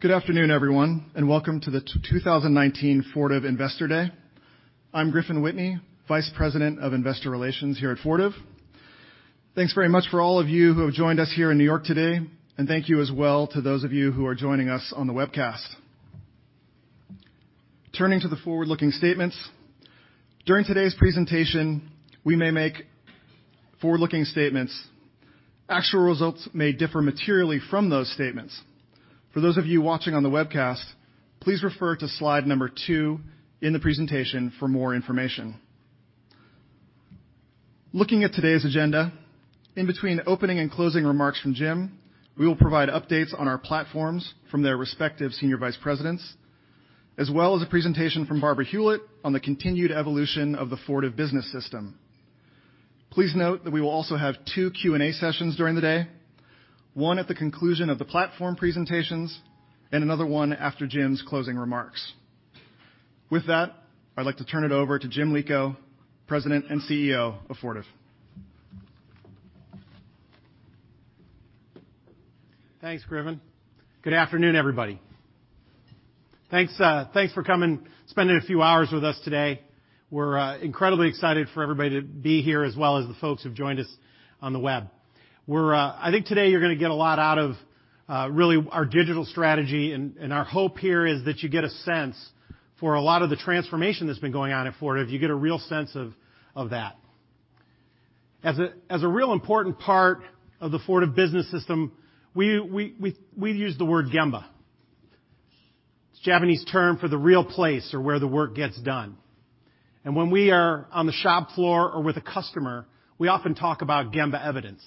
Good afternoon, everyone, and welcome to the 2019 Fortive Investor Day. I'm Griffin Whitney, Vice President of Investor Relations here at Fortive. Thanks very much for all of you who have joined us here in New York today, and thank you as well to those of you who are joining us on the webcast. Turning to the forward-looking statements, during today's presentation, we may make forward-looking statements. Actual results may differ materially from those statements. For those of you watching on the webcast, please refer to slide number two in the presentation for more information. Looking at today's agenda, in between opening and closing remarks from Jim, we will provide updates on our platforms from their respective Senior Vice Presidents, as well as a presentation from Barbara Hulit on the continued evolution of the Fortive Business System. Please note that we will also have two Q&A sessions during the day, one at the conclusion of the platform presentations and another one after Jim's closing remarks. With that, I'd like to turn it over to Jim Lico, President and CEO of Fortive. Thanks, Griffin. Good afternoon, everybody. Thanks for coming, spending a few hours with us today. We're incredibly excited for everybody to be here, as well as the folks who've joined us on the web. I think today you're going to get a lot out of really our digital strategy. Our hope here is that you get a sense for a lot of the transformation that's been going on at Fortive. You get a real sense of that. As a real important part of the Fortive Business System, we've used the word Gemba. It's a Japanese term for the real place or where the work gets done. When we are on the shop floor or with a customer, we often talk about Gemba evidence.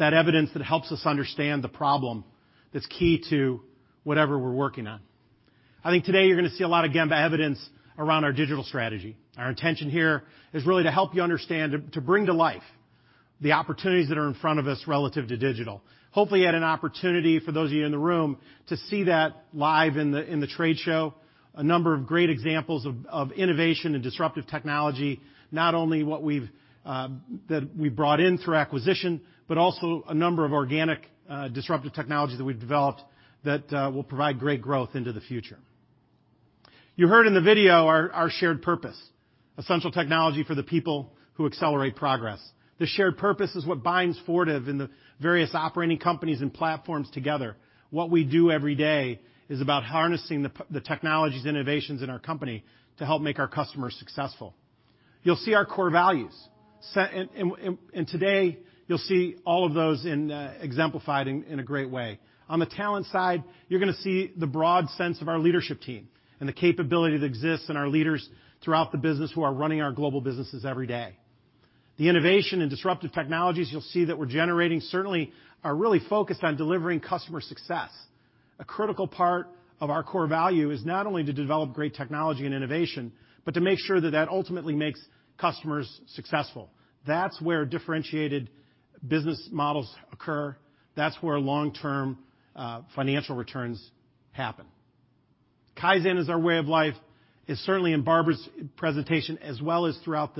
It's that evidence that helps us understand the problem that's key to whatever we're working on. I think today you're going to see a lot of Gemba evidence around our digital strategy. Our intention here is really to help you understand, to bring to life the opportunities that are in front of us relative to digital. Hopefully, you had an opportunity, for those of you in the room, to see that live in the trade show. A number of great examples of innovation and disruptive technology, not only that we brought in through acquisition, but also a number of organic, disruptive technologies that we've developed that will provide great growth into the future. You heard in the video our shared purpose, essential technology for the people who accelerate progress. The shared purpose is what binds Fortive and the various operating companies and platforms together. What we do every day is about harnessing the technologies and innovations in our company to help make our customers successful. You'll see our core values, today you'll see all of those exemplified in a great way. On the talent side, you're going to see the broad sense of our leadership team and the capability that exists in our leaders throughout the business who are running our global businesses every day. The innovation and disruptive technologies you'll see that we're generating certainly are really focused on delivering customer success. A critical part of our core value is not only to develop great technology and innovation, but to make sure that that ultimately makes customers successful. That's where differentiated business models occur. That's where long-term financial returns happen. Kaizen is our way of life, is certainly in Barbara's presentation as well as throughout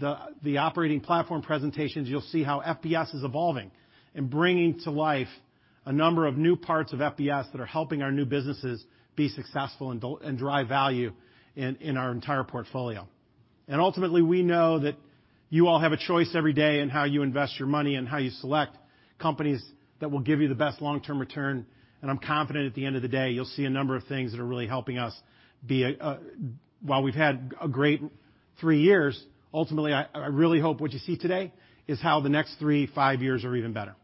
the operating platform presentations. You'll see how FBS is evolving and bringing to life a number of new parts of FBS that are helping our new businesses be successful and drive value in our entire portfolio. Ultimately, we know that you all have a choice every day in how you invest your money and how you select companies that will give you the best long-term return. I'm confident at the end of the day you'll see a number of things that are really helping us be. While we've had a great three years, ultimately, I really hope what you see today is how the next three, five years are even better.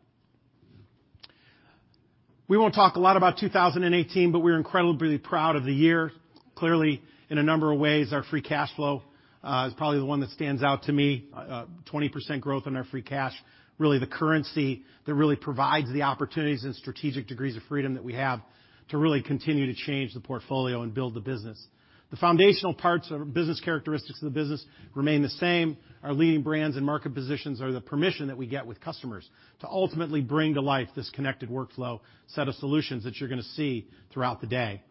We won't talk a lot about 2018, but we're incredibly proud of the year. Clearly, in a number of ways, our free cash flow is probably the one that stands out to me. 20% growth in our free cash, really the currency that really provides the opportunities and strategic degrees of freedom that we have to really continue to change the portfolio and build the business. The foundational parts of business characteristics of the business remain the same. Our leading brands and market positions are the permission that we get with customers to ultimately bring to life this connected workflow set of solutions that you're going to see throughout the day.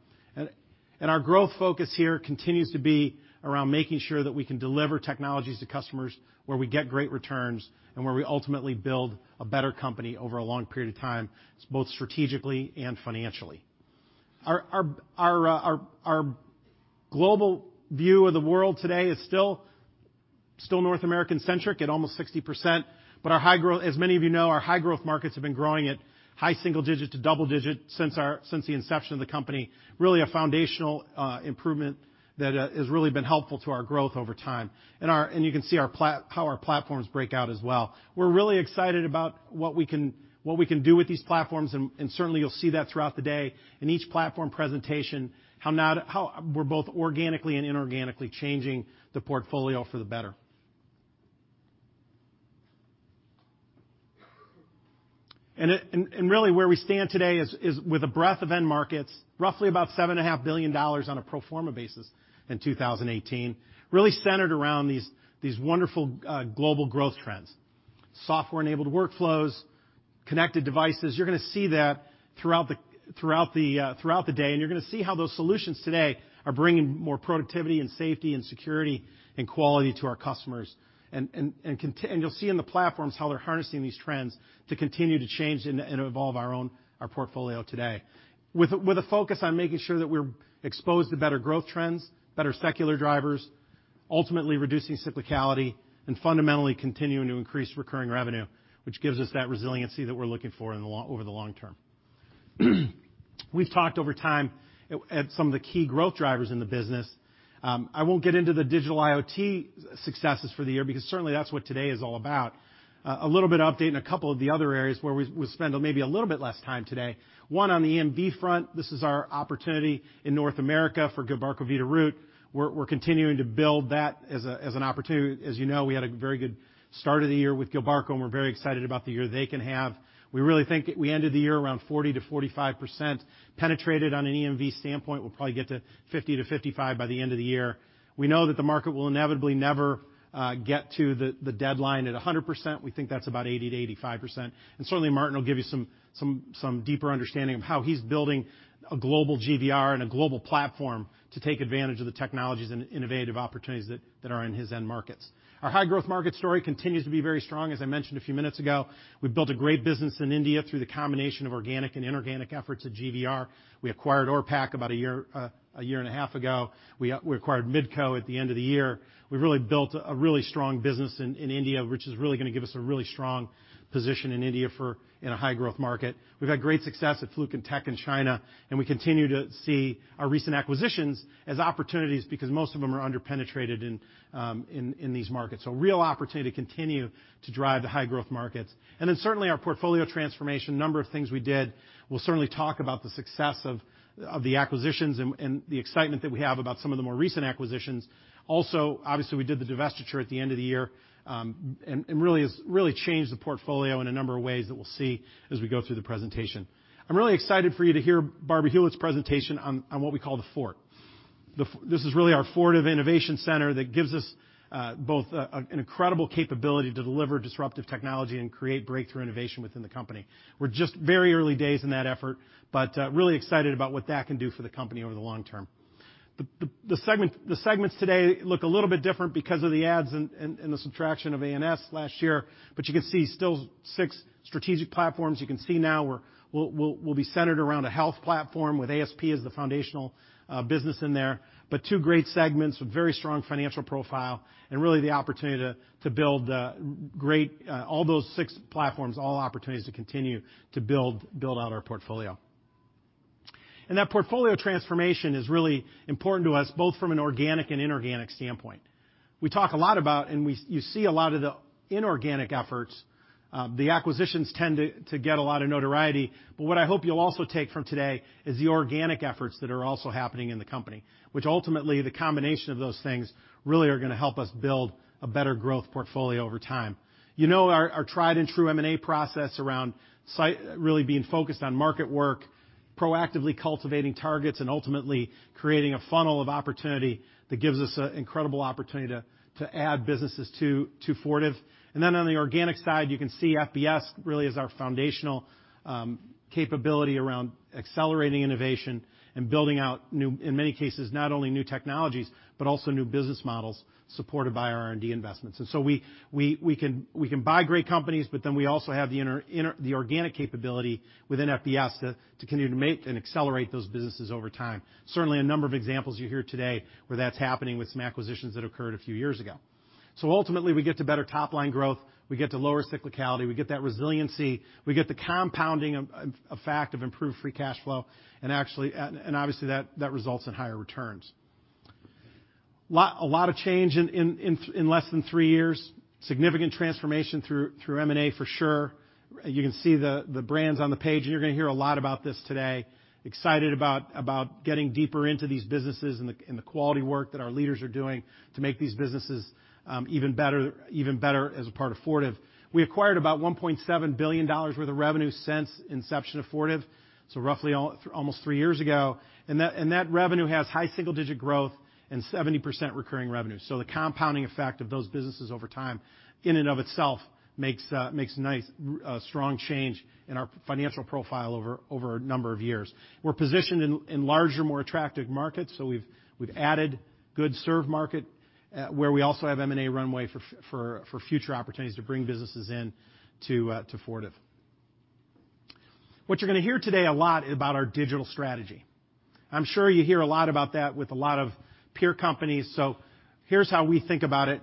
Our growth focus here continues to be around making sure that we can deliver technologies to customers, where we get great returns, and where we ultimately build a better company over a long period of time, both strategically and financially. Our global view of the world today is still North American-centric at almost 60%, but as many of you know, our high-growth markets have been growing at high single digit to double digit since the inception of the company. Really a foundational improvement that has really been helpful to our growth over time. You can see how our platforms break out as well. We're really excited about what we can do with these platforms, and certainly you'll see that throughout the day in each platform presentation, how we're both organically and inorganically changing the portfolio for the better. Really where we stand today is with a breadth of end markets, roughly about $7.5 billion on a pro forma basis in 2018, really centered around these wonderful global growth trends. Software-enabled workflowsConnected devices. You're going to see that throughout the day, you're going to see how those solutions today are bringing more productivity and safety and security and quality to our customers. You'll see in the platforms how they're harnessing these trends to continue to change and evolve our own portfolio today. With a focus on making sure that we're exposed to better growth trends, better secular drivers, ultimately reducing cyclicality, and fundamentally continuing to increase recurring revenue, which gives us that resiliency that we're looking for over the long term. We've talked over time at some of the key growth drivers in the business. I won't get into the digital IoT successes for the year because certainly, that's what today is all about. A little bit of update in a couple of the other areas where we spend a little bit less time today. One on the EMV front, this is our opportunity in North America for Gilbarco Veeder-Root. We're continuing to build that as an opportunity. As you know, we had a very good start of the year with Gilbarco, we're very excited about the year they can have. We really think we ended the year around 40%-45% penetrated on an EMV standpoint. We'll probably get to 50-55 by the end of the year. We know that the market will inevitably never get to the deadline at 100%. We think that's about 80%-85%. Certainly, Martin will give you some deeper understanding of how he's building a global GVR and a global platform to take advantage of the technologies and innovative opportunities that are in his end markets. Our high-growth market story continues to be very strong. As I mentioned a few minutes ago, we've built a great business in India through the combination of organic and inorganic efforts at GVR. We acquired Orpak about a year and a half ago. We acquired Midco at the end of the year. We've really built a really strong business in India, which is really going to give us a really strong position in India in a high-growth market. We've had great success at Fluke and Tektronix in China, we continue to see our recent acquisitions as opportunities because most of them are under-penetrated in these markets. Real opportunity to continue to drive the high-growth markets. Then certainly our portfolio transformation, a number of things we did. We'll certainly talk about the success of the acquisitions and the excitement that we have about some of the more recent acquisitions. Obviously, we did the divestiture at the end of the year, really changed the portfolio in a number of ways that we'll see as we go through the presentation. I'm really excited for you to hear Barbara Hulit's presentation on what we call The Fort. This is really our Fortive innovation center that gives us both an incredible capability to deliver disruptive technology and create breakthrough innovation within the company. We're just very early days in that effort, but really excited about what that can do for the company over the long term. The segments today look a little bit different because of the adds and the subtraction of A&S last year. You can see still six strategic platforms. You can see now we'll be centered around a health platform with ASP as the foundational business in there. Two great segments with very strong financial profile and really the opportunity to build all those six platforms, all opportunities to continue to build out our portfolio. That portfolio transformation is really important to us, both from an organic and inorganic standpoint. We talk a lot about, and you see a lot of the inorganic efforts. The acquisitions tend to get a lot of notoriety, but what I hope you'll also take from today is the organic efforts that are also happening in the company, which ultimately the combination of those things really are going to help us build a better growth portfolio over time. You know our tried and true M&A process around site, really being focused on market work, proactively cultivating targets, and ultimately creating a funnel of opportunity that gives us an incredible opportunity to add businesses to Fortive. On the organic side, you can see FBS really is our foundational capability around accelerating innovation and building out, in many cases, not only new technologies, but also new business models supported by R&D investments. We can buy great companies, we also have the organic capability within FBS to continue to make and accelerate those businesses over time. Certainly, a number of examples you'll hear today where that's happening with some acquisitions that occurred a few years ago. Ultimately, we get to better top-line growth. We get to lower cyclicality. We get that resiliency. We get the compounding effect of improved free cash flow, and obviously, that results in higher returns. A lot of change in less than three years. Significant transformation through M&A, for sure. You can see the brands on the page, you're going to hear a lot about this today. Excited about getting deeper into these businesses and the quality work that our leaders are doing to make these businesses even better as a part of Fortive. We acquired about $1.7 billion worth of revenue since inception of Fortive, roughly almost three years ago. That revenue has high single-digit growth and 70% recurring revenue. The compounding effect of those businesses over time in and of itself makes a nice, strong change in our financial profile over a number of years. We're positioned in larger, more attractive markets. We've added good served market, where we also have M&A runway for future opportunities to bring businesses in to Fortive. What you're going to hear today a lot about our digital strategy. I'm sure you hear a lot about that with a lot of peer companies. Here's how we think about it,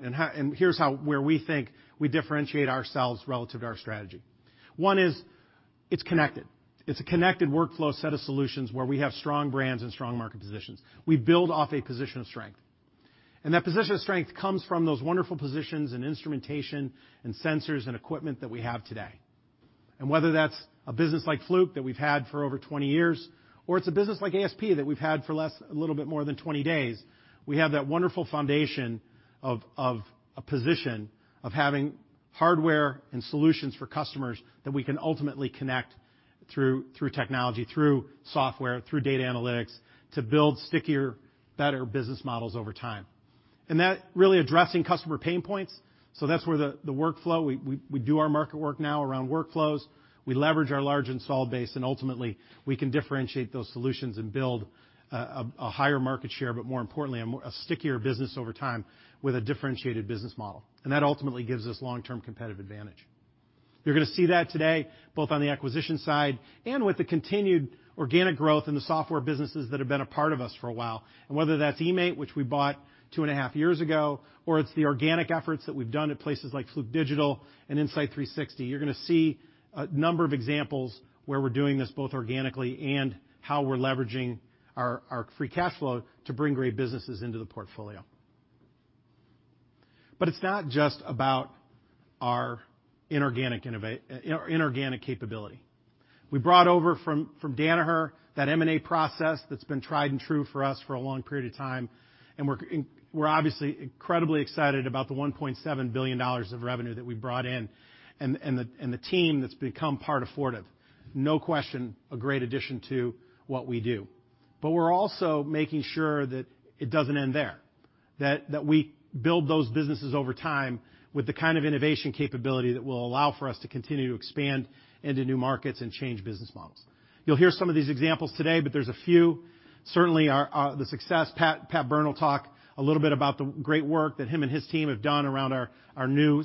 here's where we think we differentiate ourselves relative to our strategy. One is it's connected. It's a connected workflow set of solutions where we have strong brands and strong market positions. We build off a position of strength, that position of strength comes from those wonderful positions in instrumentation and sensors and equipment that we have today. Whether that's a business like Fluke that we've had for over 20 years, or it's a business like ASP that we've had for a little bit more than 20 days, we have that wonderful foundation of a position of having hardware and solutions for customers that we can ultimately connect through technology, through software, through data analytics, to build stickier, better business models over time. That really addressing customer pain points. That's where the workflow, we do our market work now around workflows. We leverage our large installed base, and ultimately, we can differentiate those solutions and build a higher market share, but more importantly, a stickier business over time with a differentiated business model. That ultimately gives us long-term competitive advantage. You're going to see that today, both on the acquisition side and with the continued organic growth in the software businesses that have been a part of us for a while, and whether that's eMaint, which we bought two and a half years ago, or it's the organic efforts that we've done at places like Fluke Digital and Insight360. You're going to see a number of examples where we're doing this both organically and how we're leveraging our free cash flow to bring great businesses into the portfolio. It's not just about our inorganic capability. We brought over from Danaher that M&A process that's been tried and true for us for a long period of time, and we're obviously incredibly excited about the $1.7 billion of revenue that we brought in and the team that's become part of Fortive. No question, a great addition to what we do. We're also making sure that it doesn't end there, that we build those businesses over time with the kind of innovation capability that will allow for us to continue to expand into new markets and change business models. You'll hear some of these examples today, but there's a few. Certainly, the success, Pat Byrne will talk a little bit about the great work that him and his team have done around our new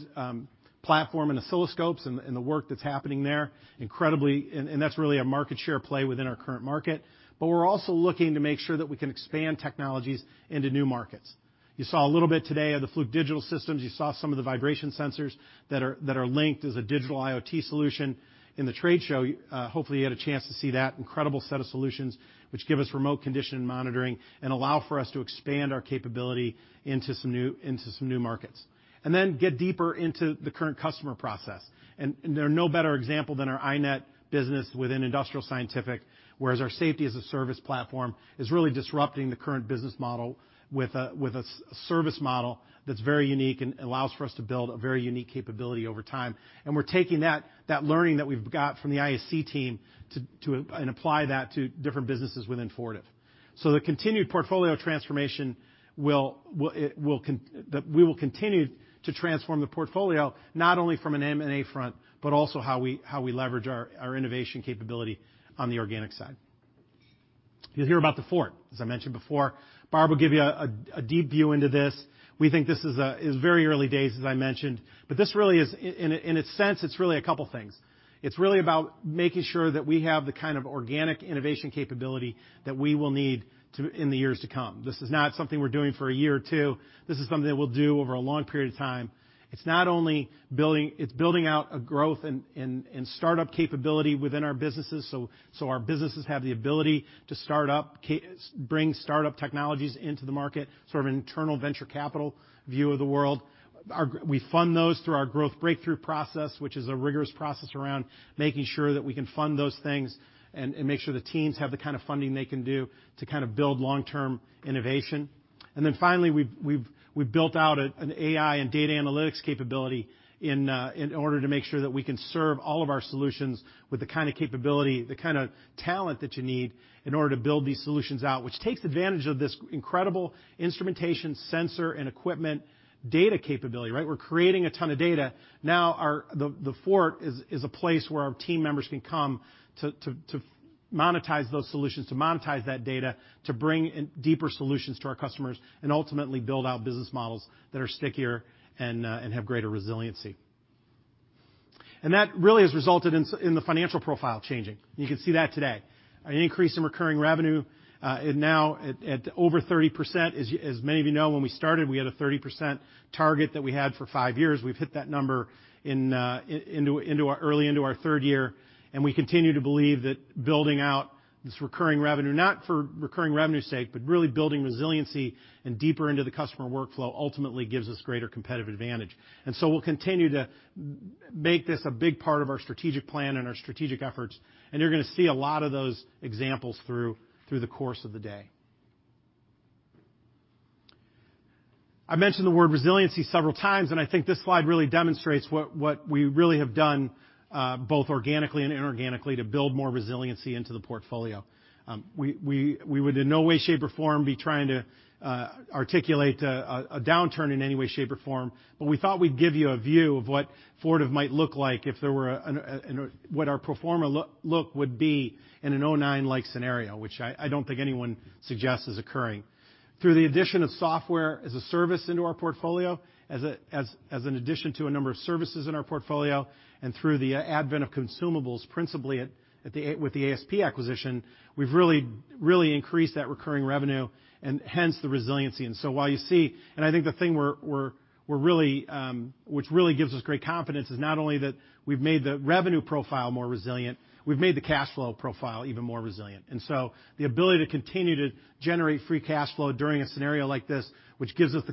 platform and oscilloscopes and the work that's happening there. Incredibly, that's really a market share play within our current market. We're also looking to make sure that we can expand technologies into new markets. You saw a little bit today of the Fluke digital systems. You saw some of the vibration sensors that are linked as a digital IoT solution. In the trade show, hopefully, you had a chance to see that incredible set of solutions which give us remote condition monitoring and allow for us to expand our capability into some new markets. Then get deeper into the current customer process. There are no better example than our iNet business within Industrial Scientific, whereas our Safety-as-a-Service platform is really disrupting the current business model with a service model that's very unique and allows for us to build a very unique capability over time. We're taking that learning that we've got from the ISC team and apply that to different businesses within Fortive. The continued portfolio transformation, we will continue to transform the portfolio, not only from an M&A front, but also how we leverage our innovation capability on the organic side. You'll hear about The Fort, as I mentioned before. Barb will give you a deep view into this. We think this is very early days, as I mentioned, but this really is, in its sense, it's really a couple things. It's really about making sure that we have the kind of organic innovation capability that we will need in the years to come. This is not something we're doing for a year or two. This is something that we'll do over a long period of time. It's building out a growth and startup capability within our businesses, so our businesses have the ability to bring startup technologies into the market, sort of internal venture capital view of the world. We fund those through our growth breakthrough process, which is a rigorous process around making sure that we can fund those things and make sure the teams have the kind of funding they can do to build long-term innovation. Finally, we've built out an AI and data analytics capability in order to make sure that we can serve all of our solutions with the kind of capability, the kind of talent that you need in order to build these solutions out, which takes advantage of this incredible instrumentation sensor and equipment data capability, right? We're creating a ton of data. The Fort is a place where our team members can come to monetize those solutions, to monetize that data, to bring deeper solutions to our customers, and ultimately build out business models that are stickier and have greater resiliency. That really has resulted in the financial profile changing. You can see that today. An increase in recurring revenue, now at over 30%. As many of you know, when we started, we had a 30% target that we had for five years. We've hit that number early into our third year, and we continue to believe that building out this recurring revenue, not for recurring revenue's sake, but really building resiliency and deeper into the customer workflow ultimately gives us greater competitive advantage. We'll continue to make this a big part of our strategic plan and our strategic efforts, and you're going to see a lot of those examples through the course of the day. I mentioned the word resiliency several times, I think this slide really demonstrates what we really have done, both organically and inorganically, to build more resiliency into the portfolio. We would in no way, shape, or form be trying to articulate a downturn in any way, shape, or form, but we thought we'd give you a view of what our pro forma look would be in a 2009-like scenario, which I don't think anyone suggests is occurring. Through the addition of software as a service into our portfolio, as an addition to a number of services in our portfolio, and through the advent of consumables, principally with the ASP acquisition, we've really increased that recurring revenue and hence the resiliency. I think the thing which really gives us great confidence is not only that we've made the revenue profile more resilient, we've made the cash flow profile even more resilient. The ability to continue to generate free cash flow during a scenario like this, which gives us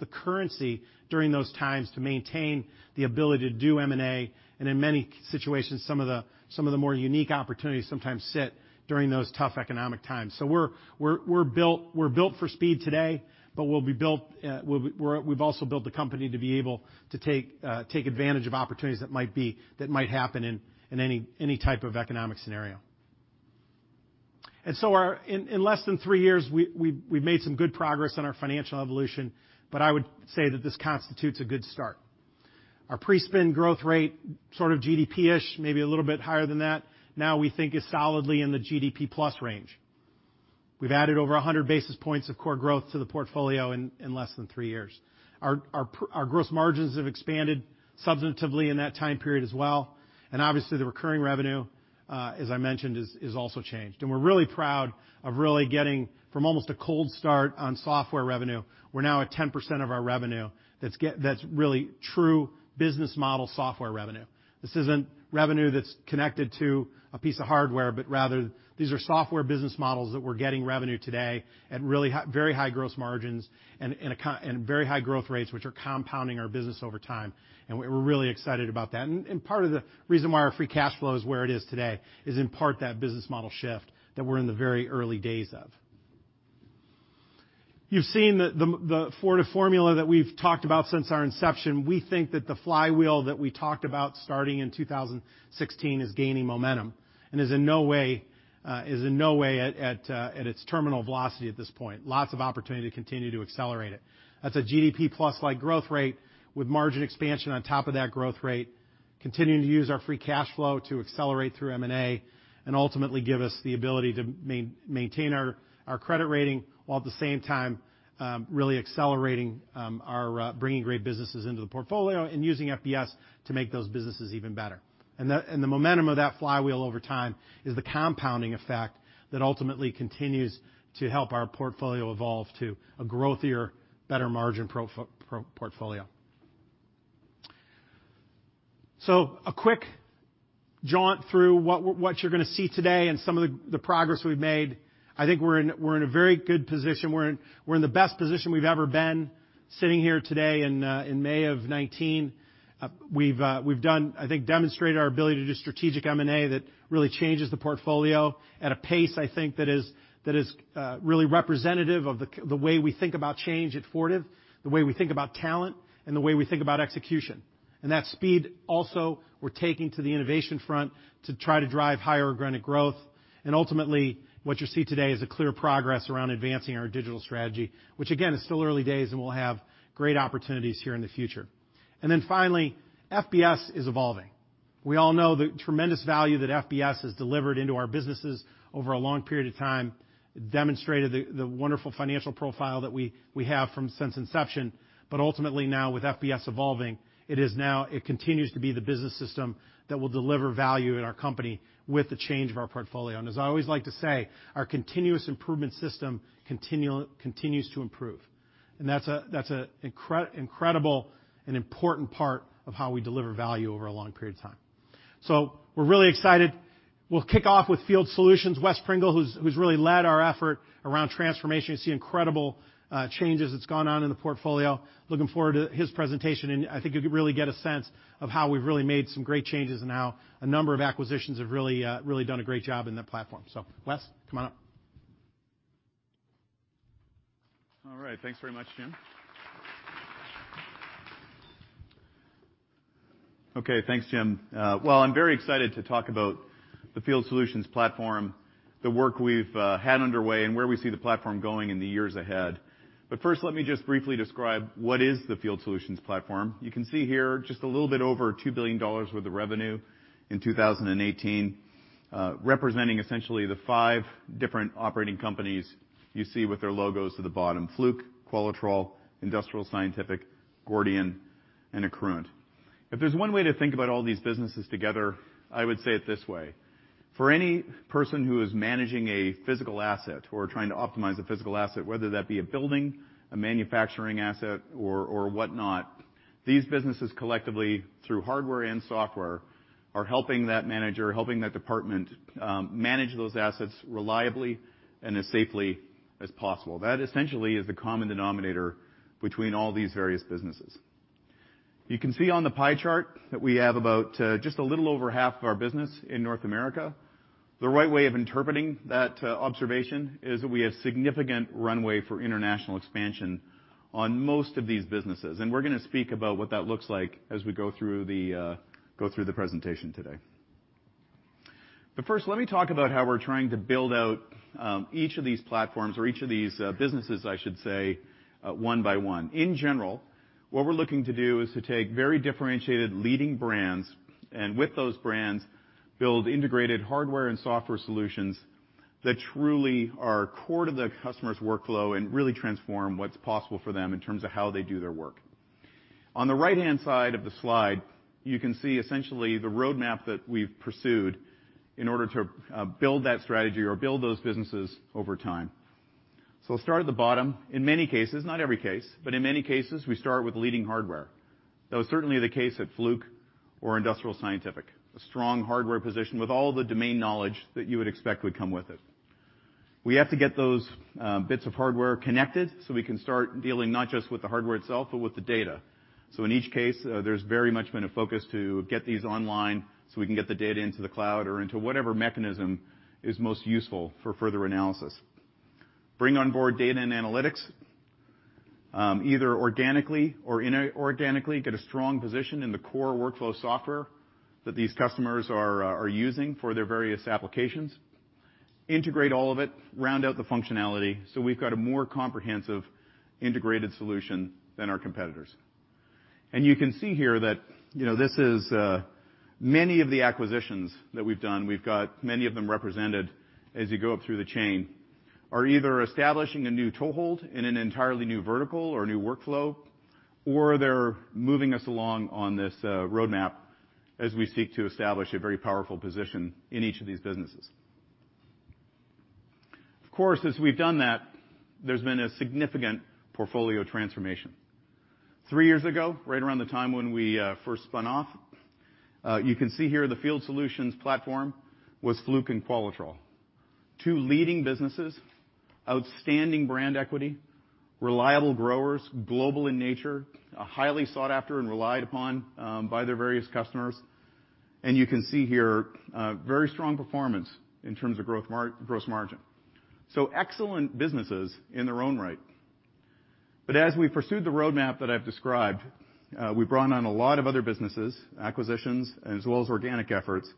the currency during those times to maintain the ability to do M&A, in many situations, some of the more unique opportunities sometimes sit during those tough economic times. We're built for speed today, we've also built the company to be able to take advantage of opportunities that might happen in any type of economic scenario. In less than three years, we've made some good progress on our financial evolution, I would say that this constitutes a good start. Our pre-spin growth rate, sort of GDP-ish, maybe a little bit higher than that, now we think is solidly in the GDP plus range. We've added over 100 basis points of core growth to the portfolio in less than three years. Our gross margins have expanded substantively in that time period as well, and obviously, the recurring revenue, as I mentioned, is also changed. We're really proud of really getting from almost a cold start on software revenue, we're now at 10% of our revenue that's really true business model software revenue. This isn't revenue that's connected to a piece of hardware, rather, these are software business models that we're getting revenue today at really very high gross margins and very high growth rates, which are compounding our business over time. We're really excited about that. Part of the reason why our free cash flow is where it is today is in part that business model shift that we're in the very early days of. You've seen the Fortive formula that we've talked about since our inception. We think that the flywheel that we talked about starting in 2016 is gaining momentum and is in no way at its terminal velocity at this point. Lots of opportunity to continue to accelerate it. That's a GDP plus-like growth rate with margin expansion on top of that growth rate, continuing to use our free cash flow to accelerate through M&A, and ultimately give us the ability to maintain our credit rating, while at the same time, really accelerating our bringing great businesses into the portfolio and using FBS to make those businesses even better. The momentum of that flywheel over time is the compounding effect that ultimately continues to help our portfolio evolve to a growthier, better margin portfolio. A quick jaunt through what you're going to see today and some of the progress we've made. I think we're in a very good position. We're in the best position we've ever been, sitting here today in May of 2019. We've done, I think, demonstrated our ability to do strategic M&A that really changes the portfolio at a pace, I think that is really representative of the way we think about change at Fortive, the way we think about talent, and the way we think about execution. That speed also we're taking to the innovation front to try to drive higher organic growth. Ultimately, what you see today is a clear progress around advancing our digital strategy, which again, is still early days, and we'll have great opportunities here in the future. Finally, FBS is evolving. We all know the tremendous value that FBS has delivered into our businesses over a long period of time, demonstrated the wonderful financial profile that we have from since inception. Ultimately now with FBS evolving, it continues to be the business system that will deliver value in our company with the change of our portfolio. As I always like to say, our continuous improvement system continues to improve. That's an incredible and important part of how we deliver value over a long period of time. We're really excited. We'll kick off with Field Solutions, Wes Pringle, who's really led our effort around transformation. You see incredible changes that's gone on in the portfolio. Looking forward to his presentation. I think you could really get a sense of how we've really made some great changes and how a number of acquisitions have really done a great job in that platform. Wes, come on up. All right. Thanks very much, Jim. Okay, thanks, Jim. I'm very excited to talk about the Field Solutions platform, the work we've had underway, and where we see the platform going in the years ahead. First, let me just briefly describe what is the Field Solutions platform. You can see here just a little bit over $2 billion worth of revenue in 2018, representing essentially the five different operating companies you see with their logos at the bottom: Fluke, Qualitrol, Industrial Scientific, Gordian, and Accruent. If there's one way to think about all these businesses together, I would say it this way. For any person who is managing a physical asset or trying to optimize a physical asset, whether that be a building, a manufacturing asset, or whatnot, these businesses collectively, through hardware and software, are helping that manager, helping that department, manage those assets reliably and as safely as possible. That essentially is the common denominator between all these various businesses. You can see on the pie chart that we have about just a little over half of our business in North America. The right way of interpreting that observation is that we have significant runway for international expansion on most of these businesses. We're going to speak about what that looks like as we go through the presentation today. First, let me talk about how we're trying to build out each of these platforms or each of these businesses, I should say, one by one. In general, what we're looking to do is to take very differentiated leading brands, and with those brands, build integrated hardware and software solutions that truly are core to the customer's workflow and really transform what's possible for them in terms of how they do their work. On the right-hand side of the slide, you can see essentially the roadmap that we've pursued in order to build that strategy or build those businesses over time. I'll start at the bottom. In many cases, not every case, but in many cases, we start with leading hardware. That was certainly the case at Fluke or Industrial Scientific. A strong hardware position with all the domain knowledge that you would expect would come with it. We have to get those bits of hardware connected so we can start dealing not just with the hardware itself, but with the data. In each case, there's very much been a focus to get these online so we can get the data into the cloud or into whatever mechanism is most useful for further analysis. Bring on board data and analytics. Either organically or inorganically get a strong position in the core workflow software that these customers are using for their various applications, integrate all of it, round out the functionality, so we've got a more comprehensive integrated solution than our competitors. You can see here that this is many of the acquisitions that we've done, we've got many of them represented as you go up through the chain, are either establishing a new toehold in an entirely new vertical or a new workflow, or they're moving us along on this roadmap as we seek to establish a very powerful position in each of these businesses. Of course, as we've done that, there's been a significant portfolio transformation. Three years ago, right around the time when we first spun off, you can see here the Field Solutions platform was Fluke and Qualitrol. Two leading businesses, outstanding brand equity, reliable growers, global in nature, highly sought after and relied upon by their various customers. You can see here, very strong performance in terms of growth margin. Excellent businesses in their own right. As we pursued the roadmap that I've described, we brought on a lot of other businesses, acquisitions, as well as organic efforts.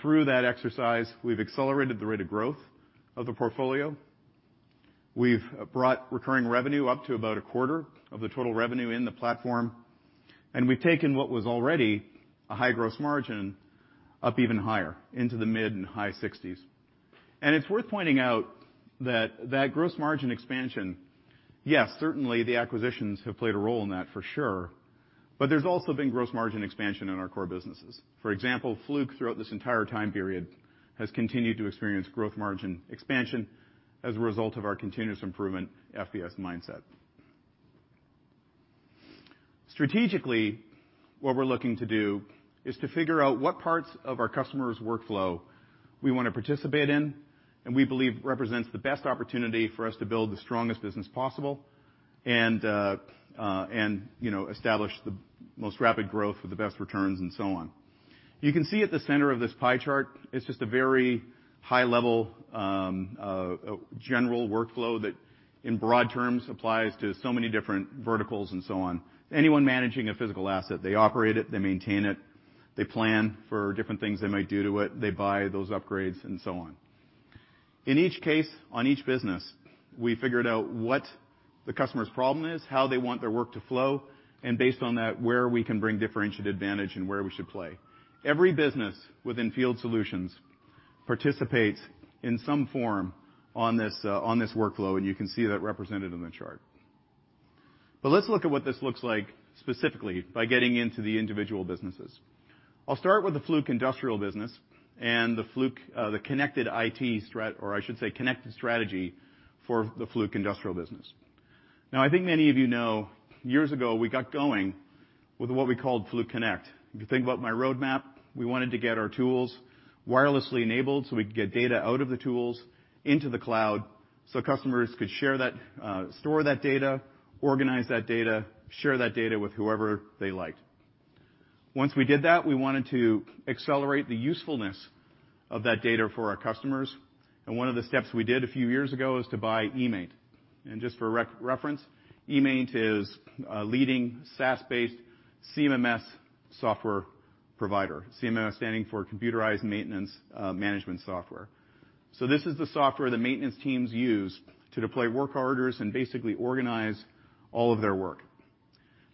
Through that exercise, we've accelerated the rate of growth of the portfolio. We've brought recurring revenue up to about a quarter of the total revenue in the platform. We've taken what was already a high gross margin up even higher, into the mid and high 60s. It's worth pointing out that gross margin expansion, yes, certainly the acquisitions have played a role in that for sure, but there's also been gross margin expansion in our core businesses. For example, Fluke, throughout this entire time period, has continued to experience growth margin expansion as a result of our continuous improvement FBS mindset. Strategically, what we're looking to do is to figure out what parts of our customers' workflow we want to participate in and we believe represents the best opportunity for us to build the strongest business possible and establish the most rapid growth with the best returns and so on. You can see at the center of this pie chart, it's just a very high level, general workflow that in broad terms applies to so many different verticals and so on. Anyone managing a physical asset, they operate it, they maintain it, they plan for different things they might do to it. They buy those upgrades and so on. In each case, on each business, we figured out what the customer's problem is, how they want their work to flow, and based on that, where we can bring differentiated advantage and where we should play. Every business within Field Solutions participates in some form on this workflow, and you can see that represented in the chart. Let's look at what this looks like specifically by getting into the individual businesses. I'll start with the Fluke Industrial business and the Fluke connected strategy for the Fluke Industrial business. Now, I think many of you know, years ago, we got going with what we called Fluke Connect. If you think about my roadmap, we wanted to get our tools wirelessly enabled so we could get data out of the tools into the cloud so customers could store that data, organize that data, share that data with whoever they liked. Once we did that, we wanted to accelerate the usefulness of that data for our customers. One of the steps we did a few years ago is to buy eMaint. Just for reference, eMaint is a leading SaaS-based CMMS software provider. CMMS standing for computerized maintenance management software. This is the software that maintenance teams use to deploy work orders and basically organize all of their work.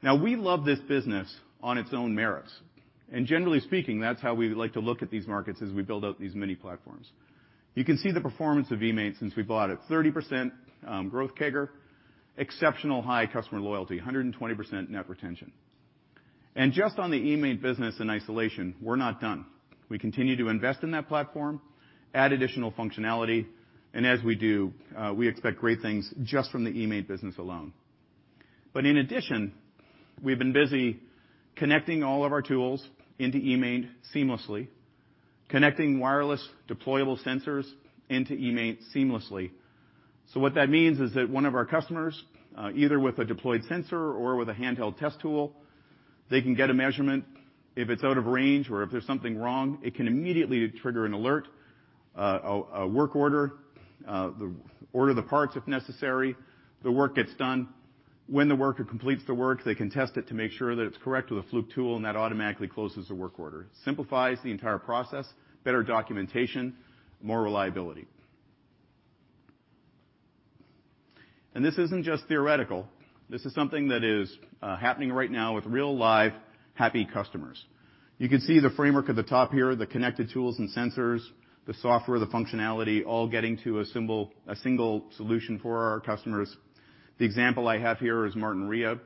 Now, we love this business on its own merits. Generally speaking, that's how we like to look at these markets as we build out these mini platforms. You can see the performance of eMaint since we bought it. 30% growth CAGR, exceptional high customer loyalty, 120% net retention. Just on the eMaint business in isolation, we're not done. We continue to invest in that platform, add additional functionality. As we do, we expect great things just from the eMaint business alone. In addition, we've been busy connecting all of our tools into eMaint seamlessly, connecting wireless deployable sensors into eMaint seamlessly. What that means is that one of our customers, either with a deployed sensor or with a handheld test tool, they can get a measurement. If it's out of range or if there's something wrong, it can immediately trigger an alert, a work order the parts if necessary. The work gets done. When the worker completes the work, they can test it to make sure that it's correct with a Fluke tool, that automatically closes the work order. Simplifies the entire process, better documentation, more reliability. This isn't just theoretical. This is something that is happening right now with real, live, happy customers. You can see the framework at the top here, the connected tools and sensors, the software, the functionality, all getting to a single solution for our customers. The example I have here is Martinrea.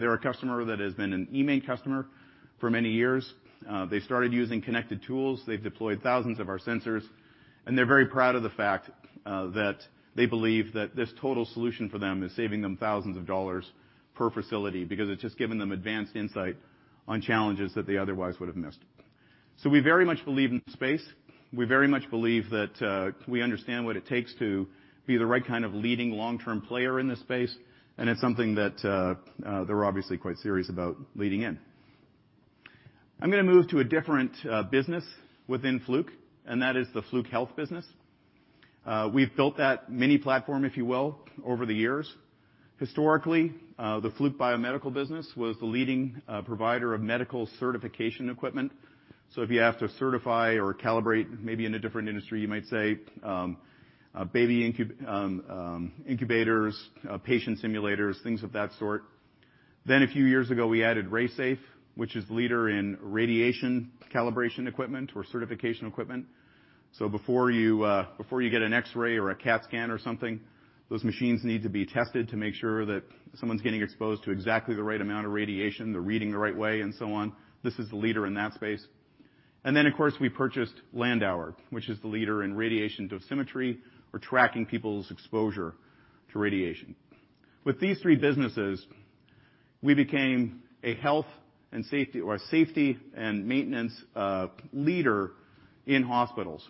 They're a customer that has been an eMaint customer for many years. They started using connected tools. They've deployed thousands of our sensors, and they're very proud of the fact that they believe that this total solution for them is saving them thousands of dollars per facility because it's just given them advanced insight on challenges that they otherwise would have missed. We very much believe in the space. We very much believe that we understand what it takes to be the right kind of leading long-term player in this space, and it's something that they're obviously quite serious about leading in. I'm going to move to a different business within Fluke, and that is the Fluke Health business. We've built that mini platform, if you will, over the years. Historically, the Fluke Biomedical business was the leading provider of medical certification equipment. If you have to certify or calibrate, maybe in a different industry, you might say, baby incubators, patient simulators, things of that sort. A few years ago, we added RaySafe, which is leader in radiation calibration equipment or certification equipment. Before you get an X-ray or a CAT scan or something, those machines need to be tested to make sure that someone's getting exposed to exactly the right amount of radiation, they're reading the right way, and so on. This is the leader in that space. Of course, we purchased Landauer, which is the leader in radiation dosimetry or tracking people's exposure to radiation. With these three businesses, we became a health and safety or a safety and maintenance leader in hospitals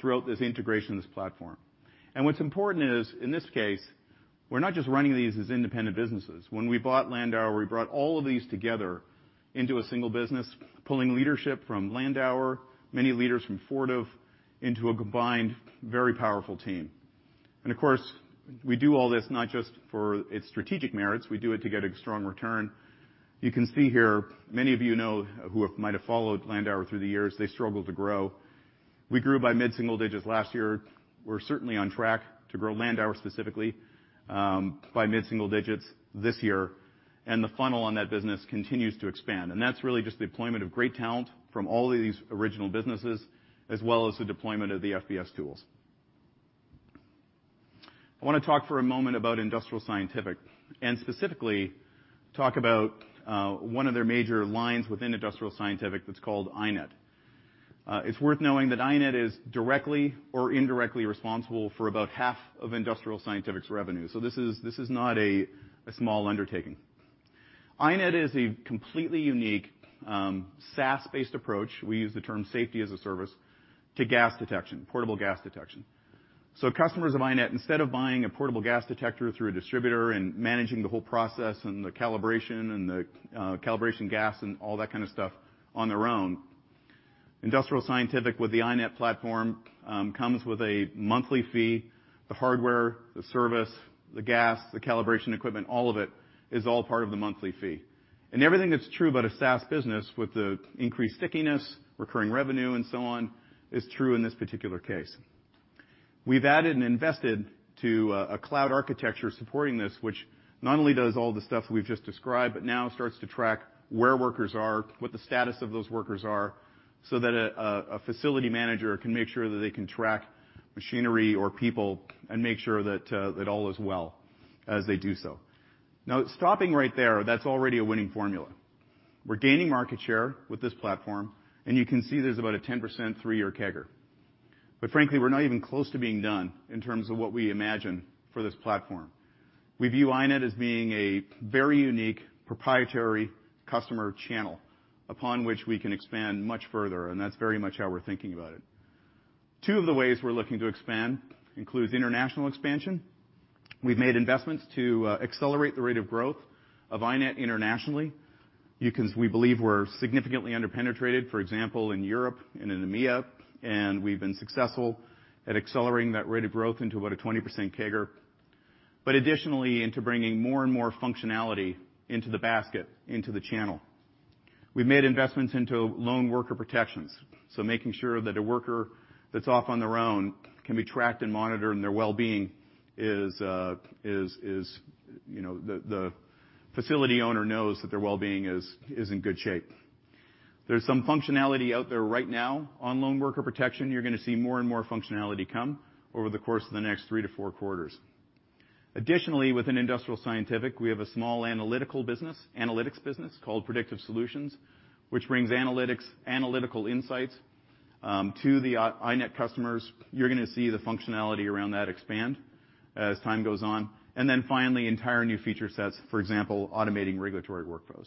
throughout this integration of this platform. What's important is, in this case, we're not just running these as independent businesses. When we bought Landauer, we brought all of these together into a single business, pulling leadership from Landauer, many leaders from Fortive into a combined, very powerful team. Of course, we do all this not just for its strategic merits, we do it to get a strong return. You can see here, many of you know who might have followed Landauer through the years, they struggled to grow. We grew by mid-single digits last year. We're certainly on track to grow Landauer specifically, by mid-single digits this year, and the funnel on that business continues to expand. That's really just the deployment of great talent from all of these original businesses, as well as the deployment of the FBS tools. I want to talk for a moment about Industrial Scientific and specifically talk about one of their major lines within Industrial Scientific that's called iNet. It's worth knowing that iNet is directly or indirectly responsible for about half of Industrial Scientific's revenue. This is not a small undertaking. iNet is a completely unique, SaaS-based approach. We use the term safety as a service to gas detection, portable gas detection. Customers of iNet, instead of buying a portable gas detector through a distributor and managing the whole process and the calibration and the calibration gas and all that kind of stuff on their own, Industrial Scientific with the iNet platform, comes with a monthly fee. The hardware, the service, the gas, the calibration equipment, all of it, is all part of the monthly fee. Everything that's true about a SaaS business with the increased stickiness, recurring revenue, and so on, is true in this particular case. We've added and invested to a cloud architecture supporting this, which not only does all the stuff we've just described, but now starts to track where workers are, what the status of those workers are, so that a facility manager can make sure that they can track machinery or people and make sure that all is well as they do so. Stopping right there, that's already a winning formula. We're gaining market share with this platform, and you can see there's about a 10% three-year CAGR. Frankly, we're not even close to being done in terms of what we imagine for this platform. We view iNet as being a very unique proprietary customer channel upon which we can expand much further, and that's very much how we're thinking about it. Two of the ways we're looking to expand includes international expansion. We've made investments to accelerate the rate of growth of iNet internationally. We believe we're significantly under-penetrated, for example, in Europe and in EMEA, and we've been successful at accelerating that rate of growth into about a 20% CAGR, but additionally, into bringing more and more functionality into the basket, into the channel. We've made investments into Lone Worker Protection, so making sure that a worker that's off on their own can be tracked and monitored and their well-being is, the facility owner knows that their well-being is in good shape. There's some functionality out there right now on lone worker protection. You're going to see more and more functionality come over the course of the next three to four quarters. Additionally, within Industrial Scientific, we have a small analytics business called Predictive Solutions, which brings analytical insights to the iNet customers. You're going to see the functionality around that expand as time goes on. Finally, entire new feature sets, for example, automating regulatory workflows.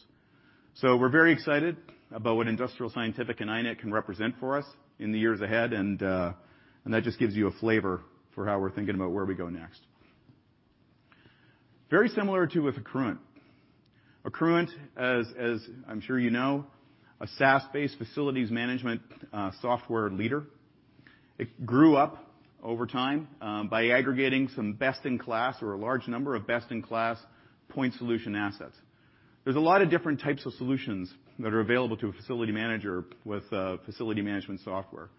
We're very excited about what Industrial Scientific and iNet can represent for us in the years ahead, and that just gives you a flavor for how we're thinking about where we go next. Very similar too, with Accruent. Accruent, as I'm sure you know, a SaaS-based facilities management software leader. It grew up over time, by aggregating some best-in-class or a large number of best-in-class point solution assets. There's a lot of different types of solutions that are available to a facility manager with a facility management software,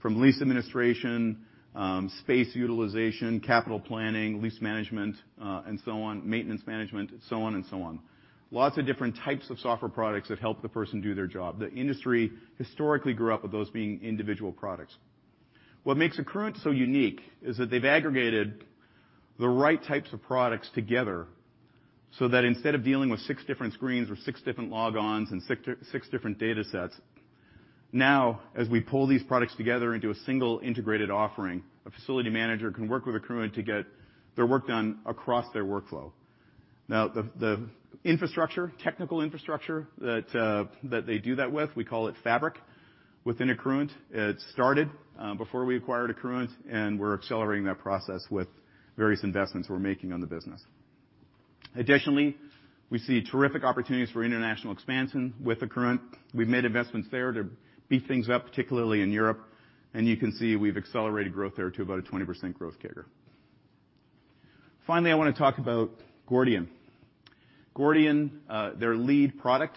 from lease administration, space utilization, capital planning, lease management, and so on, maintenance management, so on and so on. Lots of different types of software products that help the person do their job. The industry historically grew up with those being individual products. What makes Accruent so unique is that they've aggregated the right types of products together so that instead of dealing with six different screens or six different logons and six different datasets, now, as we pull these products together into a single integrated offering, a facility manager can work with Accruent to get their work done across their workflow. Now, the infrastructure, technical infrastructure that they do that with, we call it Fabric within Accruent. It started before we acquired Accruent, and we're accelerating that process with various investments we're making on the business. Additionally, we see terrific opportunities for international expansion with Accruent. We've made investments there to beef things up, particularly in Europe. You can see we've accelerated growth there to about a 20% growth CAGR. Finally, I want to talk about Gordian. Gordian, their lead product,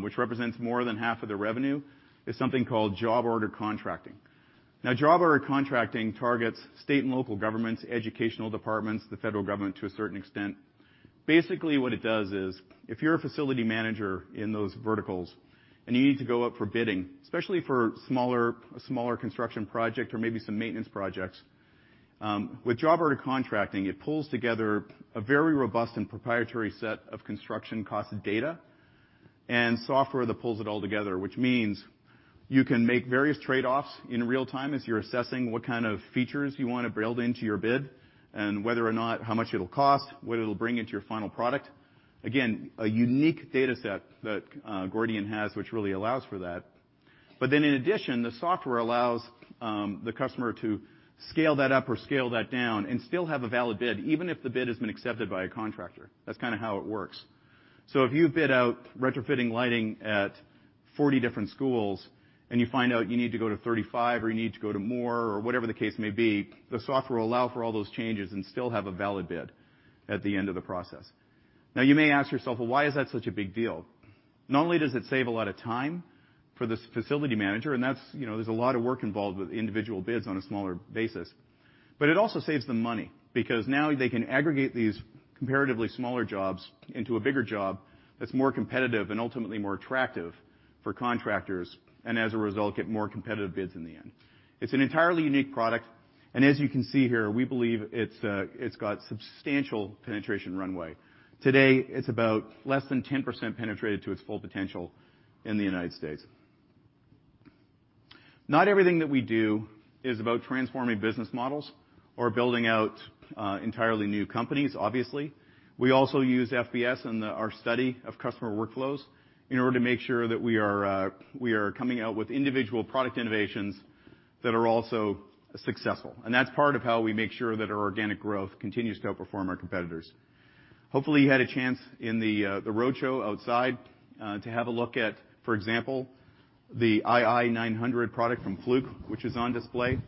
which represents more than half of their revenue, is something called Job Order Contracting. Job Order Contracting targets state and local governments, educational departments, the federal government to a certain extent. What it does is, if you're a facility manager in those verticals and you need to go up for bidding, especially for a smaller construction project or maybe some maintenance projects, with Job Order Contracting, it pulls together a very robust and proprietary set of construction cost data and software that pulls it all together. Means you can make various trade-offs in real time as you're assessing what kind of features you want to build into your bid, and whether or not, how much it'll cost, what it'll bring into your final product. A unique data set that Gordian has, which really allows for that. In addition, the software allows the customer to scale that up or scale that down and still have a valid bid, even if the bid has been accepted by a contractor. That's kind of how it works. If you bid out retrofitting lighting at 40 different schools and you find out you need to go to 35, or you need to go to more, or whatever the case may be, the software will allow for all those changes and still have a valid bid at the end of the process. You may ask yourself, "Why is that such a big deal?" Not only does it save a lot of time for this facility manager, and there's a lot of work involved with individual bids on a smaller basis, it also saves them money. Now they can aggregate these comparatively smaller jobs into a bigger job that's more competitive and ultimately more attractive for contractors, as a result, get more competitive bids in the end. It's an entirely unique product, as you can see here, we believe it's got substantial penetration runway. Today, it's about less than 10% penetrated to its full potential in the U.S. Not everything that we do is about transforming business models or building out entirely new companies, obviously. We also use FBS and our study of customer workflows in order to make sure that we are coming out with individual product innovations that are also successful. That's part of how we make sure that our organic growth continues to outperform our competitors. Hopefully, you had a chance in the roadshow outside to have a look at, for example, the ii900 product from Fluke, which is on display.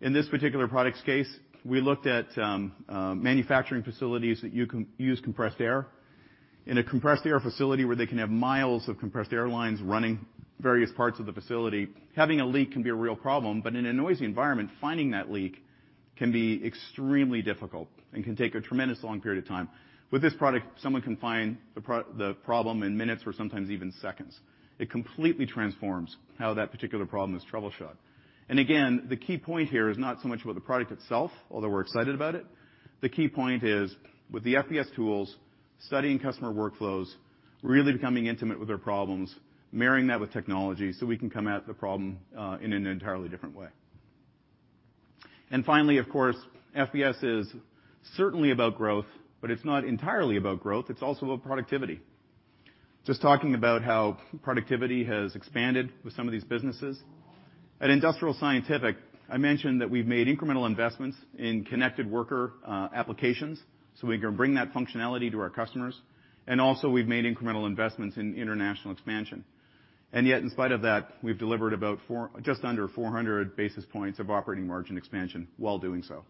In this particular product's case, we looked at manufacturing facilities that use compressed air. In a compressed air facility where they can have miles of compressed airlines running various parts of the facility, having a leak can be a real problem. In a noisy environment, finding that leak can be extremely difficult and can take a tremendous long period of time. With this product, someone can find the problem in minutes or sometimes even seconds. It completely transforms how that particular problem is troubleshot. The key point here is not so much about the product itself, although we're excited about it. The key point is with the FBS tools, studying customer workflows, really becoming intimate with their problems, marrying that with technology, so we can come at the problem in an entirely different way. Finally, of course, FBS is certainly about growth, but it's not entirely about growth. It's also about productivity. Just talking about how productivity has expanded with some of these businesses. At Industrial Scientific, I mentioned that we've made incremental investments in connected worker applications so we can bring that functionality to our customers. Also, we've made incremental investments in international expansion. Yet, in spite of that, we've delivered just under 400 basis points of operating margin expansion while doing so.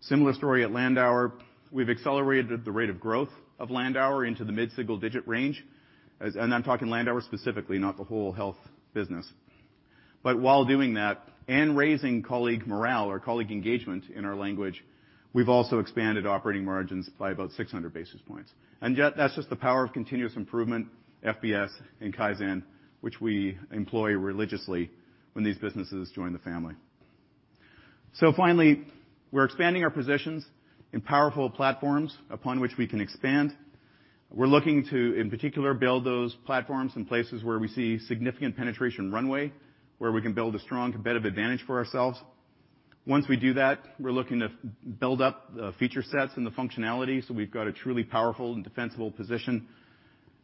Similar story at Landauer. We've accelerated the rate of growth of Landauer into the mid-single-digit range. I'm talking Landauer specifically, not the whole health business. While doing that and raising colleague morale or colleague engagement in our language, we've also expanded operating margins by about 600 basis points. Yet that's just the power of continuous improvement, FBS, and Kaizen, which we employ religiously when these businesses join the family. Finally, we're expanding our positions in powerful platforms upon which we can expand. We're looking to, in particular, build those platforms in places where we see significant penetration runway, where we can build a strong competitive advantage for ourselves. Once we do that, we're looking to build up the feature sets and the functionality so we've got a truly powerful and defensible position.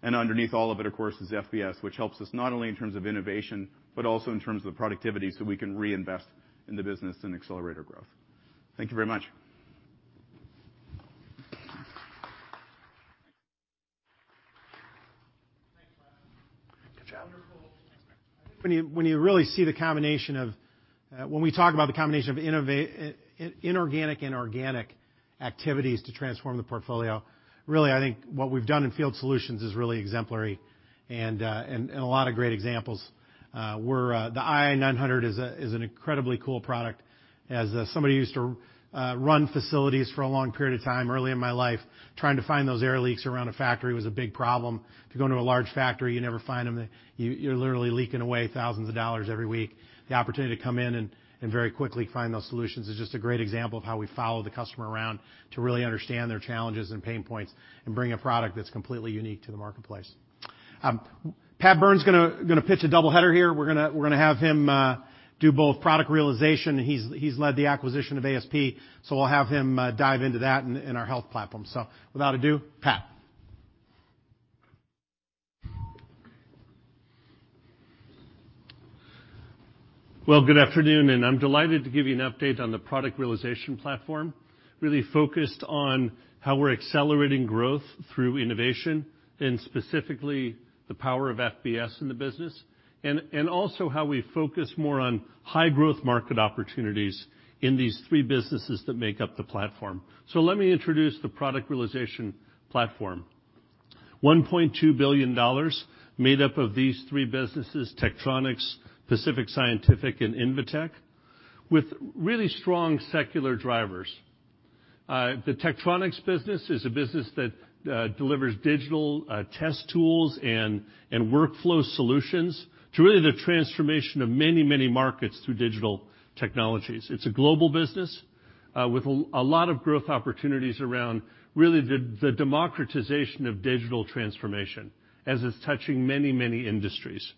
Underneath all of it, of course, is FBS, which helps us not only in terms of innovation, but also in terms of productivity so we can reinvest in the business and accelerate our growth. Thank you very much. Thanks, Pat. Good job. Wonderful. When we talk about the combination of inorganic and organic activities to transform the portfolio, I think what we've done in Field Solutions is really exemplary and a lot of great examples. The ii900 is an incredibly cool product. As somebody who used to run facilities for a long period of time early in my life, trying to find those air leaks around a factory was a big problem. If you go into a large factory, you never find them. You're literally leaking away thousands of dollars every week. The opportunity to come in and very quickly find those solutions is just a great example of how we follow the customer around to really understand their challenges and pain points and bring a product that's completely unique to the marketplace. Pat Byrne's going to pitch a double header here. We're going to have him do both Product Realization. We'll have him dive into that in our health platform. Without ado, Pat. Good afternoon, and I'm delighted to give you an update on the Product Realization platform, really focused on how we're accelerating growth through innovation and specifically the power of FBS in the business, and also how we focus more on high growth market opportunities in these three businesses that make up the platform. Let me introduce the Product Realization platform. $1.2 billion made up of these three businesses, Tektronix, Pacific Scientific, and Invetech, with really strong secular drivers. The Tektronix business is a business that delivers digital test tools and workflow solutions to really the transformation of many markets through digital technologies. It's a global business with a lot of growth opportunities around really the democratization of digital transformation as it's touching many industries.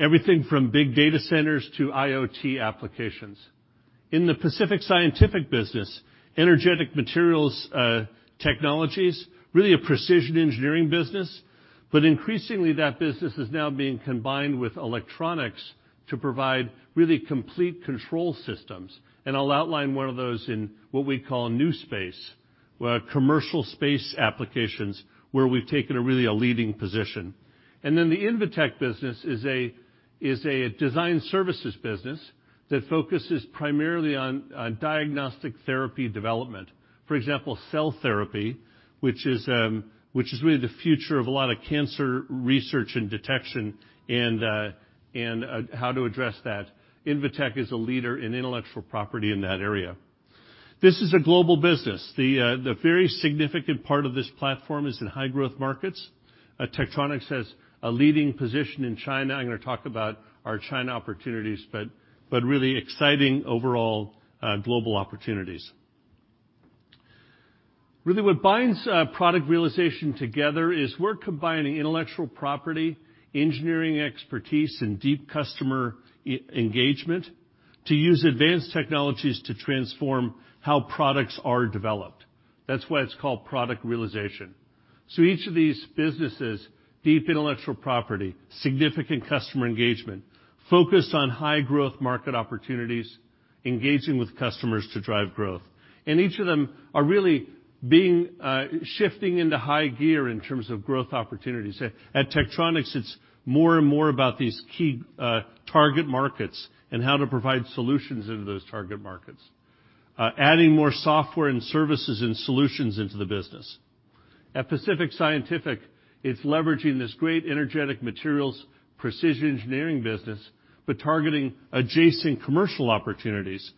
Everything from big data centers to IoT applications. In the Pacific Scientific business, energetic materials technologies, really a precision engineering business. Increasingly, that business is now being combined with electronics to provide really complete control systems. I'll outline one of those in what we call new space, where commercial space applications, where we've taken a really leading position. The Invetech business is a design services business that focuses primarily on diagnostic therapy development. For example, cell therapy, which is really the future of a lot of cancer research and detection and how to address that. Invetech is a leader in intellectual property in that area. This is a global business. The very significant part of this platform is in high growth markets. Tektronix has a leading position in China. I'm going to talk about our China opportunities, really exciting overall global opportunities. Really what binds Product Realization together is we're combining intellectual property, engineering expertise, and deep customer engagement to use advanced technologies to transform how products are developed. That's why it's called Product Realization. Each of these businesses, deep intellectual property, significant customer engagement, focused on high growth market opportunities, engaging with customers to drive growth. Each of them are really shifting into high gear in terms of growth opportunities. At Tektronix, it's more and more about these key target markets and how to provide solutions into those target markets, adding more software and services and solutions into the business. At Pacific Scientific, it's leveraging this great energetic materials precision engineering business, but targeting adjacent commercial opportunities.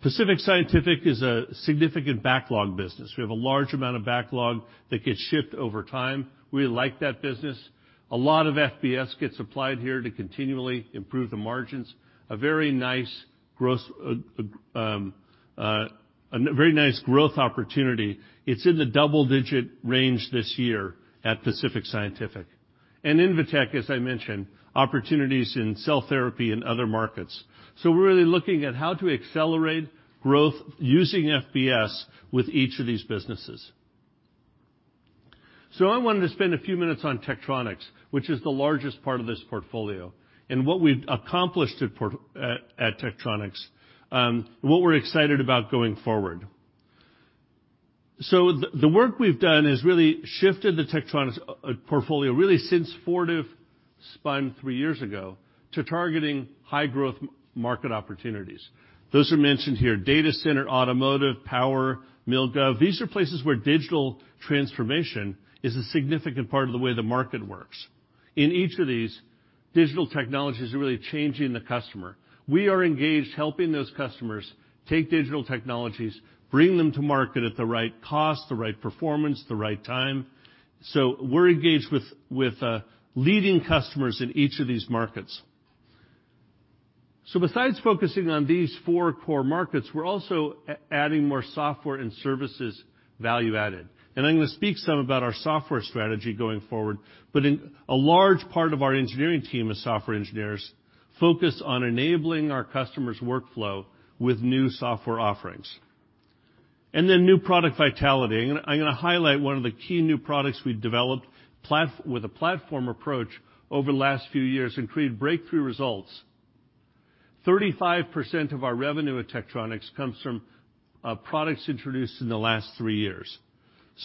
Pacific Scientific is a significant backlog business. We have a large amount of backlog that gets shipped over time. We like that business. A lot of FBS gets applied here to continually improve the margins. A very nice growth opportunity. It's in the double-digit range this year at Pacific Scientific. Invetech, as I mentioned, opportunities in cell therapy and other markets. We're really looking at how to accelerate growth using FBS with each of these businesses. I wanted to spend a few minutes on Tektronix, which is the largest part of this portfolio, and what we've accomplished at Tektronix, what we're excited about going forward. The work we've done has really shifted the Tektronix portfolio, really since Fortive spun three years ago, to targeting high growth market opportunities. Those are mentioned here, data center, automotive, power, mil gov. These are places where digital transformation is a significant part of the way the market works. In each of these, digital technologies are really changing the customer. We are engaged helping those customers take digital technologies, bring them to market at the right cost, the right performance, the right time. We're engaged with leading customers in each of these markets. Besides focusing on these four core markets, we're also adding more software and services value added. I'm going to speak some about our software strategy going forward. A large part of our engineering team is software engineers focused on enabling our customers' workflow with new software offerings. New product vitality. I'm going to highlight one of the key new products we've developed with a platform approach over the last few years and created breakthrough results. 35% of our revenue at Tektronix comes from products introduced in the last three years.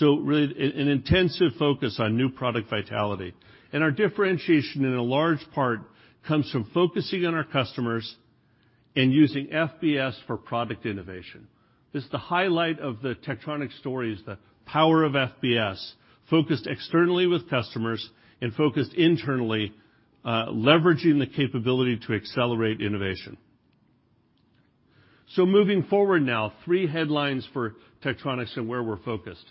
Really an intensive focus on new product vitality. Our differentiation in a large part comes from focusing on our customers and using FBS for product innovation. This is the highlight of the Tektronix story is the power of FBS, focused externally with customers and focused internally, leveraging the capability to accelerate innovation. Moving forward now, three headlines for Tektronix and where we're focused.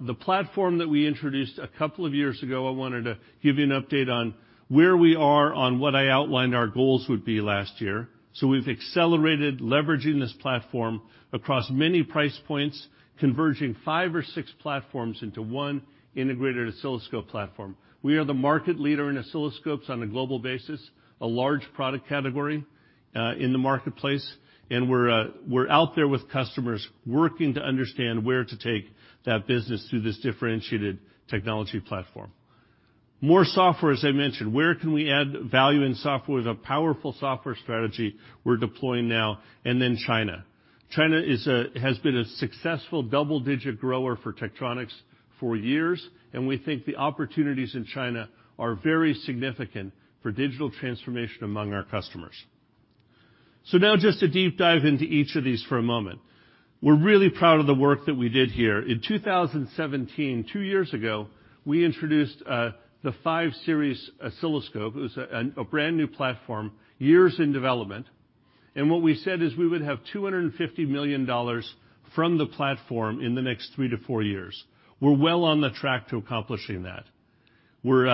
The platform that we introduced a couple of years ago, I wanted to give you an update on where we are on what I outlined our goals would be last year. We've accelerated leveraging this platform across many price points, converging five or six platforms into one integrated oscilloscope platform. We are the market leader in oscilloscopes on a global basis, a large product category in the marketplace, and we're out there with customers working to understand where to take that business through this differentiated technology platform. More software, as I mentioned, where can we add value in software with a powerful software strategy we're deploying now? China has been a successful double-digit grower for Tektronix for years, and we think the opportunities in China are very significant for digital transformation among our customers. Now just a deep dive into each of these for a moment. We're really proud of the work that we did here. In 2017, two years ago, we introduced the 5 Series oscilloscope. It was a brand-new platform, years in development, and what we said is we would have $250 million from the platform in the next 3-4 years. We're well on the track to accomplishing that. We're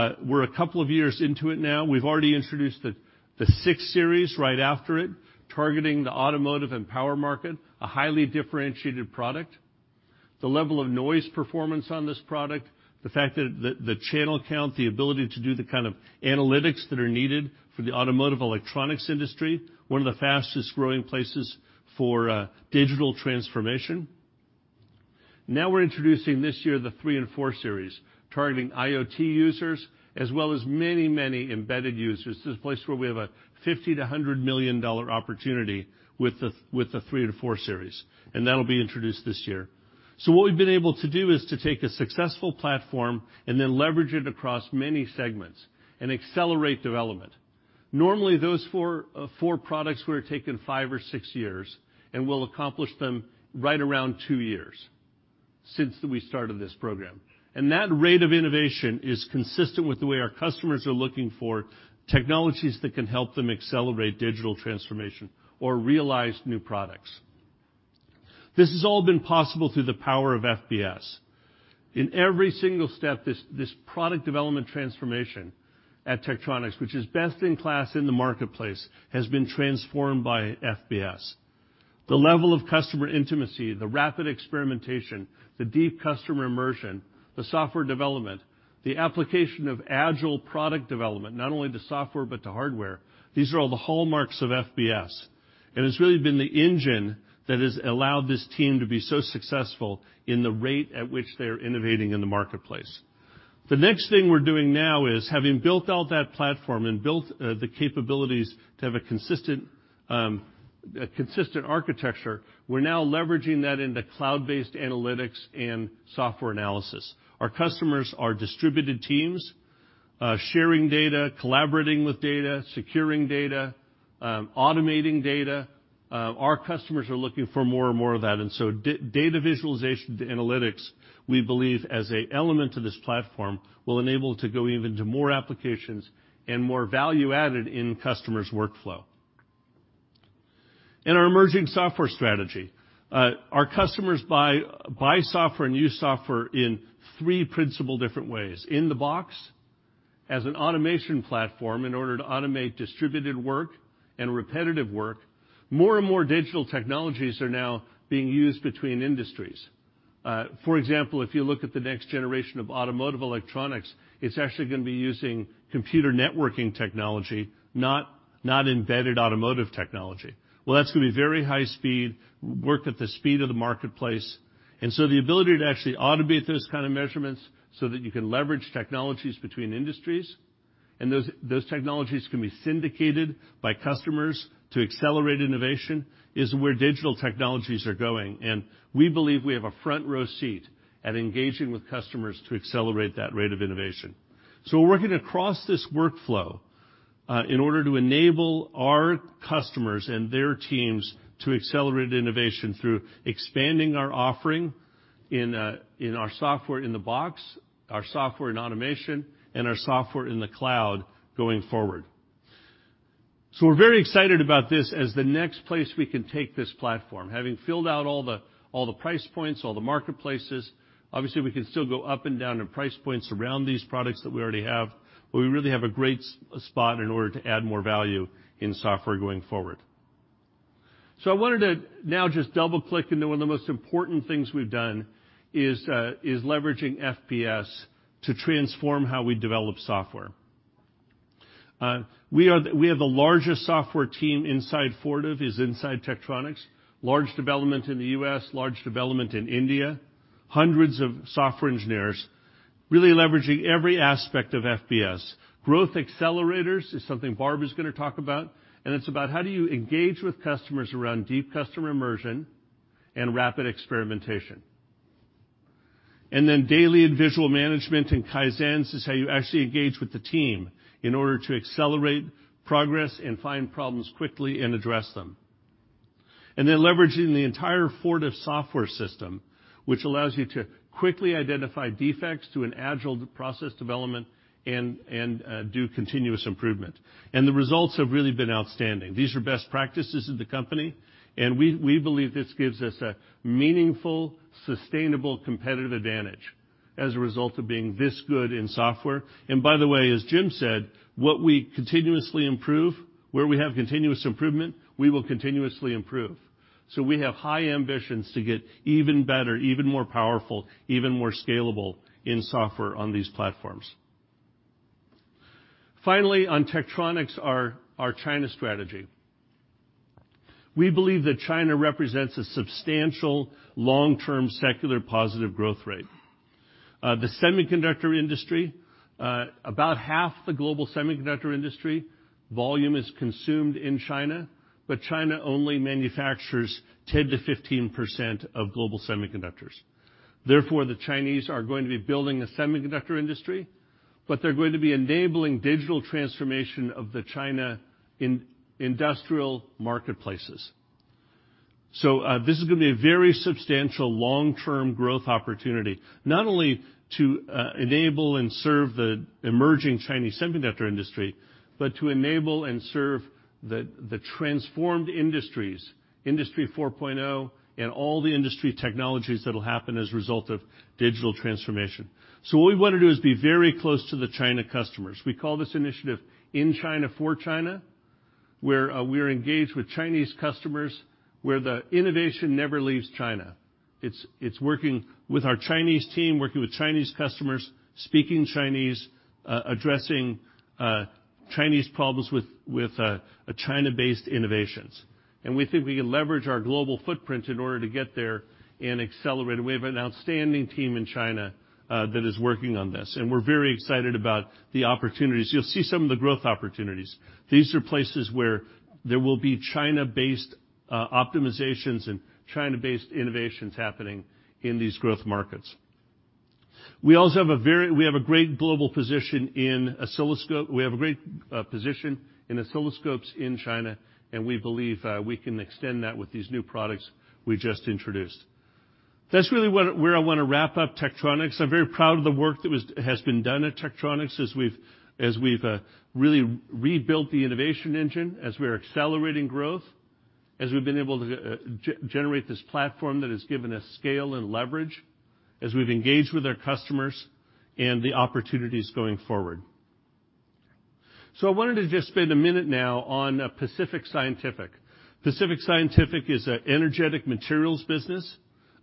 a couple of years into it now. We've already introduced the 6 Series right after it, targeting the automotive and power market, a highly differentiated product. The level of noise performance on this product, the fact that the channel count, the ability to do the kind of analytics that are needed for the automotive electronics industry, one of the fastest-growing places for digital transformation. We're introducing this year the 3 Series and 4 Series, targeting IoT users as well as many embedded users. This is a place where we have a $50 million-$100 million opportunity with the 3 Series and 4 Series, and that'll be introduced this year. What we've been able to do is to take a successful platform and then leverage it across many segments and accelerate development. Normally, those four products would have taken five or six years, and we'll accomplish them right around two years since we started this program. That rate of innovation is consistent with the way our customers are looking for technologies that can help them accelerate digital transformation or realize new products. This has all been possible through the power of FBS. In every single step, this product development transformation at Tektronix, which is best in class in the marketplace, has been transformed by FBS. The level of customer intimacy, the rapid experimentation, the deep customer immersion, the software development, the application of agile product development, not only to software but to hardware, these are all the hallmarks of FBS. It's really been the engine that has allowed this team to be so successful in the rate at which they are innovating in the marketplace. The next thing we're doing now is having built out that platform and built the capabilities to have a consistent architecture, we're now leveraging that into cloud-based analytics and software analysis. Our customers are distributed teams, sharing data, collaborating with data, securing data, automating data. Our customers are looking for more and more of that, Data visualization to analytics, we believe as an element of this platform, will enable to go even to more applications and more value added in customers' workflow. In our emerging software strategy, our customers buy software and use software in three principal different ways. In the box, as an automation platform in order to automate distributed work and repetitive work. More and more digital technologies are now being used between industries. For example, if you look at the next generation of automotive electronics, it's actually going to be using computer networking technology, not embedded automotive technology. Well, that's going to be very high speed, work at the speed of the marketplace. The ability to actually automate those kind of measurements so that you can leverage technologies between industries and those technologies can be syndicated by customers to accelerate innovation is where digital technologies are going. We believe we have a front row seat at engaging with customers to accelerate that rate of innovation. We're working across this workflow, in order to enable our customers and their teams to accelerate innovation through expanding our offering in our software in the box, our software in automation, and our software in the cloud going forward. We're very excited about this as the next place we can take this platform. Having filled out all the price points, all the marketplaces, obviously, we can still go up and down in price points around these products that we already have, but we really have a great spot in order to add more value in software going forward. I wanted to now just double-click into one of the most important things we've done is leveraging FBS to transform how we develop software. We have the largest software team inside Fortive is inside Tektronix. Large development in the U.S., large development in India. Hundreds of software engineers really leveraging every aspect of FBS. Growth Accelerators is something Barb is going to talk about, it's about how do you engage with customers around deep customer immersion and rapid experimentation. Daily and visual management and Kaizen is how you actually engage with the team in order to accelerate progress and find problems quickly and address them. Leveraging the entire Fortive software system, which allows you to quickly identify defects through an agile process development and do continuous improvement. The results have really been outstanding. These are best practices of the company, we believe this gives us a meaningful, sustainable competitive advantage as a result of being this good in software. By the way, as Jim said, what we continuously improve, where we have continuous improvement, we will continuously improve. We have high ambitions to get even better, even more powerful, even more scalable in software on these platforms. Finally, on Tektronix, our China strategy. We believe that China represents a substantial long-term secular positive growth rate. The semiconductor industry, about half the global semiconductor industry volume is consumed in China, but China only manufactures 10%-15% of global semiconductors. The Chinese are going to be building a semiconductor industry, but they're going to be enabling digital transformation of the China industrial marketplaces. This is going to be a very substantial long-term growth opportunity, not only to enable and serve the emerging Chinese semiconductor industry, but to enable and serve the transformed industries, Industry 4.0 and all the industry technologies that'll happen as a result of digital transformation. What we want to do is be very close to the China customers. We call this initiative In China for China, where we're engaged with Chinese customers, where the innovation never leaves China. It's working with our Chinese team, working with Chinese customers, speaking Chinese, addressing Chinese problems with China-based innovations. We think we can leverage our global footprint in order to get there and accelerate. We have an outstanding team in China that is working on this, and we are very excited about the opportunities. You will see some of the growth opportunities. These are places where there will be China-based optimizations and China-based innovations happening in these growth markets. We have a great global position in oscilloscope. We have a great position in oscilloscopes in China, and we believe we can extend that with these new products we just introduced. That is really where I want to wrap up Tektronix. I am very proud of the work that has been done at Tektronix as we have really rebuilt the innovation engine, as we are accelerating growth, as we have been able to generate this platform that has given us scale and leverage, as we have engaged with our customers and the opportunities going forward. I wanted to just spend a minute now on Pacific Scientific. Pacific Scientific is an energetic materials business,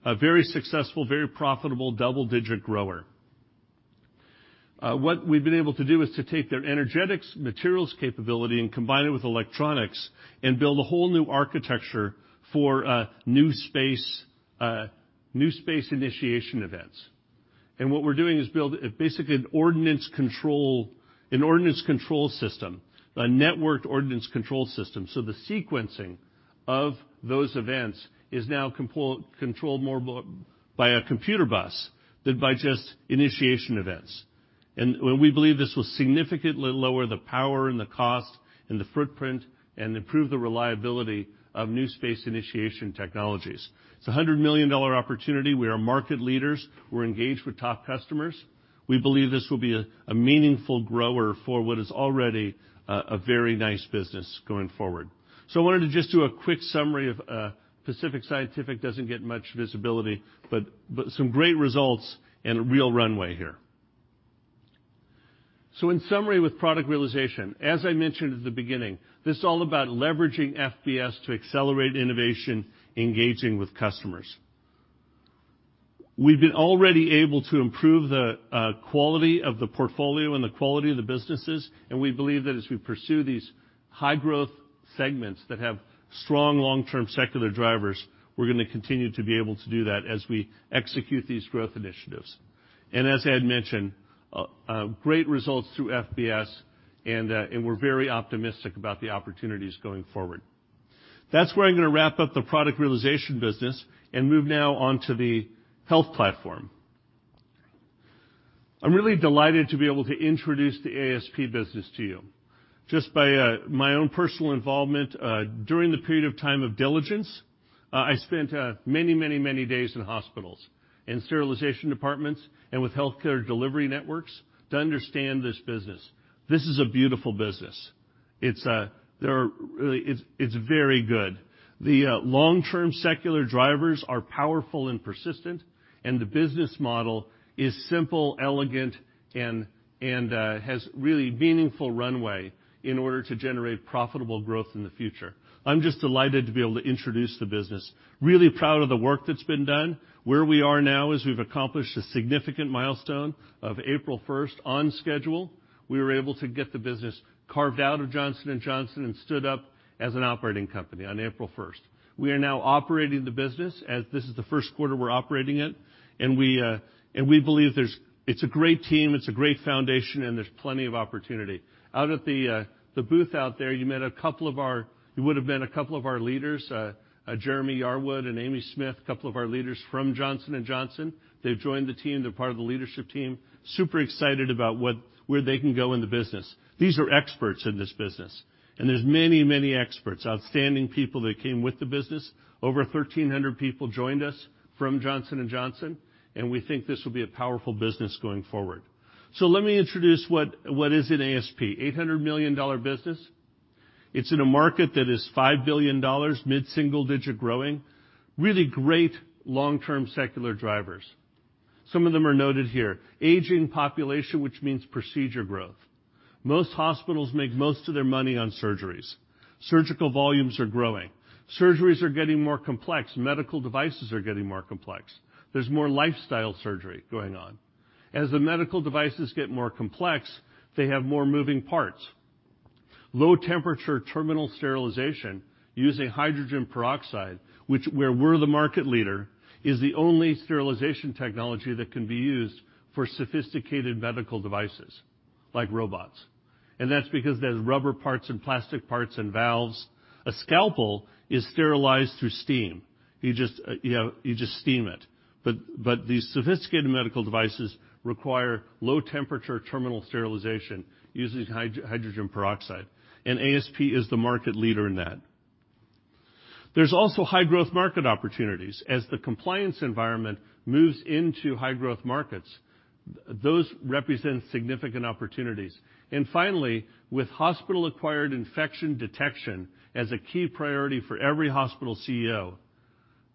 a very successful, very profitable, double-digit grower. What we have been able to do is to take their energetic materials capability and combine it with electronics and build a whole new architecture for new space initiation events. What we are doing is build basically an ordnance control system, a networked ordnance control system. The sequencing of those events is now controlled more by a computer bus than by just initiation events. We believe this will significantly lower the power and the cost and the footprint and improve the reliability of new space initiation technologies. It is a $100 million opportunity. We are market leaders. We are engaged with top customers. We believe this will be a meaningful grower for what is already a very nice business going forward. I wanted to just do a quick summary of Pacific Scientific, does not get much visibility, but some great results and a real runway here. In summary, with Product Realization, as I mentioned at the beginning, this is all about leveraging FBS to accelerate innovation, engaging with customers. We have been already able to improve the quality of the portfolio and the quality of the businesses, and we believe that as we pursue these high growth segments that have strong long-term secular drivers, we are going to continue to be able to do that as we execute these growth initiatives. As I had mentioned, great results through FBS, and we are very optimistic about the opportunities going forward. That is where I am going to wrap up the Product Realization business and move now on to the health platform. I am really delighted to be able to introduce the ASP business to you. Just by my own personal involvement, during the period of time of diligence, I spent many, many, many days in hospitals and sterilization departments and with healthcare delivery networks to understand this business. This is a beautiful business. It is very good. The long-term secular drivers are powerful and persistent, and the business model is simple, elegant, and has really meaningful runway in order to generate profitable growth in the future. I am just delighted to be able to introduce the business. Really proud of the work that has been done. Where we are now is we have accomplished a significant milestone of April 1st on schedule. We were able to get the business carved out of J&J and stood up as an operating company on April 1st. We are now operating the business as this is the first quarter we're operating it, and we believe it's a great team, it's a great foundation, and there's plenty of opportunity. Out at the booth out there, you would have met a couple of our leaders, Jeremy Yarwood and Amy Smith, a couple of our leaders from Johnson & Johnson. They've joined the team. They're part of the leadership team. Super excited about where they can go in the business. These are experts in this business, and there's many, many experts, outstanding people that came with the business. Over 1,300 people joined us from Johnson & Johnson, and we think this will be a powerful business going forward. Let me introduce what is in ASP, $800 million business. It's in a market that is $5 billion, mid-single digit growing. Really great long-term secular drivers. Some of them are noted here. Aging population, which means procedure growth. Most hospitals make most of their money on surgeries. Surgical volumes are growing. Surgeries are getting more complex. Medical devices are getting more complex. There's more lifestyle surgery going on. As the medical devices get more complex, they have more moving parts. Low temperature terminal sterilization using hydrogen peroxide, where we're the market leader, is the only sterilization technology that can be used for sophisticated medical devices like robots, and that's because there's rubber parts and plastic parts and valves. A scalpel is sterilized through steam. You just steam it. These sophisticated medical devices require low temperature terminal sterilization using hydrogen peroxide, and ASP is the market leader in that. There's also high growth market opportunities. As the compliance environment moves into high growth markets, those represent significant opportunities. Finally, with hospital-acquired infection detection as a key priority for every hospital CEO,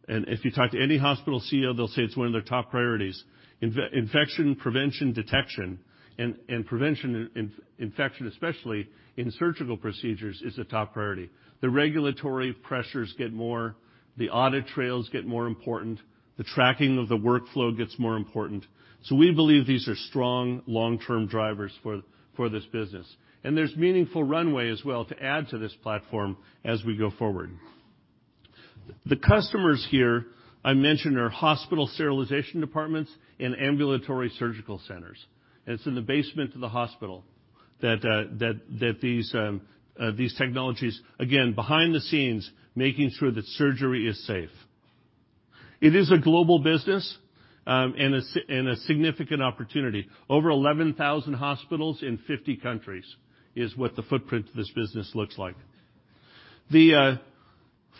and if you talk to any hospital CEO, they'll say it's one of their top priorities. Infection prevention detection and prevention infection, especially in surgical procedures, is a top priority. The regulatory pressures get more, the audit trails get more important, the tracking of the workflow gets more important. We believe these are strong long-term drivers for this business. There's meaningful runway as well to add to this platform as we go forward. The customers here, I mentioned, are hospital sterilization departments and ambulatory surgical centers. It's in the basement of the hospital that these technologies, again, behind the scenes, making sure that surgery is safe. It is a global business, and a significant opportunity. Over 11,000 hospitals in 50 countries is what the footprint of this business looks like.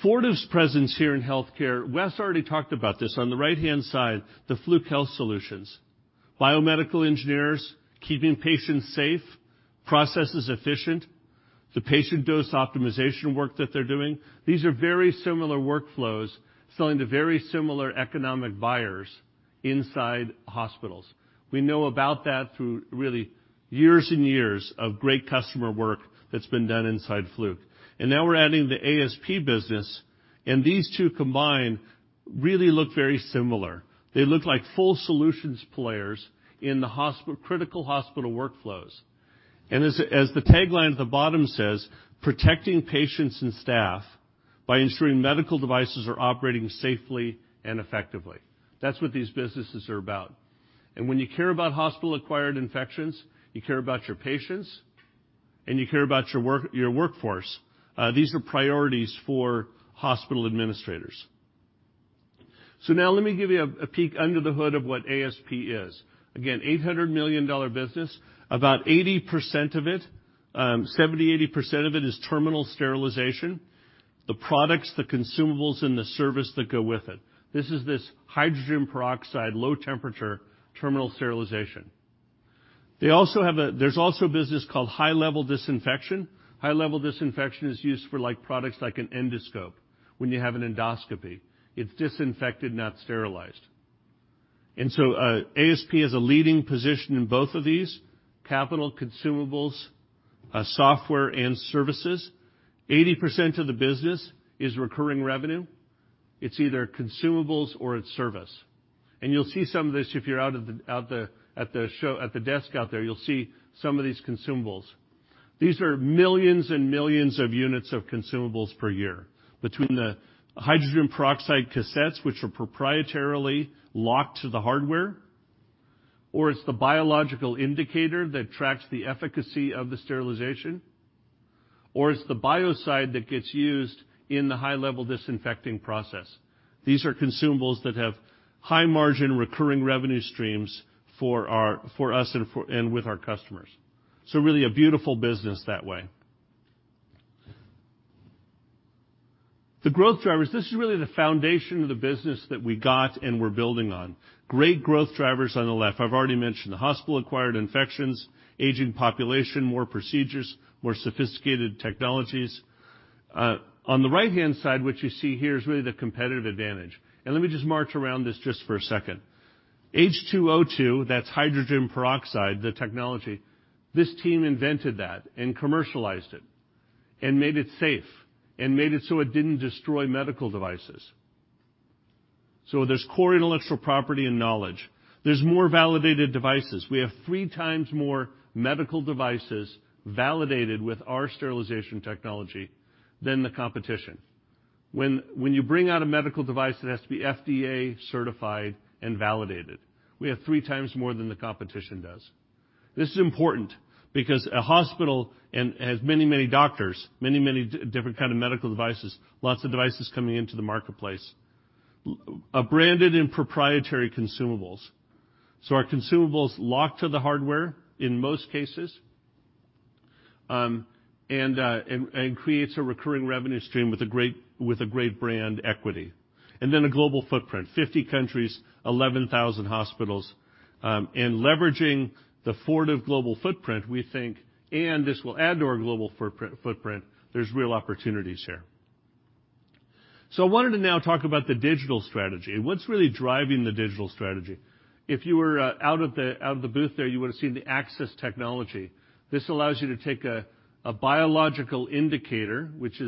Fortive's presence here in healthcare, Wes already talked about this. On the right-hand side, the Fluke Health Solutions, biomedical engineers keeping patients safe, processes efficient, the patient dose optimization work that they're doing, these are very similar workflows selling to very similar economic buyers inside hospitals. We know about that through really years and years of great customer work that's been done inside Fluke. Now we're adding the ASP business, and these two combined really look very similar. They look like full solutions players in the critical hospital workflows. As the tagline at the bottom says, "Protecting patients and staff by ensuring medical devices are operating safely and effectively." That's what these businesses are about. When you care about hospital-acquired infections, you care about your patients, and you care about your workforce. These are priorities for hospital administrators. Now let me give you a peek under the hood of what ASP is. Again, an $800 million business. About 70%-80% of it is terminal sterilization. The products, the consumables, and the service that go with it. This is this hydrogen peroxide, low temperature terminal sterilization. There's also a business called high-level disinfection. High-level disinfection is used for products like an endoscope. When you have an endoscopy, it's disinfected, not sterilized. ASP has a leading position in both of these, capital consumables, software, and services. 80% of the business is recurring revenue. It's either consumables or it's service. You'll see some of this if you're at the desk out there. You'll see some of these consumables. These are millions and millions of units of consumables per year, between the hydrogen peroxide cassettes, which are proprietarily locked to the hardware, or it's the biological indicator that tracks the efficacy of the sterilization, or it's the biocide that gets used in the high-level disinfecting process. These are consumables that have high margin recurring revenue streams for us and with our customers. Really a beautiful business that way. The growth drivers, this is really the foundation of the business that we got and we're building on. Great growth drivers on the left. I've already mentioned the hospital-acquired infections, aging population, more procedures, more sophisticated technologies. On the right-hand side, what you see here is really the competitive advantage. Let me just march around this just for a second. H2O2, that's hydrogen peroxide, the technology, this team invented that and commercialized it and made it safe and made it so it didn't destroy medical devices. There's core intellectual property and knowledge. There's more validated devices. We have 3 times more medical devices validated with our sterilization technology than the competition. When you bring out a medical device, it has to be FDA certified and validated. We have 3 times more than the competition does. This is important because a hospital has many, many doctors, many, many different kind of medical devices, lots of devices coming into the marketplace. Branded and proprietary consumables. Our consumables lock to the hardware in most cases, and creates a recurring revenue stream with a great brand equity. Then a global footprint, 50 countries, 11,000 hospitals. Leveraging the Fortive global footprint, we think, this will add to our global footprint, there's real opportunities here. I wanted to now talk about the digital strategy and what's really driving the digital strategy. If you were out of the booth there, you would've seen the access technology. This allows you to take a biological indicator, which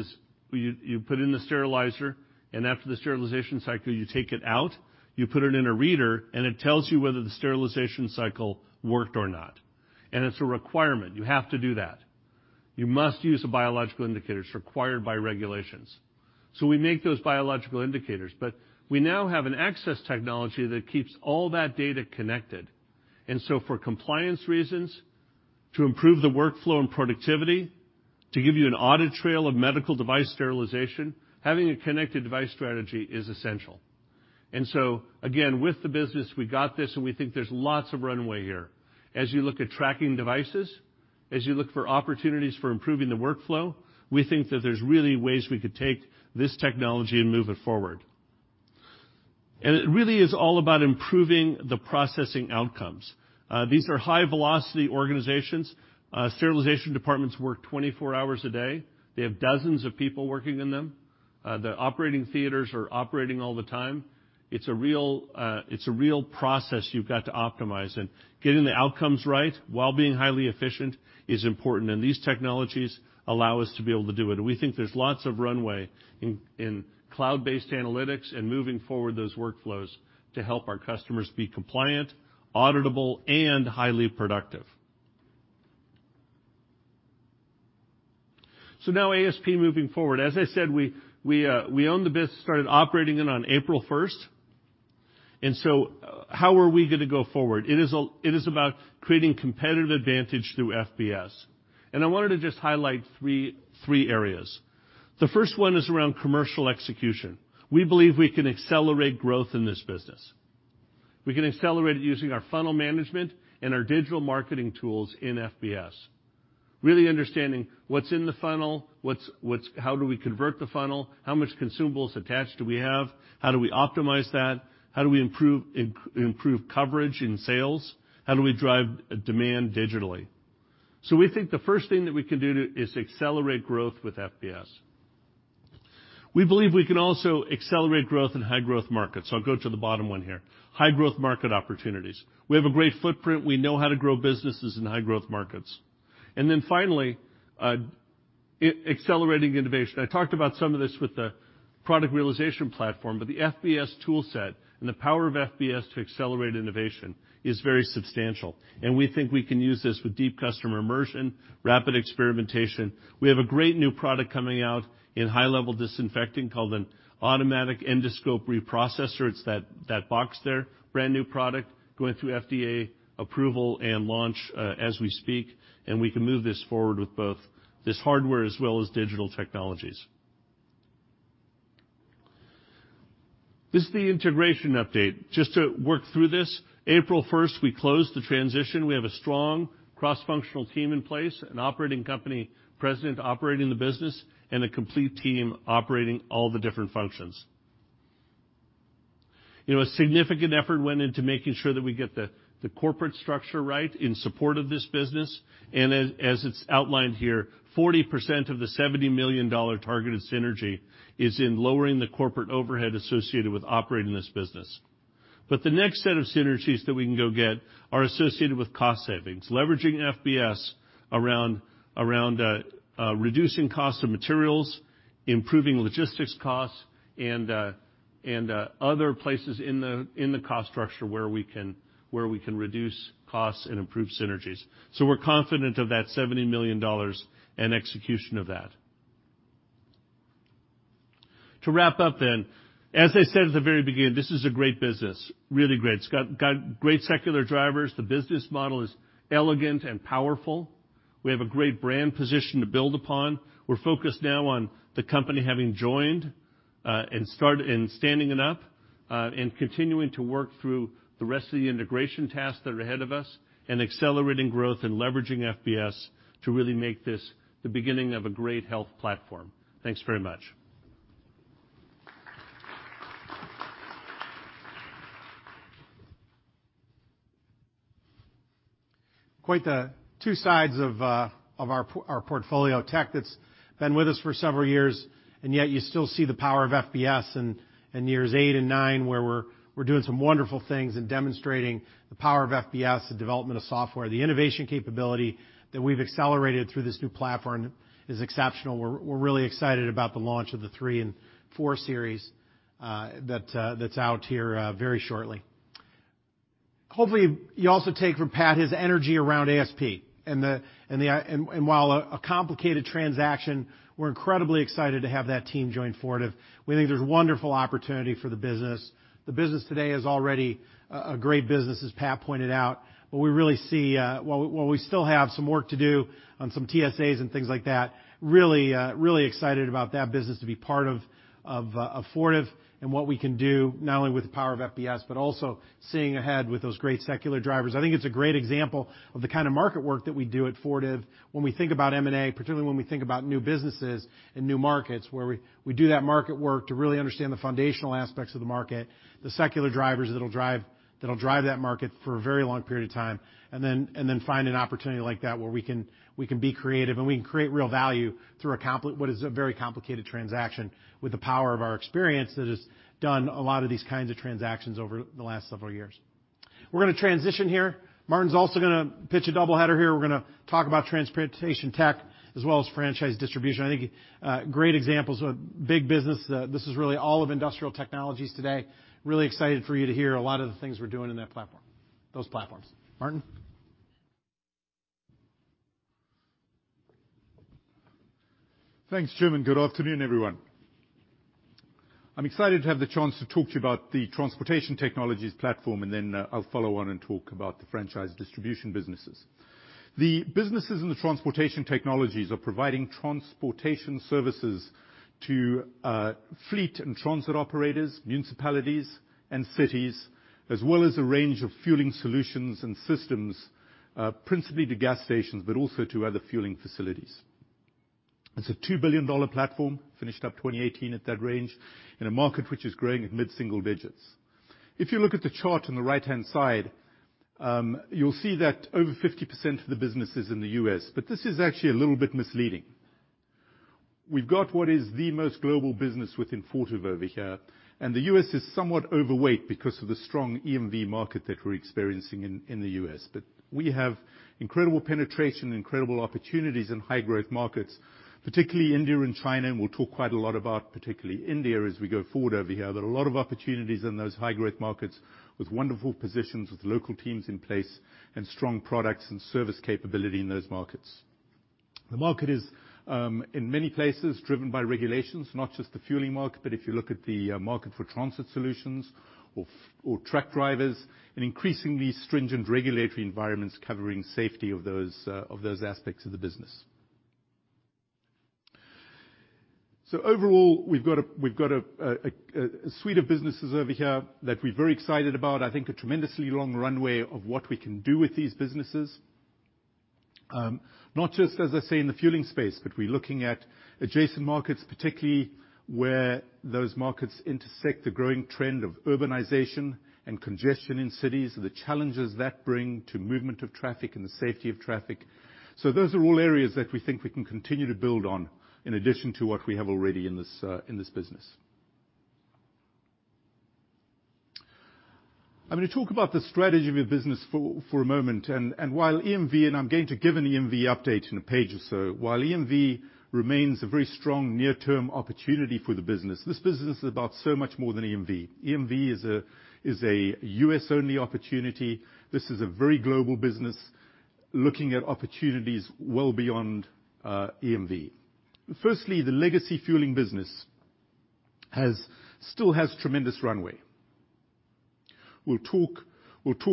you put in the sterilizer, and after the sterilization cycle, you take it out, you put it in a reader, and it tells you whether the sterilization cycle worked or not. It's a requirement. You have to do that. You must use biological indicators. It's required by regulations. We make those biological indicators, but we now have an access technology that keeps all that data connected. For compliance reasons, to improve the workflow and productivity, to give you an audit trail of medical device sterilization, having a connected device strategy is essential. Again, with the business, we got this, and we think there's lots of runway here. As you look at tracking devices, as you look for opportunities for improving the workflow, we think that there's really ways we could take this technology and move it forward. It really is all about improving the processing outcomes. These are high-velocity organizations. Sterilization departments work 24 hours a day. They have dozens of people working in them. The operating theaters are operating all the time. It's a real process you've got to optimize, and getting the outcomes right while being highly efficient is important. These technologies allow us to be able to do it. We think there's lots of runway in cloud-based analytics and moving forward those workflows to help our customers be compliant, auditable, and highly productive. Now ASP moving forward. As I said, we own the business, started operating it on April 1st. How are we going to go forward? It is about creating competitive advantage through FBS. I wanted to just highlight three areas. The first one is around commercial execution. We believe we can accelerate growth in this business. We can accelerate it using our funnel management and our digital marketing tools in FBS. Really understanding what's in the funnel, how do we convert the funnel, how much consumables attached do we have, how do we optimize that, how do we improve coverage in sales, how do we drive demand digitally? We think the first thing that we can do is accelerate growth with FBS. We believe we can also accelerate growth in high-growth markets. I'll go to the bottom one here, high-growth market opportunities. We have a great footprint. We know how to grow businesses in high-growth markets. Finally, accelerating innovation. I talked about some of this with the Product Realization platform, but the FBS tool set and the power of FBS to accelerate innovation is very substantial, and we think we can use this with deep customer immersion, rapid experimentation. We have a great new product coming out in high-level disinfecting called an automatic endoscope reprocessor. It's that box there, brand-new product, going through FDA approval and launch as we speak, and we can move this forward with both this hardware as well as digital technologies. This is the integration update. Just to work through this, April 1st, we closed the transition. We have a strong cross-functional team in place, an operating company president operating the business, and a complete team operating all the different functions. A significant effort went into making sure that we get the corporate structure right in support of this business. As it's outlined here, 40% of the $70 million targeted synergy is in lowering the corporate overhead associated with operating this business. The next set of synergies that we can go get are associated with cost savings, leveraging FBS around reducing cost of materials, improving logistics costs, and other places in the cost structure where we can reduce costs and improve synergies. We're confident of that $70 million and execution of that. To wrap up, as I said at the very beginning, this is a great business, really great. It's got great secular drivers. The business model is elegant and powerful. We have a great brand position to build upon. We're focused now on the company having joined, and standing it up, and continuing to work through the rest of the integration tasks that are ahead of us, and accelerating growth and leveraging FBS to really make this the beginning of a great health platform. Thanks very much. Quite the two sides of our portfolio. Tech that's been with us for several years, yet you still see the power of FBS in years eight and nine, where we're doing some wonderful things and demonstrating the power of FBS, the development of software. The innovation capability that we've accelerated through this new platform is exceptional. We're really excited about the launch of the 3 Series and 4 Series that's out here very shortly. Hopefully, you also take from Pat his energy around ASP. While a complicated transaction, we're incredibly excited to have that team join Fortive. We think there's wonderful opportunity for the business. The business today is already a great business, as Pat pointed out. While we still have some work to do on some TSAs and things like that, really excited about that business to be part of Fortive and what we can do not only with the power of FBS, but also seeing ahead with those great secular drivers. I think it's a great example of the kind of market work that we do at Fortive when we think about M&A, particularly when we think about new businesses and new markets, where we do that market work to really understand the foundational aspects of the market, the secular drivers that'll drive that market for a very long period of time. Then find an opportunity like that where we can be creative and we can create real value through what is a very complicated transaction with the power of our experience that has done a lot of these kinds of transactions over the last several years. We're going to transition here. Martin's also going to pitch a double header here. We're going to talk about Transportation Tech as well as Franchise Distribution. I think great examples of big business. This is really all of industrial technologies today. Really excited for you to hear a lot of the things we're doing in that platform. Those platforms. Martin? Thanks, chairman. Good afternoon, everyone. I'm excited to have the chance to talk to you about the Transportation Technologies platform, then I'll follow on and talk about the Franchise Distribution businesses. The businesses in the Transportation Technologies are providing transportation services to fleet and transit operators, municipalities and cities, as well as a range of fueling solutions and systems, principally to gas stations, but also to other fueling facilities. It's a $2 billion platform, finished up 2018 at that range, in a market which is growing at mid-single digits. If you look at the chart on the right-hand side, you'll see that over 50% of the business is in the U.S., but this is actually a little bit misleading. We've got what is the most global business within Fortive over here, and the U.S. is somewhat overweight because of the strong EMV market that we're experiencing in the U.S. We have incredible penetration and incredible opportunities in high growth markets, particularly India and China, and we'll talk quite a lot about particularly India as we go forward over here. There are a lot of opportunities in those high growth markets, with wonderful positions, with local teams in place and strong products and service capability in those markets. The market is, in many places, driven by regulations. Not just the fueling market, but if you look at the market for transit solutions or truck drivers, and increasingly stringent regulatory environments covering safety of those aspects of the business. Overall, we've got a suite of businesses over here that we're very excited about. I think a tremendously long runway of what we can do with these businesses. Not just, as I say, in the fueling space, but we're looking at adjacent markets, particularly where those markets intersect the growing trend of urbanization and congestion in cities, the challenges that bring to movement of traffic and the safety of traffic. Those are all areas that we think we can continue to build on, in addition to what we have already in this business. I'm going to talk about the strategy of your business for a moment. While EMV, and I'm going to give an EMV update in a page or so, while EMV remains a very strong near-term opportunity for the business, this business is about so much more than EMV. EMV is a U.S.-only opportunity. This is a very global business looking at opportunities well beyond EMV. Firstly, the legacy fueling business still has tremendous runway. We'll talk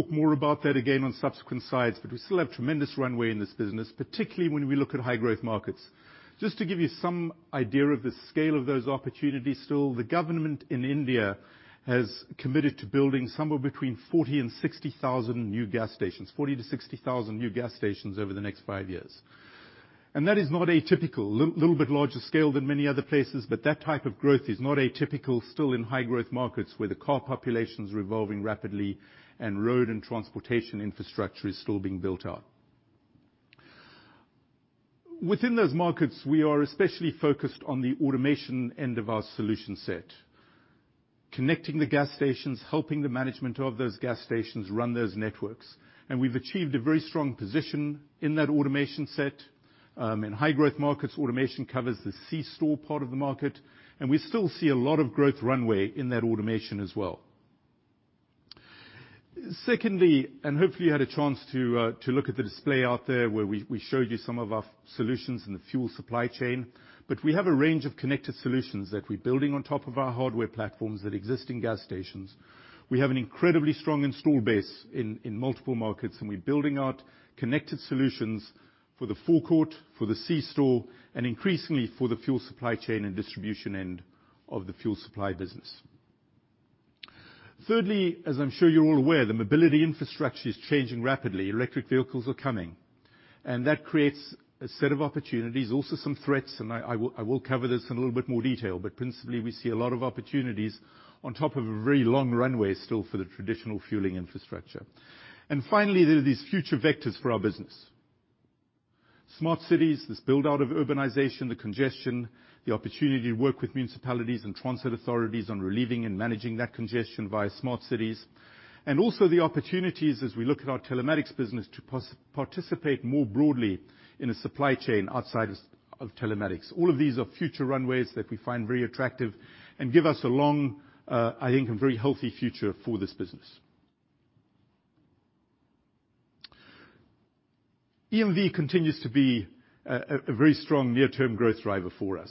more about that again on subsequent slides, but we still have tremendous runway in this business, particularly when we look at high growth markets. Just to give you some idea of the scale of those opportunities still, the government in India has committed to building somewhere between 40,000 and 60,000 new gas stations, 40,000 to 60,000 new gas stations over the next five years. That is not atypical. Little bit larger scale than many other places, but that type of growth is not atypical still in high growth markets where the car population's evolving rapidly and road and transportation infrastructure is still being built out. Within those markets, we are especially focused on the automation end of our solution set, connecting the gas stations, helping the management of those gas stations run those networks. We've achieved a very strong position in that automation set. In high growth markets, automation covers the C-store part of the market, we still see a lot of growth runway in that automation as well. Secondly, hopefully you had a chance to look at the display out there where we showed you some of our solutions in the fuel supply chain, we have a range of connected solutions that we're building on top of our hardware platforms that exist in gas stations. We have an incredibly strong install base in multiple markets, and we're building out connected solutions for the forecourt, for the C-store, and increasingly for the fuel supply chain and distribution end of the fuel supply business. Thirdly, as I'm sure you're all aware, the mobility infrastructure is changing rapidly. Electric vehicles are coming, that creates a set of opportunities, also some threats, I will cover this in a little bit more detail. Principally, we see a lot of opportunities on top of a very long runway still for the traditional fueling infrastructure. Finally, there are these future vectors for our business. Smart cities, this build-out of urbanization, the congestion, the opportunity to work with municipalities and transit authorities on relieving and managing that congestion via smart cities, and also the opportunities as we look at our telematics business to participate more broadly in a supply chain outside of telematics. All of these are future runways that we find very attractive and give us a long, I think a very healthy future for this business. EMV continues to be a very strong near-term growth driver for us.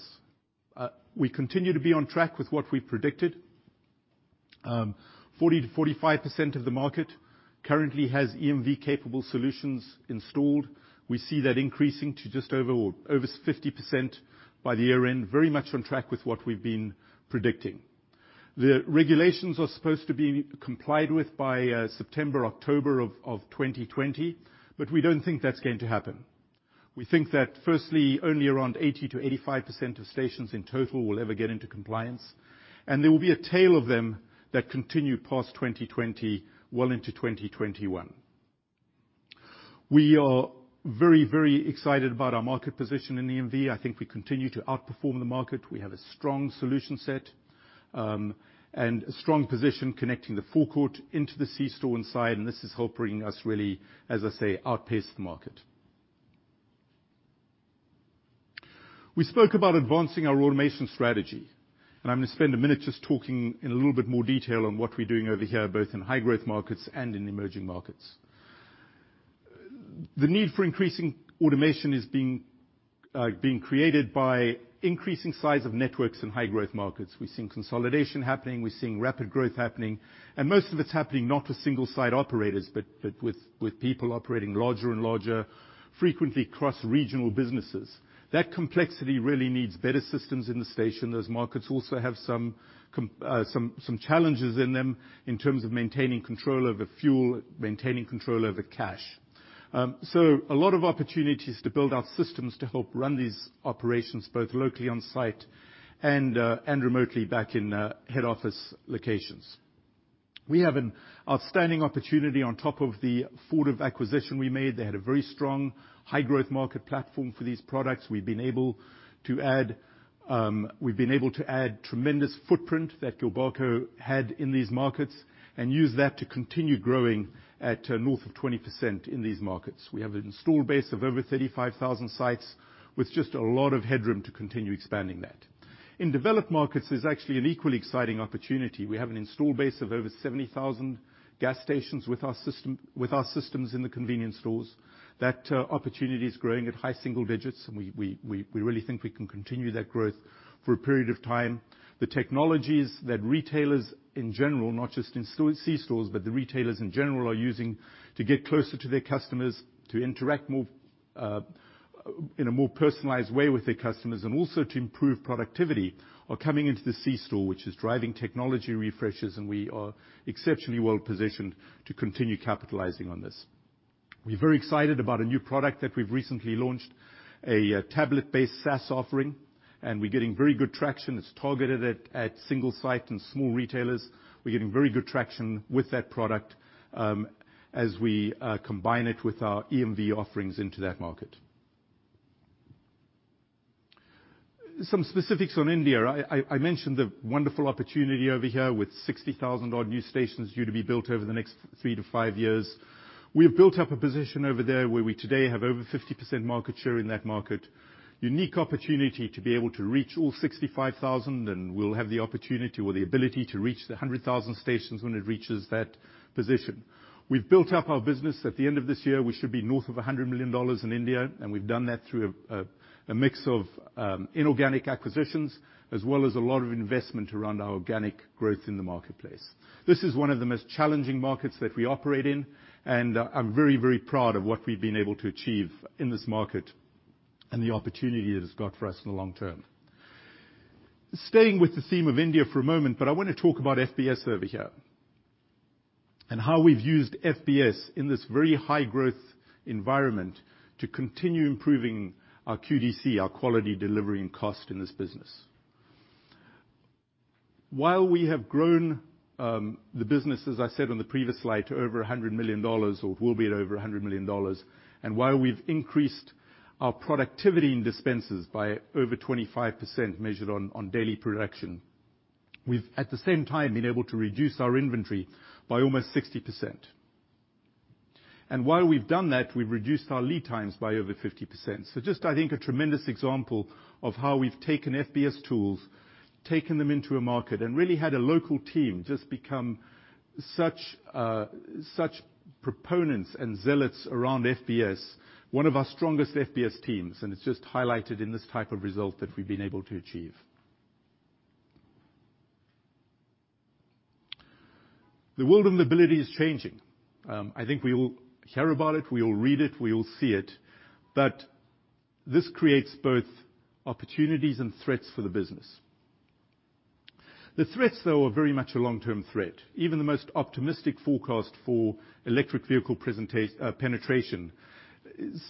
We continue to be on track with what we've predicted. 40%-45% of the market currently has EMV-capable solutions installed. We see that increasing to just over 50% by the year-end. Very much on track with what we've been predicting. The regulations are supposed to be complied with by September, October of 2020, we don't think that's going to happen. We think that firstly, only around 80%-85% of stations in total will ever get into compliance, there will be a tail of them that continue past 2020, well into 2021. We are very excited about our market position in EMV. I think we continue to outperform the market. We have a strong solution set, and a strong position connecting the forecourt into the C-store inside, and this is helping us really, as I say, outpace the market. We spoke about advancing our automation strategy, I'm going to spend a minute just talking in a little bit more detail on what we're doing over here, both in high growth markets and in emerging markets. The need for increasing automation is being created by increasing size of networks in high growth markets. We're seeing consolidation happening, we're seeing rapid growth happening, most of it's happening not with single site operators, but with people operating larger and larger, frequently cross-regional businesses. That complexity really needs better systems in the station. Those markets also have some challenges in them in terms of maintaining control over fuel, maintaining control over cash. A lot of opportunities to build out systems to help run these operations, both locally on site and remotely back in head office locations. We have an outstanding opportunity on top of the Fortive acquisition we made. They had a very strong high growth market platform for these products. We've been able to add tremendous footprint that Gilbarco had in these markets and use that to continue growing at north of 20% in these markets. We have an install base of over 35,000 sites, with just a lot of headroom to continue expanding that. In developed markets, there's actually an equally exciting opportunity. We have an install base of over 70,000 gas stations with our systems in the convenience stores. That opportunity is growing at high single digits, and we really think we can continue that growth for a period of time. The technologies that retailers in general, not just in C-stores, but the retailers in general, are using to get closer to their customers, to interact in a more personalized way with their customers, and also to improve productivity, are coming into the C-store, which is driving technology refreshes, and we are exceptionally well positioned to continue capitalizing on this. We're very excited about a new product that we've recently launched, a tablet-based SaaS offering, and we're getting very good traction. It's targeted at single site and small retailers. We're getting very good traction with that product as we combine it with our EMV offerings into that market. Some specifics on India. I mentioned the wonderful opportunity over here with 60,000 odd new stations due to be built over the next three to five years. We have built up a position over there where we today have over 50% market share in that market. Unique opportunity to be able to reach all 65,000, and we'll have the opportunity or the ability to reach the 100,000 stations when it reaches that position. We've built up our business. At the end of this year, we should be north of $100 million in India, and we've done that through a mix of inorganic acquisitions, as well as a lot of investment around our organic growth in the marketplace. This is one of the most challenging markets that we operate in, I'm very, very proud of what we've been able to achieve in this market, and the opportunity that it's got for us in the long term. Staying with the theme of India for a moment, I want to talk about FBS over here and how we've used FBS in this very high growth environment to continue improving our QDC, our quality, delivery, and cost in this business. While we have grown the business, as I said on the previous slide, to over $100 million, or will be at over $100 million, and while we've increased our productivity in dispensers by over 25% measured on daily production, we've at the same time been able to reduce our inventory by almost 60%. While we've done that, we've reduced our lead times by over 50%. Just I think a tremendous example of how we've taken FBS tools, taken them into a market, really had a local team just become such proponents and zealots around FBS, one of our strongest FBS teams, and it's just highlighted in this type of result that we've been able to achieve. The world of mobility is changing. I think we all hear about it, we all read it, we all see it. This creates both opportunities and threats for the business. The threats, though, are very much a long-term threat. Even the most optimistic forecast for electric vehicle penetration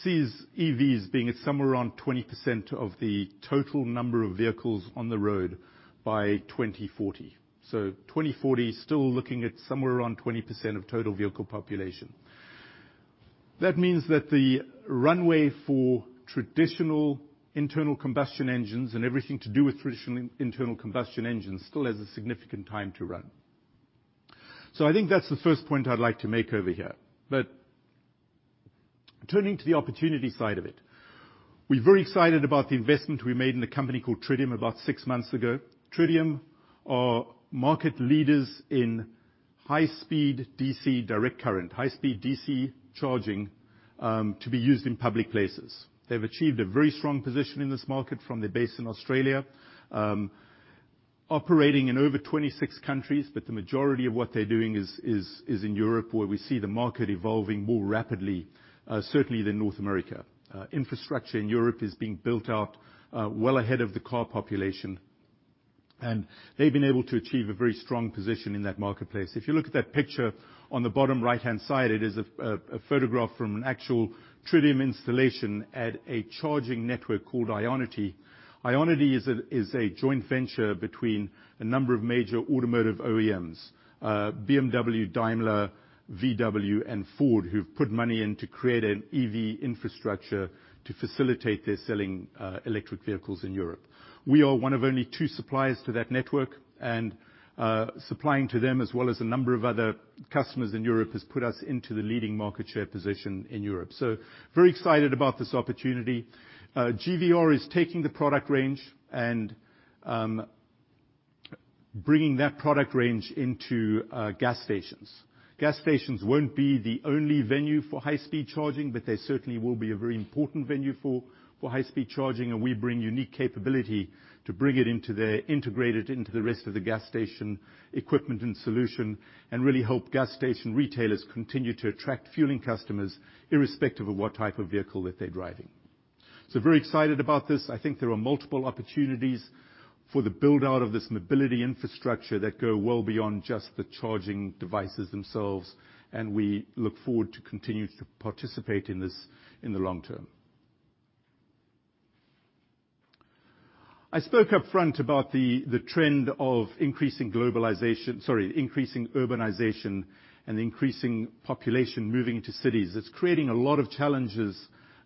sees EVs being at somewhere around 20% of the total number of vehicles on the road by 2040. 2040, still looking at somewhere around 20% of total vehicle population. That means that the runway for traditional internal combustion engines and everything to do with traditional internal combustion engines still has a significant time to run. I think that's the first point I'd like to make over here. Turning to the opportunity side of it, we're very excited about the investment we made in a company called Tritium about six months ago. Tritium are market leaders in high speed DC, direct current, high speed DC charging, to be used in public places. They've achieved a very strong position in this market from their base in Australia, operating in over 26 countries, but the majority of what they're doing is in Europe, where we see the market evolving more rapidly, certainly than North America. Infrastructure in Europe is being built out well ahead of the car population, they've been able to achieve a very strong position in that marketplace. If you look at that picture on the bottom right-hand side, it is a photograph from an actual Tritium installation at a charging network called IONITY. IONITY is a joint venture between a number of major automotive OEMs, BMW, Daimler, VW, and Ford, who've put money in to create an EV infrastructure to facilitate their selling electric vehicles in Europe. We are one of only two suppliers to that network, and supplying to them as well as a number of other customers in Europe has put us into the leading market share position in Europe. Very excited about this opportunity. GVR is taking the product range and bringing that product range into gas stations. Gas stations won't be the only venue for high-speed charging, they certainly will be a very important venue for high-speed charging. We bring unique capability to bring it into there, integrate it into the rest of the gas station equipment and solution, and really help gas station retailers continue to attract fueling customers irrespective of what type of vehicle that they're driving. Very excited about this. I think there are multiple opportunities for the build-out of this mobility infrastructure that go well beyond just the charging devices themselves, we look forward to continuing to participate in this in the long term. I spoke up front about the trend of increasing globalization, increasing urbanization and increasing population moving into cities. It's creating a lot of challenges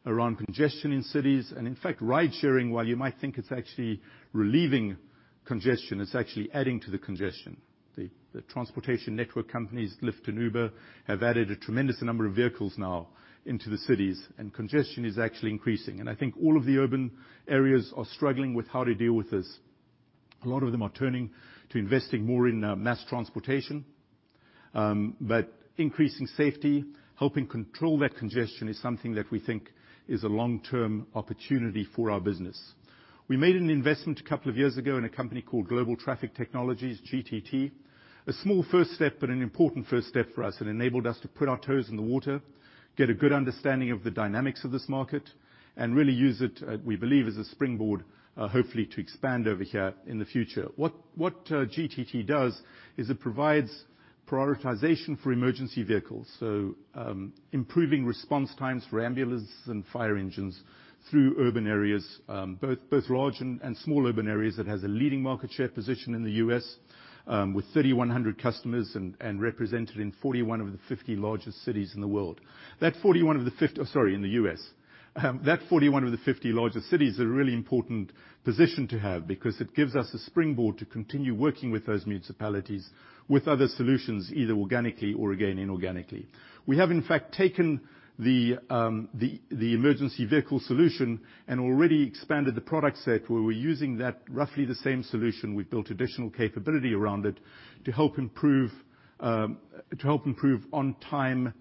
around congestion in cities. In fact, ride sharing, while you might think it's actually relieving congestion, it's actually adding to the congestion. The transportation network companies, Lyft and Uber, have added a tremendous number of vehicles now into the cities, and congestion is actually increasing. I think all of the urban areas are struggling with how to deal with this. A lot of them are turning to investing more in mass transportation. Increasing safety, helping control that congestion is something that we think is a long-term opportunity for our business. We made an investment a couple of years ago in a company called Global Traffic Technologies, GTT. A small first step, but an important first step for us. It enabled us to put our toes in the water, get a good understanding of the dynamics of this market, and really use it, we believe, as a springboard, hopefully, to expand over here in the future. What GTT does is it provides prioritization for emergency vehicles. Improving response times for ambulances and fire engines through urban areas, both large and small urban areas. It has a leading market share position in the U.S., with 3,100 customers and represented in 41 of the 50 largest cities in the world. That 41 of the 50 Sorry, in the U.S. That 41 of the 50 largest cities is a really important position to have because it gives us a springboard to continue working with those municipalities with other solutions, either organically or, again, inorganically. We have, in fact, taken the emergency vehicle solution and already expanded the product set, where we're using that roughly the same solution. We've built additional capability around it to help improve on-time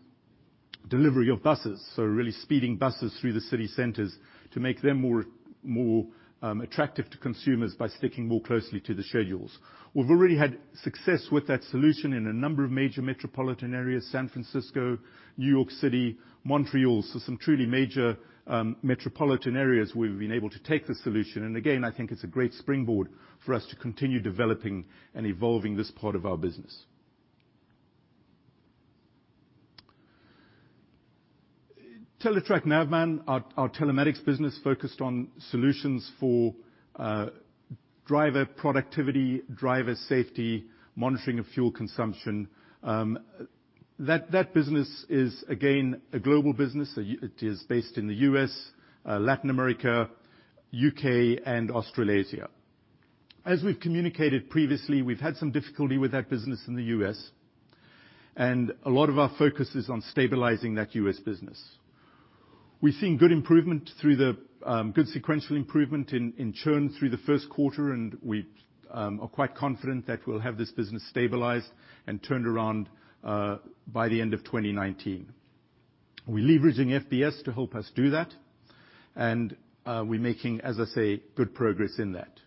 delivery of buses. Really speeding buses through the city centers to make them more attractive to consumers by sticking more closely to the schedules. We've already had success with that solution in a number of major metropolitan areas, San Francisco, New York City, Montreal. Some truly major metropolitan areas we've been able to take the solution. Again, I think it's a great springboard for us to continue developing and evolving this part of our business. Teletrac Navman, our telematics business focused on solutions for driver productivity, driver safety, monitoring of fuel consumption. That business is again, a global business. It is based in the U.S., Latin America, U.K., and Australasia. As we've communicated previously, we've had some difficulty with that business in the U.S., and a lot of our focus is on stabilizing that U.S. business. We've seen good sequential improvement in churn through the first quarter, and we are quite confident that we'll have this business stabilized and turned around by the end of 2019. We're leveraging FBS to help us do that. We're making, as I say, good progress in that.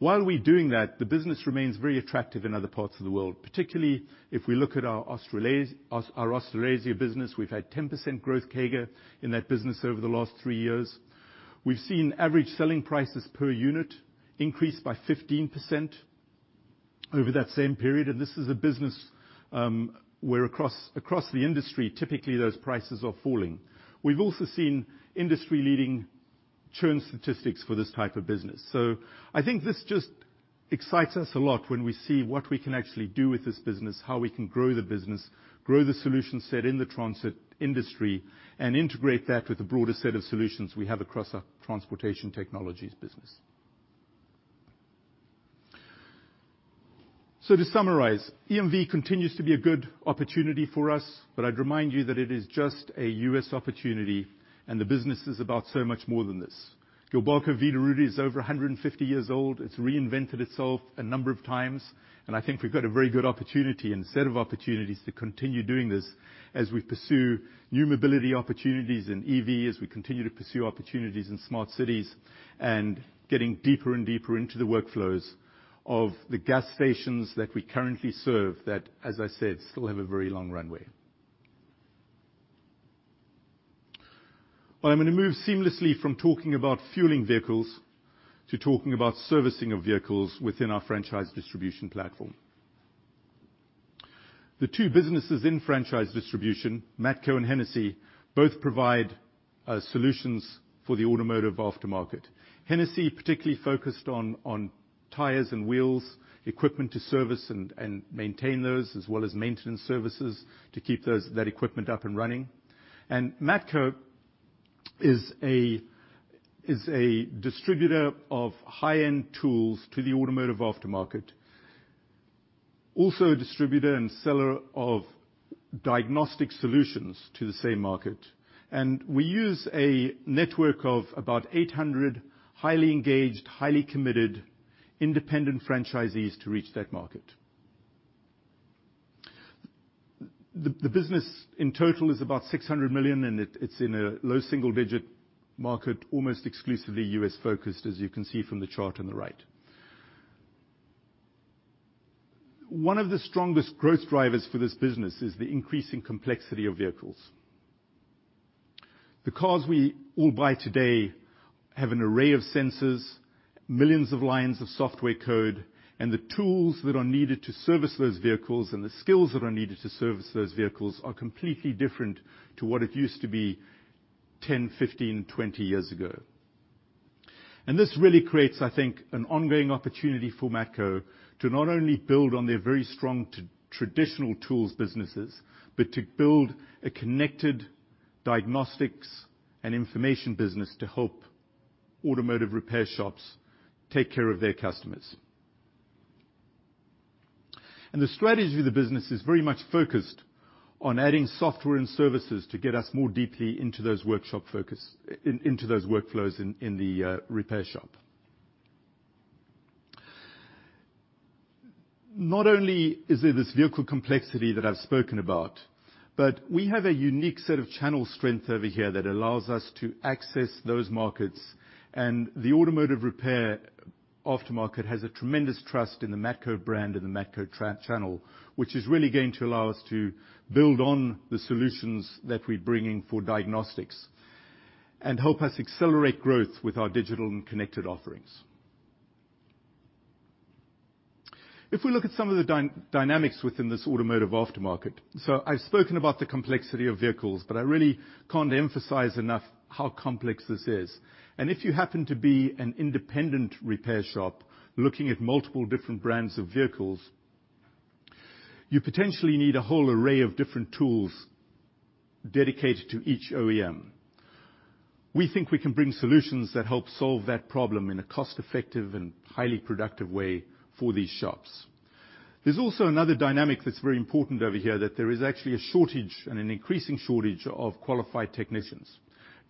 While we're doing that, the business remains very attractive in other parts of the world, particularly if we look at our Australasia business. We've had 10% growth CAGR in that business over the last three years. We've seen average selling prices per unit increase by 15% over that same period. This is a business where across the industry, typically those prices are falling. We've also seen industry-leading churn statistics for this type of business. I think this just excites us a lot when we see what we can actually do with this business, how we can grow the business, grow the solution set in the transit industry, and integrate that with the broader set of solutions we have across our transportation technologies business. To summarize, EMV continues to be a good opportunity for us, but I'd remind you that it is just a U.S. opportunity, and the business is about so much more than this. Gilbarco Veeder-Root is over 150 years old. It's reinvented itself a number of times. I think we've got a very good opportunity and set of opportunities to continue doing this as we pursue new mobility opportunities in EV, as we continue to pursue opportunities in smart cities, and getting deeper and deeper into the workflows of the gas stations that we currently serve that, as I said, still have a very long runway. I'm going to move seamlessly from talking about fueling vehicles to talking about servicing of vehicles within our Franchise Distribution platform. The two businesses in Franchise Distribution, Matco and Hennessy, both provide solutions for the automotive aftermarket. Hennessy particularly focused on tires and wheels, equipment to service and maintain those, as well as maintenance services to keep that equipment up and running. Matco is a distributor of high-end tools to the automotive aftermarket, also a distributor and seller of diagnostic solutions to the same market. We use a network of about 800 highly engaged, highly committed, independent franchisees to reach that market. The business in total is about $600 million, and it's in a low single-digit market, almost exclusively U.S.-focused, as you can see from the chart on the right. One of the strongest growth drivers for this business is the increasing complexity of vehicles. The cars we all buy today have an array of sensors, millions of lines of software code, and the tools that are needed to service those vehicles, and the skills that are needed to service those vehicles, are completely different to what it used to be 10, 15, 20 years ago. This really creates, I think, an ongoing opportunity for Matco to not only build on their very strong traditional tools businesses, but to build a connected diagnostics and information business to help automotive repair shops take care of their customers. The strategy of the business is very much focused on adding software and services to get us more deeply into those workflows in the repair shop. Not only is there this vehicle complexity that I've spoken about, but we have a unique set of channel strength over here that allows us to access those markets. The automotive repair aftermarket has a tremendous trust in the Matco brand and the Matco channel, which is really going to allow us to build on the solutions that we're bringing for diagnostics and help us accelerate growth with our digital and connected offerings. If we look at some of the dynamics within this automotive aftermarket, I've spoken about the complexity of vehicles, but I really can't emphasize enough how complex this is. If you happen to be an independent repair shop looking at multiple different brands of vehicles, you potentially need a whole array of different tools dedicated to each OEM. We think we can bring solutions that help solve that problem in a cost-effective and highly productive way for these shops. There's also another dynamic that's very important over here, that there is actually a shortage and an increasing shortage of qualified technicians.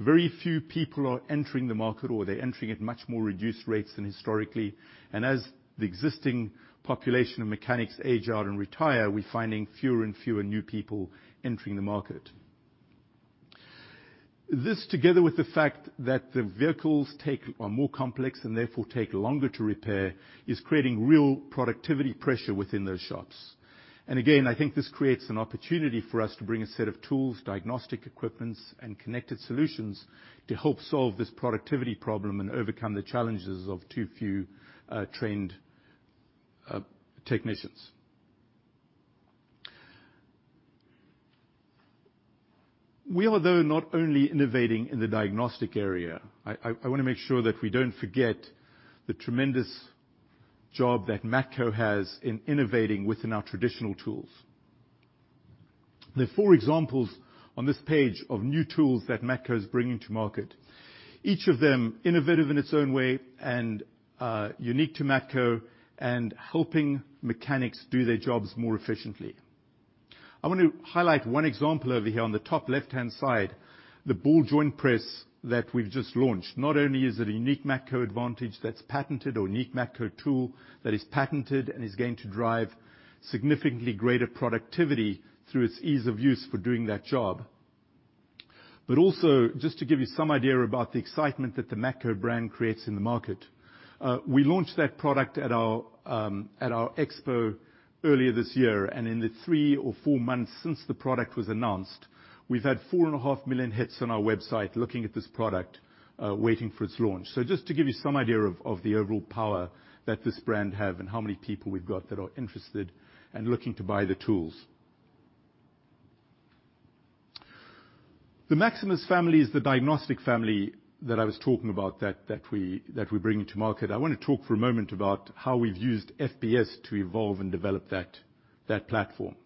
Very few people are entering the market, or they're entering at much more reduced rates than historically. As the existing population of mechanics age out and retire, we're finding fewer and fewer new people entering the market. This, together with the fact that the vehicles are more complex and therefore take longer to repair, is creating real productivity pressure within those shops. Again, I think this creates an opportunity for us to bring a set of tools, diagnostic equipment, and connected solutions to help solve this productivity problem and overcome the challenges of too few trained technicians. We are, though, not only innovating in the diagnostic area. I want to make sure that we don't forget the tremendous job that Matco has in innovating within our traditional tools. There are four examples on this page of new tools that Matco's bringing to market, each of them innovative in its own way and unique to Matco, and helping mechanics do their jobs more efficiently. I want to highlight one example over here on the top left-hand side, the ball joint press that we've just launched. Not only is it a unique Matco advantage that's patented or unique Matco tool that is patented and is going to drive significantly greater productivity through its ease of use for doing that job. Also, just to give you some idea about the excitement that the Matco brand creates in the market, we launched that product at our expo earlier this year. In the three or four months since the product was announced, we've had four and a half million hits on our website looking at this product, waiting for its launch. Just to give you some idea of the overall power that this brand have and how many people we've got that are interested and looking to buy the tools. The Maximus family is the diagnostic family that I was talking about that we're bringing to market. I want to talk for a moment about how we've used FBS to evolve and develop that platform.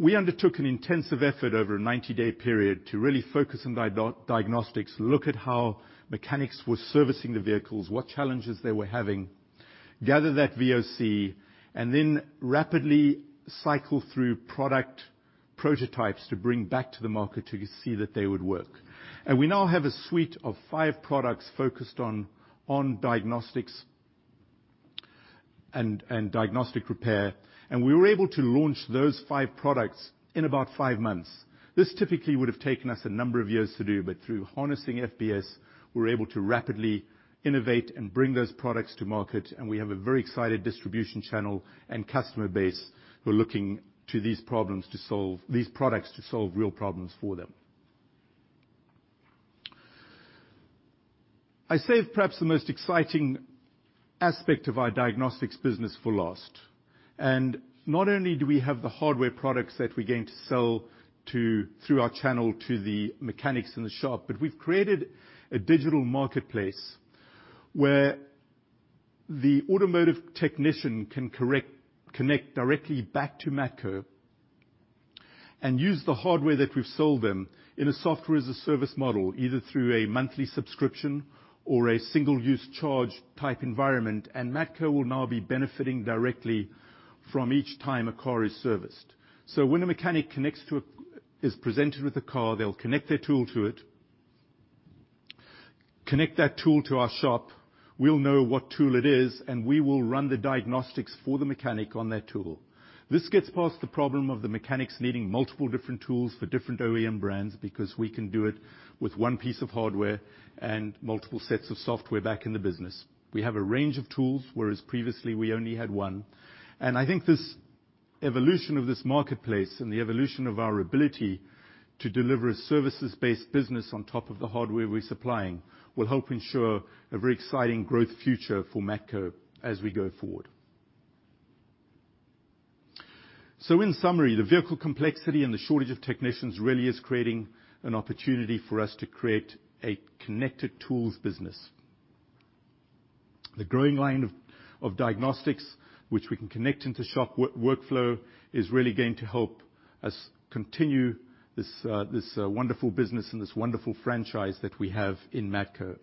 We undertook an intensive effort over a 90-day period to really focus on diagnostics, look at how mechanics were servicing the vehicles, what challenges they were having, gather that VOC, and then rapidly cycle through product prototypes to bring back to the market to see that they would work. We now have a suite of five products focused on diagnostics and diagnostic repair. We were able to launch those five products in about five months. This typically would have taken us a number of years to do, but through harnessing FBS, we were able to rapidly innovate and bring those products to market, and we have a very excited distribution channel and customer base who are looking to these products to solve real problems for them. I saved perhaps the most exciting aspect of our diagnostics business for last. Not only do we have the hardware products that we're going to sell through our channel to the mechanics in the shop, but we've created a digital marketplace where the automotive technician can connect directly back to Matco and use the hardware that we've sold them in a software-as-a-service model, either through a monthly subscription or a single-use charge type environment. Matco will now be benefiting directly from each time a car is serviced. When a mechanic is presented with a car, they'll connect their tool to it, connect that tool to our shop. We'll know what tool it is, and we will run the diagnostics for the mechanic on that tool. This gets past the problem of the mechanics needing multiple different tools for different OEM brands, because we can do it with one piece of hardware and multiple sets of software back in the business. We have a range of tools, whereas previously we only had one. I think this evolution of this marketplace and the evolution of our ability to deliver a services-based business on top of the hardware we're supplying, will help ensure a very exciting growth future for Matco as we go forward. In summary, the vehicle complexity and the shortage of technicians really is creating an opportunity for us to create a connected tools business. The growing line of diagnostics, which we can connect into shop workflow, is really going to help us continue this wonderful business and this wonderful franchise that we have in Matco.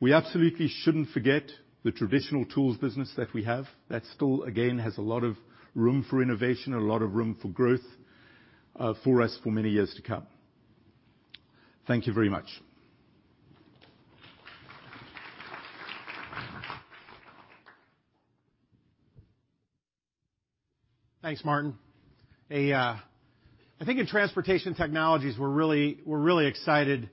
We absolutely shouldn't forget the traditional tools business that we have. That still, again, has a lot of room for innovation and a lot of room for growth for us for many years to come. Thank you very much. Thanks, Martin. I think in Transportation Technologies, we're really excited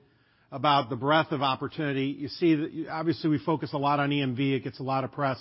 about the breadth of opportunity. You see that obviously we focus a lot on EMV. It gets a lot of press.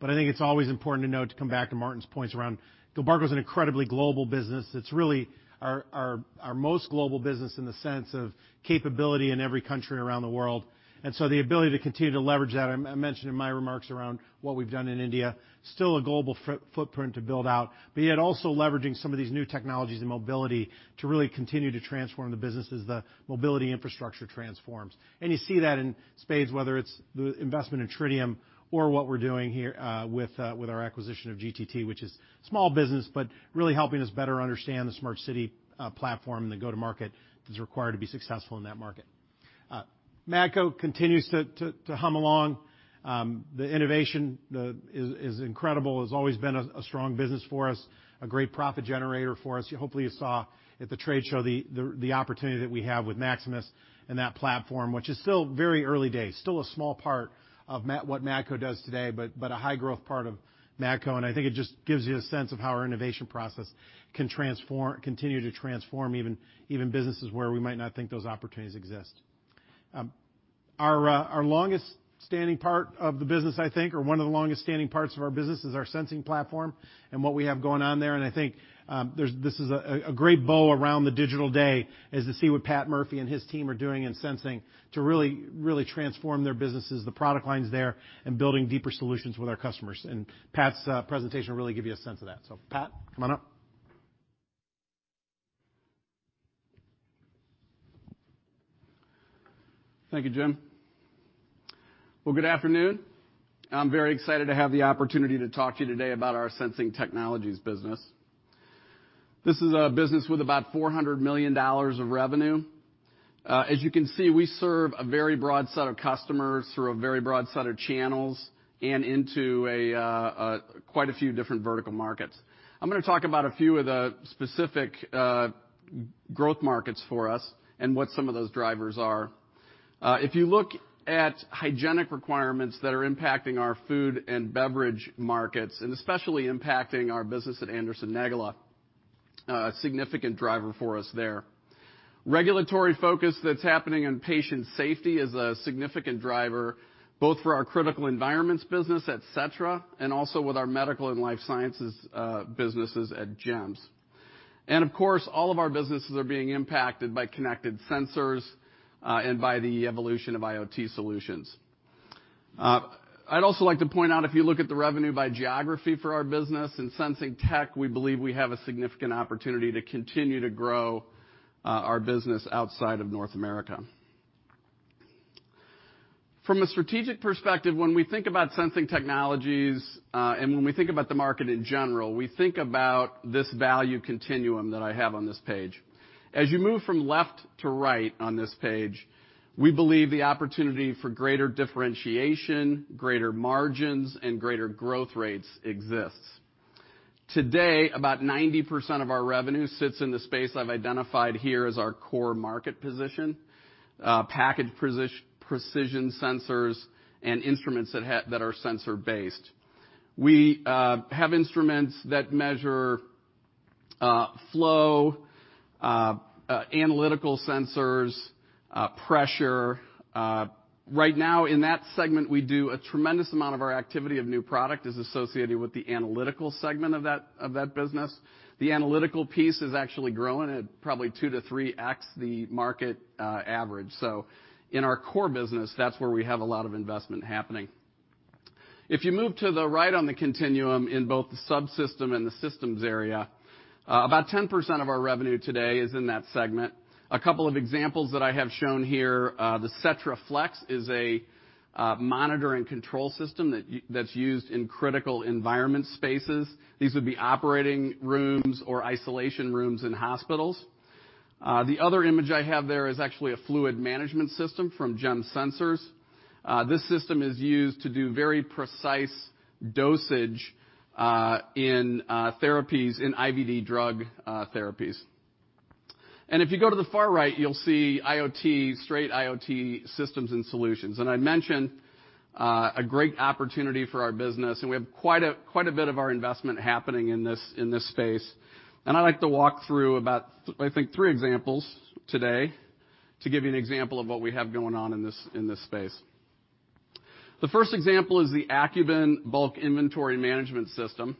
I think it's always important to note, to come back to Martin's points around Gilbarco's an incredibly global business. It's really our most global business in the sense of capability in every country around the world. The ability to continue to leverage that, I mentioned in my remarks around what we've done in India. Still a global footprint to build out, but yet also leveraging some of these new technologies and mobility to really continue to transform the business as the mobility infrastructure transforms. You see that in Spades, whether it's the investment in Tritium or what we're doing here with our acquisition of GTT, which is small business, but really helping us better understand the smart city platform and the go-to-market that's required to be successful in that market. Matco continues to hum along. The innovation is incredible. Has always been a strong business for us, a great profit generator for us. Hopefully you saw at the trade show the opportunity that we have with Maximus and that platform, which is still very early days. Still a small part of what Matco does today, but a high growth part of Matco. I think it just gives you a sense of how our innovation process can continue to transform even businesses where we might not think those opportunities exist. Our longest standing part of the business, I think, or one of the longest standing parts of our business is our sensing platform and what we have going on there. I think this is a great bow around the digital day, is to see what Pat Murphy and his team are doing in sensing to really transform their businesses, the product lines there, and building deeper solutions with our customers. Pat's presentation will really give you a sense of that. Pat, come on up. Thank you, Jim. Well, good afternoon. I'm very excited to have the opportunity to talk to you today about our Sensing Technologies business. This is a business with about $400 million of revenue. As you can see, we serve a very broad set of customers through a very broad set of channels and into quite a few different vertical markets. I'm going to talk about a few of the specific growth markets for us and what some of those drivers are. If you look at hygienic requirements that are impacting our food and beverage markets, and especially impacting our business at Anderson-Negele, a significant driver for us there. Regulatory focus that's happening in patient safety is a significant driver, both for our critical environments business at Setra, and also with our medical and life sciences businesses at Gems. Of course, all of our businesses are being impacted by connected sensors, and by the evolution of IoT solutions. I'd also like to point out, if you look at the revenue by geography for our business, in Sensing tech, we believe we have a significant opportunity to continue to grow our business outside of North America. From a strategic perspective, when we think about Sensing Technologies, and when we think about the market in general, we think about this value continuum that I have on this page. As you move from left to right on this page, we believe the opportunity for greater differentiation, greater margins, and greater growth rates exists. Today, about 90% of our revenue sits in the space I've identified here as our core market position. Package precision sensors and instruments that are sensor based. We have instruments that measure flow, analytical sensors, pressure. Right now, in that segment, we do a tremendous amount of our activity of new product is associated with the analytical segment of that business. The analytical piece is actually growing at probably 2x-3x the market average. In our core business, that's where we have a lot of investment happening. If you move to the right on the continuum in both the subsystem and the systems area, about 10% of our revenue today is in that segment. A couple of examples that I have shown here, the Setra FLEX is a monitor and control system that's used in critical environment spaces. These would be operating rooms or isolation rooms in hospitals. The other image I have there is actually a fluid management system from Gems Sensors. This system is used to do very precise dosage in IVD drug therapies. If you go to the far right, you'll see IoT, straight IoT systems and solutions. I mentioned a great opportunity for our business, we have quite a bit of our investment happening in this space. I'd like to walk through about, I think, three examples today to give you an example of what we have going on in this space. The first example is the AcuBin bulk inventory management system.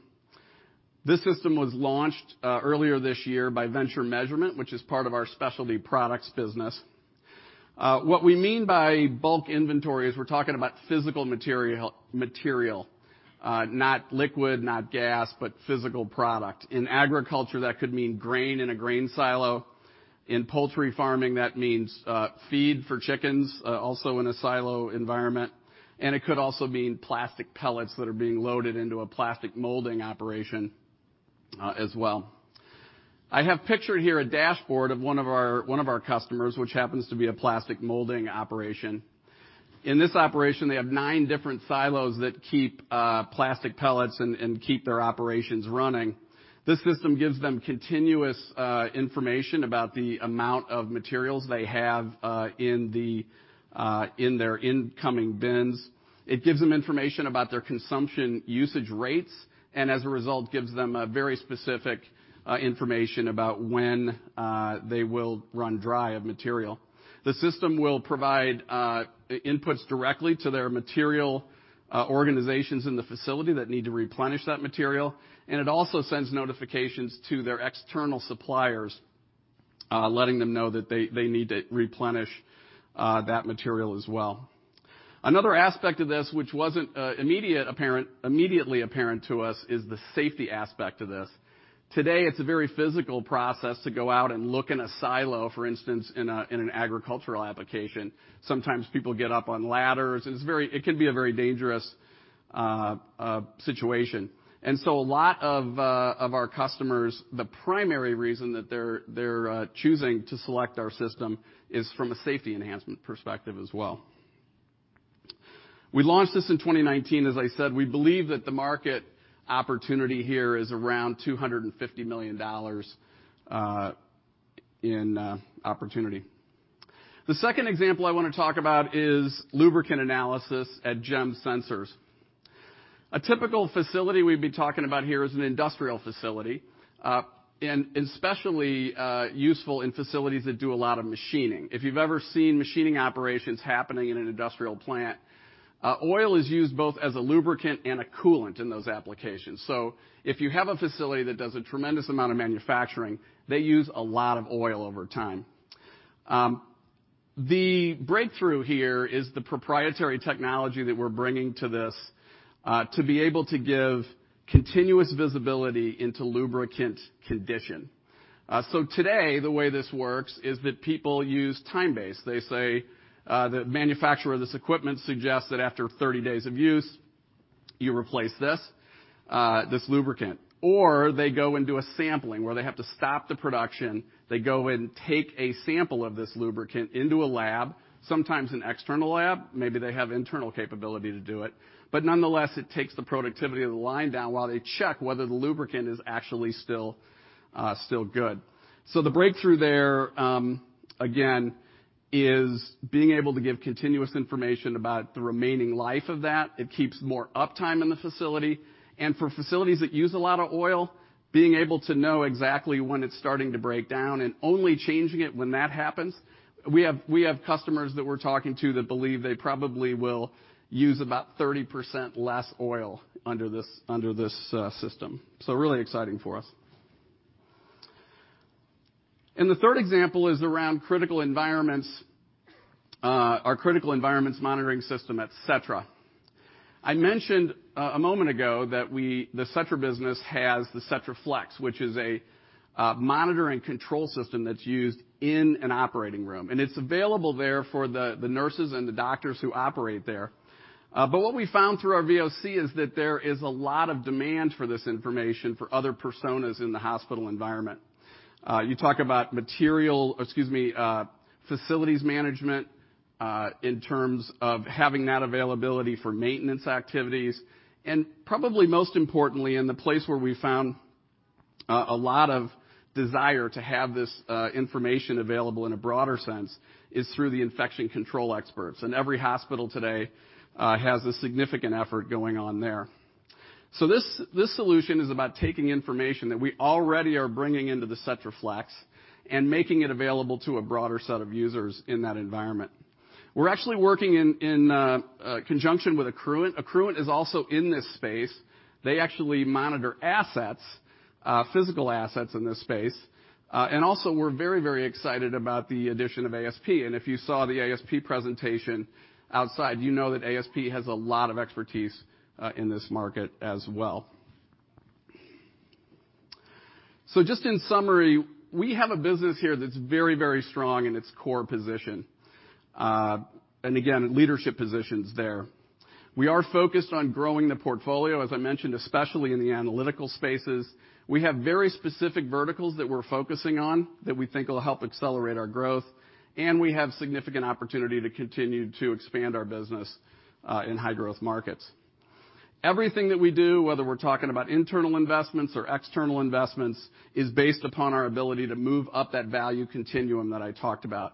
This system was launched earlier this year by Venture Measurement, which is part of our specialty products business. What we mean by bulk inventory is we're talking about physical material. Not liquid, not gas, but physical product. In agriculture, that could mean grain in a grain silo. In poultry farming, that means feed for chickens, also in a silo environment. It could also mean plastic pellets that are being loaded into a plastic molding operation as well. I have pictured here a dashboard of one of our customers, which happens to be a plastic molding operation. In this operation, they have nine different silos that keep plastic pellets and keep their operations running. This system gives them continuous information about the amount of materials they have in their incoming bins. It gives them information about their consumption usage rates, as a result, gives them a very specific information about when they will run dry of material. The system will provide inputs directly to their material organizations in the facility that need to replenish that material, it also sends notifications to their external suppliers, letting them know that they need to replenish that material as well. Another aspect of this, which wasn't immediately apparent to us, is the safety aspect of this. Today, it's a very physical process to go out and look in a silo, for instance, in an agricultural application. Sometimes people get up on ladders. It can be a very dangerous situation. A lot of our customers, the primary reason that they're choosing to select our system is from a safety enhancement perspective as well. We launched this in 2019. As I said, we believe that the market opportunity here is around $250 million in opportunity. The second example I want to talk about is lubricant analysis at Gems Sensors. A typical facility we'd be talking about here is an industrial facility, especially useful in facilities that do a lot of machining. If you've ever seen machining operations happening in an industrial plant, oil is used both as a lubricant and a coolant in those applications. If you have a facility that does a tremendous amount of manufacturing, they use a lot of oil over time. The breakthrough here is the proprietary technology that we're bringing to this, to be able to give continuous visibility into lubricant condition. Today, the way this works is that people use time-based. They say the manufacturer of this equipment suggests that after 30 days of use, you replace this lubricant. They go and do a sampling where they have to stop the production, they go and take a sample of this lubricant into a lab, sometimes an external lab. Maybe they have internal capability to do it. Nonetheless, it takes the productivity of the line down while they check whether the lubricant is actually still good. The breakthrough there, again, is being able to give continuous information about the remaining life of that. It keeps more uptime in the facility. For facilities that use a lot of oil, being able to know exactly when it's starting to break down and only changing it when that happens. We have customers that we're talking to that believe they probably will use about 30% less oil under this system. Really exciting for us. The third example is around our critical environments monitoring system at Setra. I mentioned a moment ago that the Setra business has the Setra FLEX, which is a monitor and control system that's used in an operating room. It's available there for the nurses and the doctors who operate there. What we found through our VOC is that there is a lot of demand for this information for other personas in the hospital environment. You talk about facilities management, in terms of having that availability for maintenance activities. Probably most importantly, and the place where we found a lot of desire to have this information available in a broader sense, is through the infection control experts. Every hospital today has a significant effort going on there. This solution is about taking information that we already are bringing into the Setra FLEX and making it available to a broader set of users in that environment. We're actually working in conjunction with Accruent. Accruent is also in this space. They actually monitor assets, physical assets in this space. Also, we're very excited about the addition of ASP. If you saw the ASP presentation outside, you know that ASP has a lot of expertise in this market as well. Just in summary, we have a business here that's very, very strong in its core position. Again, leadership positions there. We are focused on growing the portfolio, as I mentioned, especially in the analytical spaces. We have very specific verticals that we're focusing on that we think will help accelerate our growth, and we have significant opportunity to continue to expand our business in high-growth markets. Everything that we do, whether we're talking about internal investments or external investments, is based upon our ability to move up that value continuum that I talked about.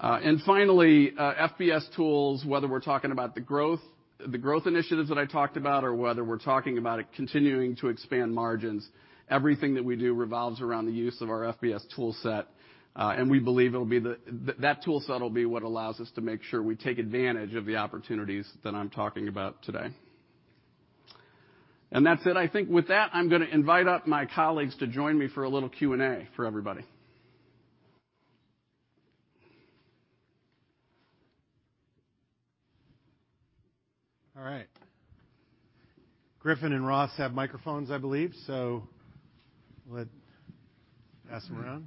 Finally, FBS tools, whether we're talking about the growth initiatives that I talked about or whether we're talking about continuing to expand margins, everything that we do revolves around the use of our FBS tool set. We believe that tool set will be what allows us to make sure we take advantage of the opportunities that I'm talking about today. That's it. I think with that, I'm going to invite up my colleagues to join me for a little Q&A for everybody. All right. Griffin and Ross have microphones, I believe, so we'll pass them around.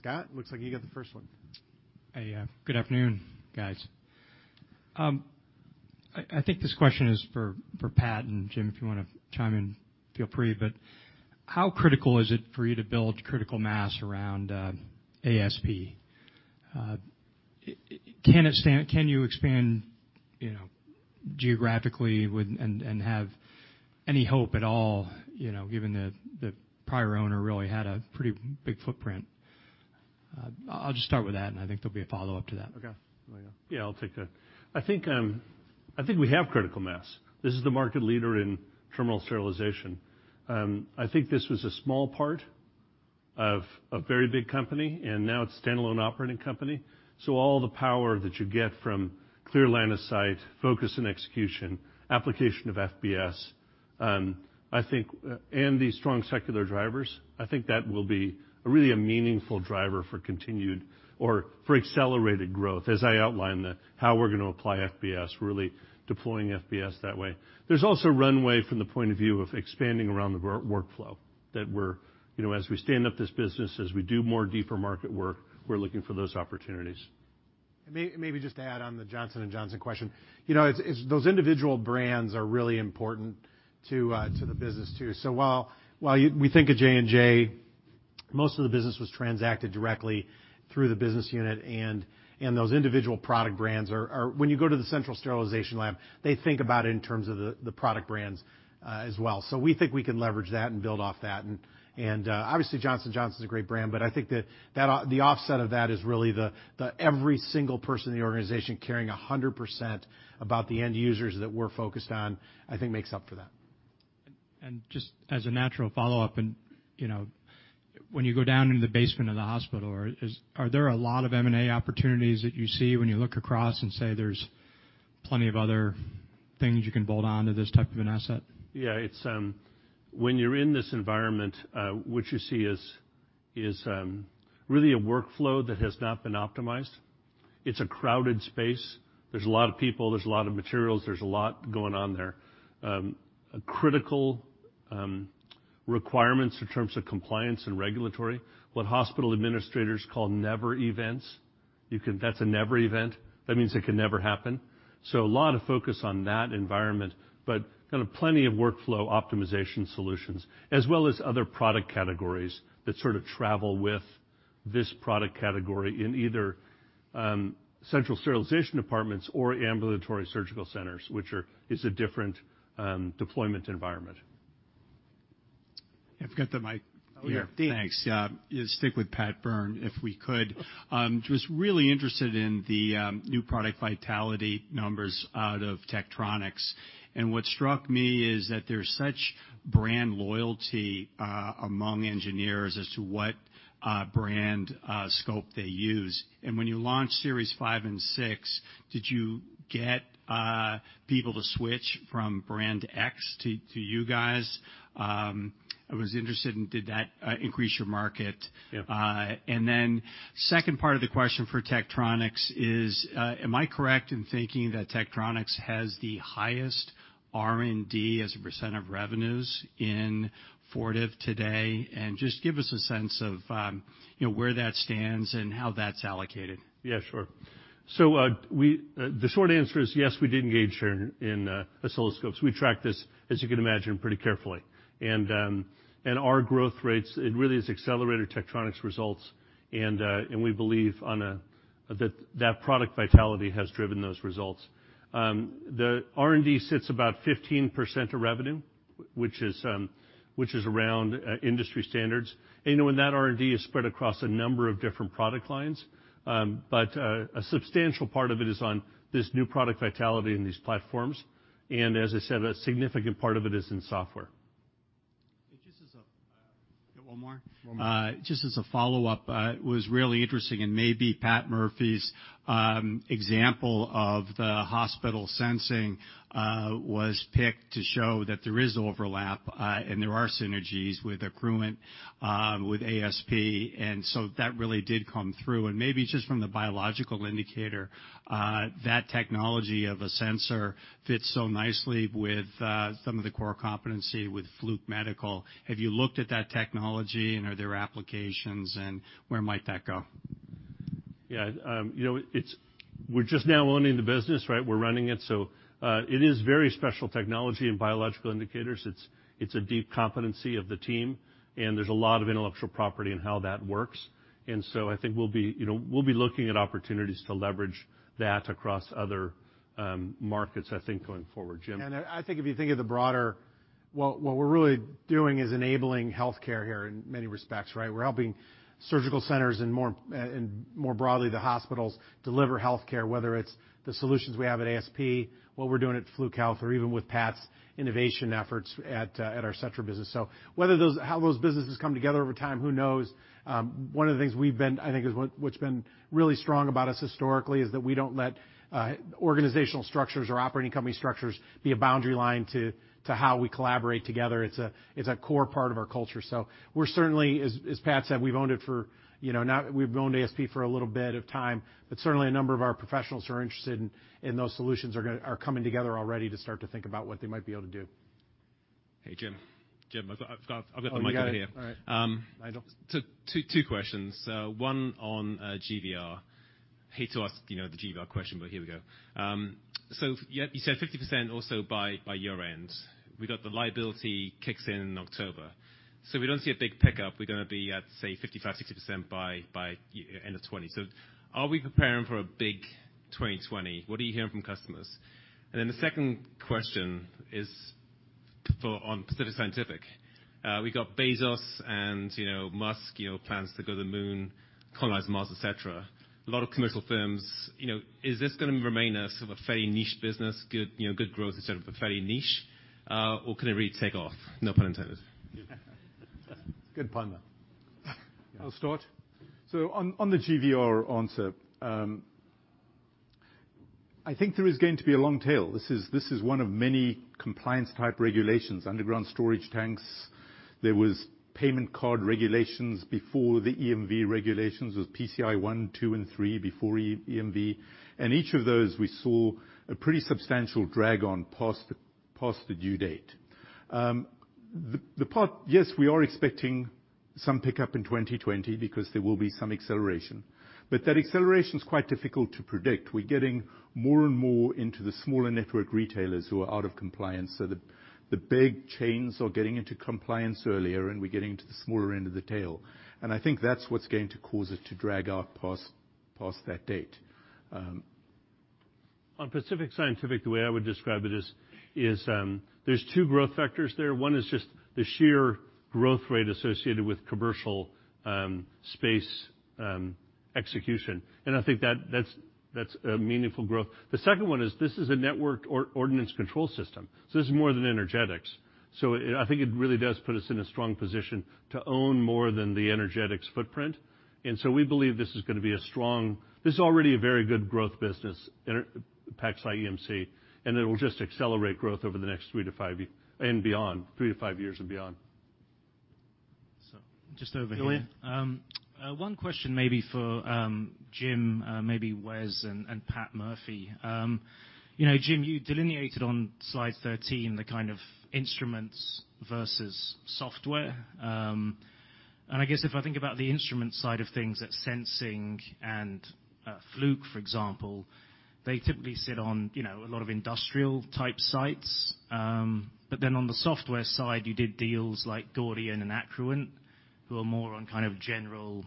Scott, looks like you got the first one. Good afternoon, guys. I think this question is for Pat, Jim, if you want to chime in, feel free. How critical is it for you to build critical mass around ASP? Can you expand geographically and have any hope at all, given the prior owner really had a pretty big footprint? I will just start with that, and I think there will be a follow-up to that. Okay. You want to go? Yeah, I will take that. I think we have critical mass. This is the market leader in terminal sterilization. I think this was a small part of a very big company, and now it is a standalone operating company. All the power that you get from clear line of sight, focus and execution, application of FBS, and these strong secular drivers, I think that will be really a meaningful driver for continued or for accelerated growth, as I outlined how we are going to apply FBS, really deploying FBS that way. There is also runway from the point of view of expanding around the workflow, that as we stand up this business, as we do more deeper market work, we are looking for those opportunities. Maybe just to add on the Johnson & Johnson question. Those individual brands are really important to the business, too. While we think of J&J, most of the business was transacted directly through the business unit, and those individual product brands when you go to the central sterilization lab, they think about it in terms of the product brands as well. We think we can leverage that and build off that. Obviously, Johnson & Johnson's a great brand, I think the offset of that is really the every single person in the organization caring 100% about the end users that we are focused on, I think makes up for that. Just as a natural follow-up, when you go down into the basement of the hospital, are there a lot of M&A opportunities that you see when you look across and say there's plenty of other things you can bolt onto this type of an asset? Yeah. When you're in this environment, what you see is really a workflow that has not been optimized. It's a crowded space. There's a lot of people, there's a lot of materials, there's a lot going on there. Critical requirements in terms of compliance and regulatory, what hospital administrators call never events. That's a never event. That means it can never happen. A lot of focus on that environment, but plenty of workflow optimization solutions, as well as other product categories that sort of travel with this product category in either central sterilization departments or ambulatory surgical centers, which is a different deployment environment. I forgot the mic. Oh, here. Thanks. Stick with Patrick Byrne, if we could. Just really interested in the new product vitality numbers out of Tektronix. What struck me is that there's such brand loyalty among engineers as to what brand scope they use. When you launched 5 Series and 6 Series, did you get people to switch from brand X to you guys? I was interested in did that increase your market. Yep. Second part of the question for Tektronix is, am I correct in thinking that Tektronix has the highest R&D as a % of revenues in Fortive today? Just give us a sense of where that stands and how that's allocated. Yeah, sure. The short answer is yes, we did gain share in oscilloscopes. We tracked this, as you can imagine, pretty carefully. Our growth rates, it really has accelerated Tektronix results, and we believe that that product vitality has driven those results. The R&D sits about 15% of revenue, which is around industry standards. That R&D is spread across a number of different product lines. A substantial part of it is on this new product vitality and these platforms. As I said, a significant part of it is in software. Just as a- Got one more? One more. Just as a follow-up, it was really interesting, and maybe Pat Murphy's example of the hospital sensing was picked to show that there is overlap and there are synergies with Accruent, with ASP, that really did come through. Maybe just from the biological indicator, that technology of a sensor fits so nicely with some of the core competency with Fluke Biomedical. Have you looked at that technology, and are there applications, and where might that go? Yeah. We're just now owning the business, right? We're running it. It is very special technology and biological indicators. It's a deep competency of the team, and there's a lot of intellectual property in how that works. I think we'll be looking at opportunities to leverage that across other markets, I think, going forward. Jim? I think if you think of the broader, what we're really doing is enabling healthcare here in many respects, right? We're helping surgical centers and more broadly, the hospitals deliver healthcare, whether it's the solutions we have at ASP, what we're doing at Fluke Health, or even with Pat's innovation efforts at our Setra business. How those businesses come together over time, who knows? One of the things I think what's been really strong about us historically, is that we don't let organizational structures or operating company structures be a boundary line to how we collaborate together. It's a core part of our culture. We're certainly, as Pat said, we've owned ASP for a little bit of time, but certainly a number of our professionals who are interested in those solutions are coming together already to start to think about what they might be able to do. Hey, Jim. Jim, I've got the mic here. You got it. All right. Two questions. One on GVR. Hate to ask the GVR question, here we go. You said 50% or so by year-end. We've got the liability kicks in in October. We don't see a big pickup. We're going to be at, say, 55%, 60% by end of 2020. Are we preparing for a big 2020? What are you hearing from customers? The second question is on Pacific Scientific. We got Bezos and Musk plans to go to the moon, colonize Mars, et cetera. A lot of commercial firms. Is this going to remain a sort of a fairly niche business, good growth, et cetera, but fairly niche, or could it really take off? No pun intended. Good pun, though. I'll start. On the GVR answer, I think there is going to be a long tail. This is one of many compliance-type regulations. Underground storage tanks. There was payment card regulations before the EMV regulations. There was PCI 1, 2, and 3 before EMV. Each of those, we saw a pretty substantial drag on past the due date. We are expecting some pickup in 2020 because there will be some acceleration. That acceleration is quite difficult to predict. We're getting more and more into the smaller network retailers who are out of compliance. The big chains are getting into compliance earlier, and we're getting to the smaller end of the tail. I think that's what's going to cause it to drag out past that date. On Pacific Scientific, the way I would describe it is, there are two growth factors there. One is just the sheer growth rate associated with commercial space execution. I think that's a meaningful growth. The second one is, this is a networked ordinance control system. This is more than energetics. I think it really does put us in a strong position to own more than the energetics footprint. We believe this is going to be a strong-- this is already a very good growth business, Pacific Scientific EMC, and it will just accelerate growth over the next three to five years and beyond. Just over here. Julian. One question maybe for Jim, maybe Wes, and Pat Murphy. Jim, you delineated on slide 13 the kind of instruments versus software. I guess if I think about the instrument side of things at Sensing and Fluke, for example, they typically sit on a lot of industrial type sites. On the software side, you did deals like Gordian and Accruent, who are more on kind of general,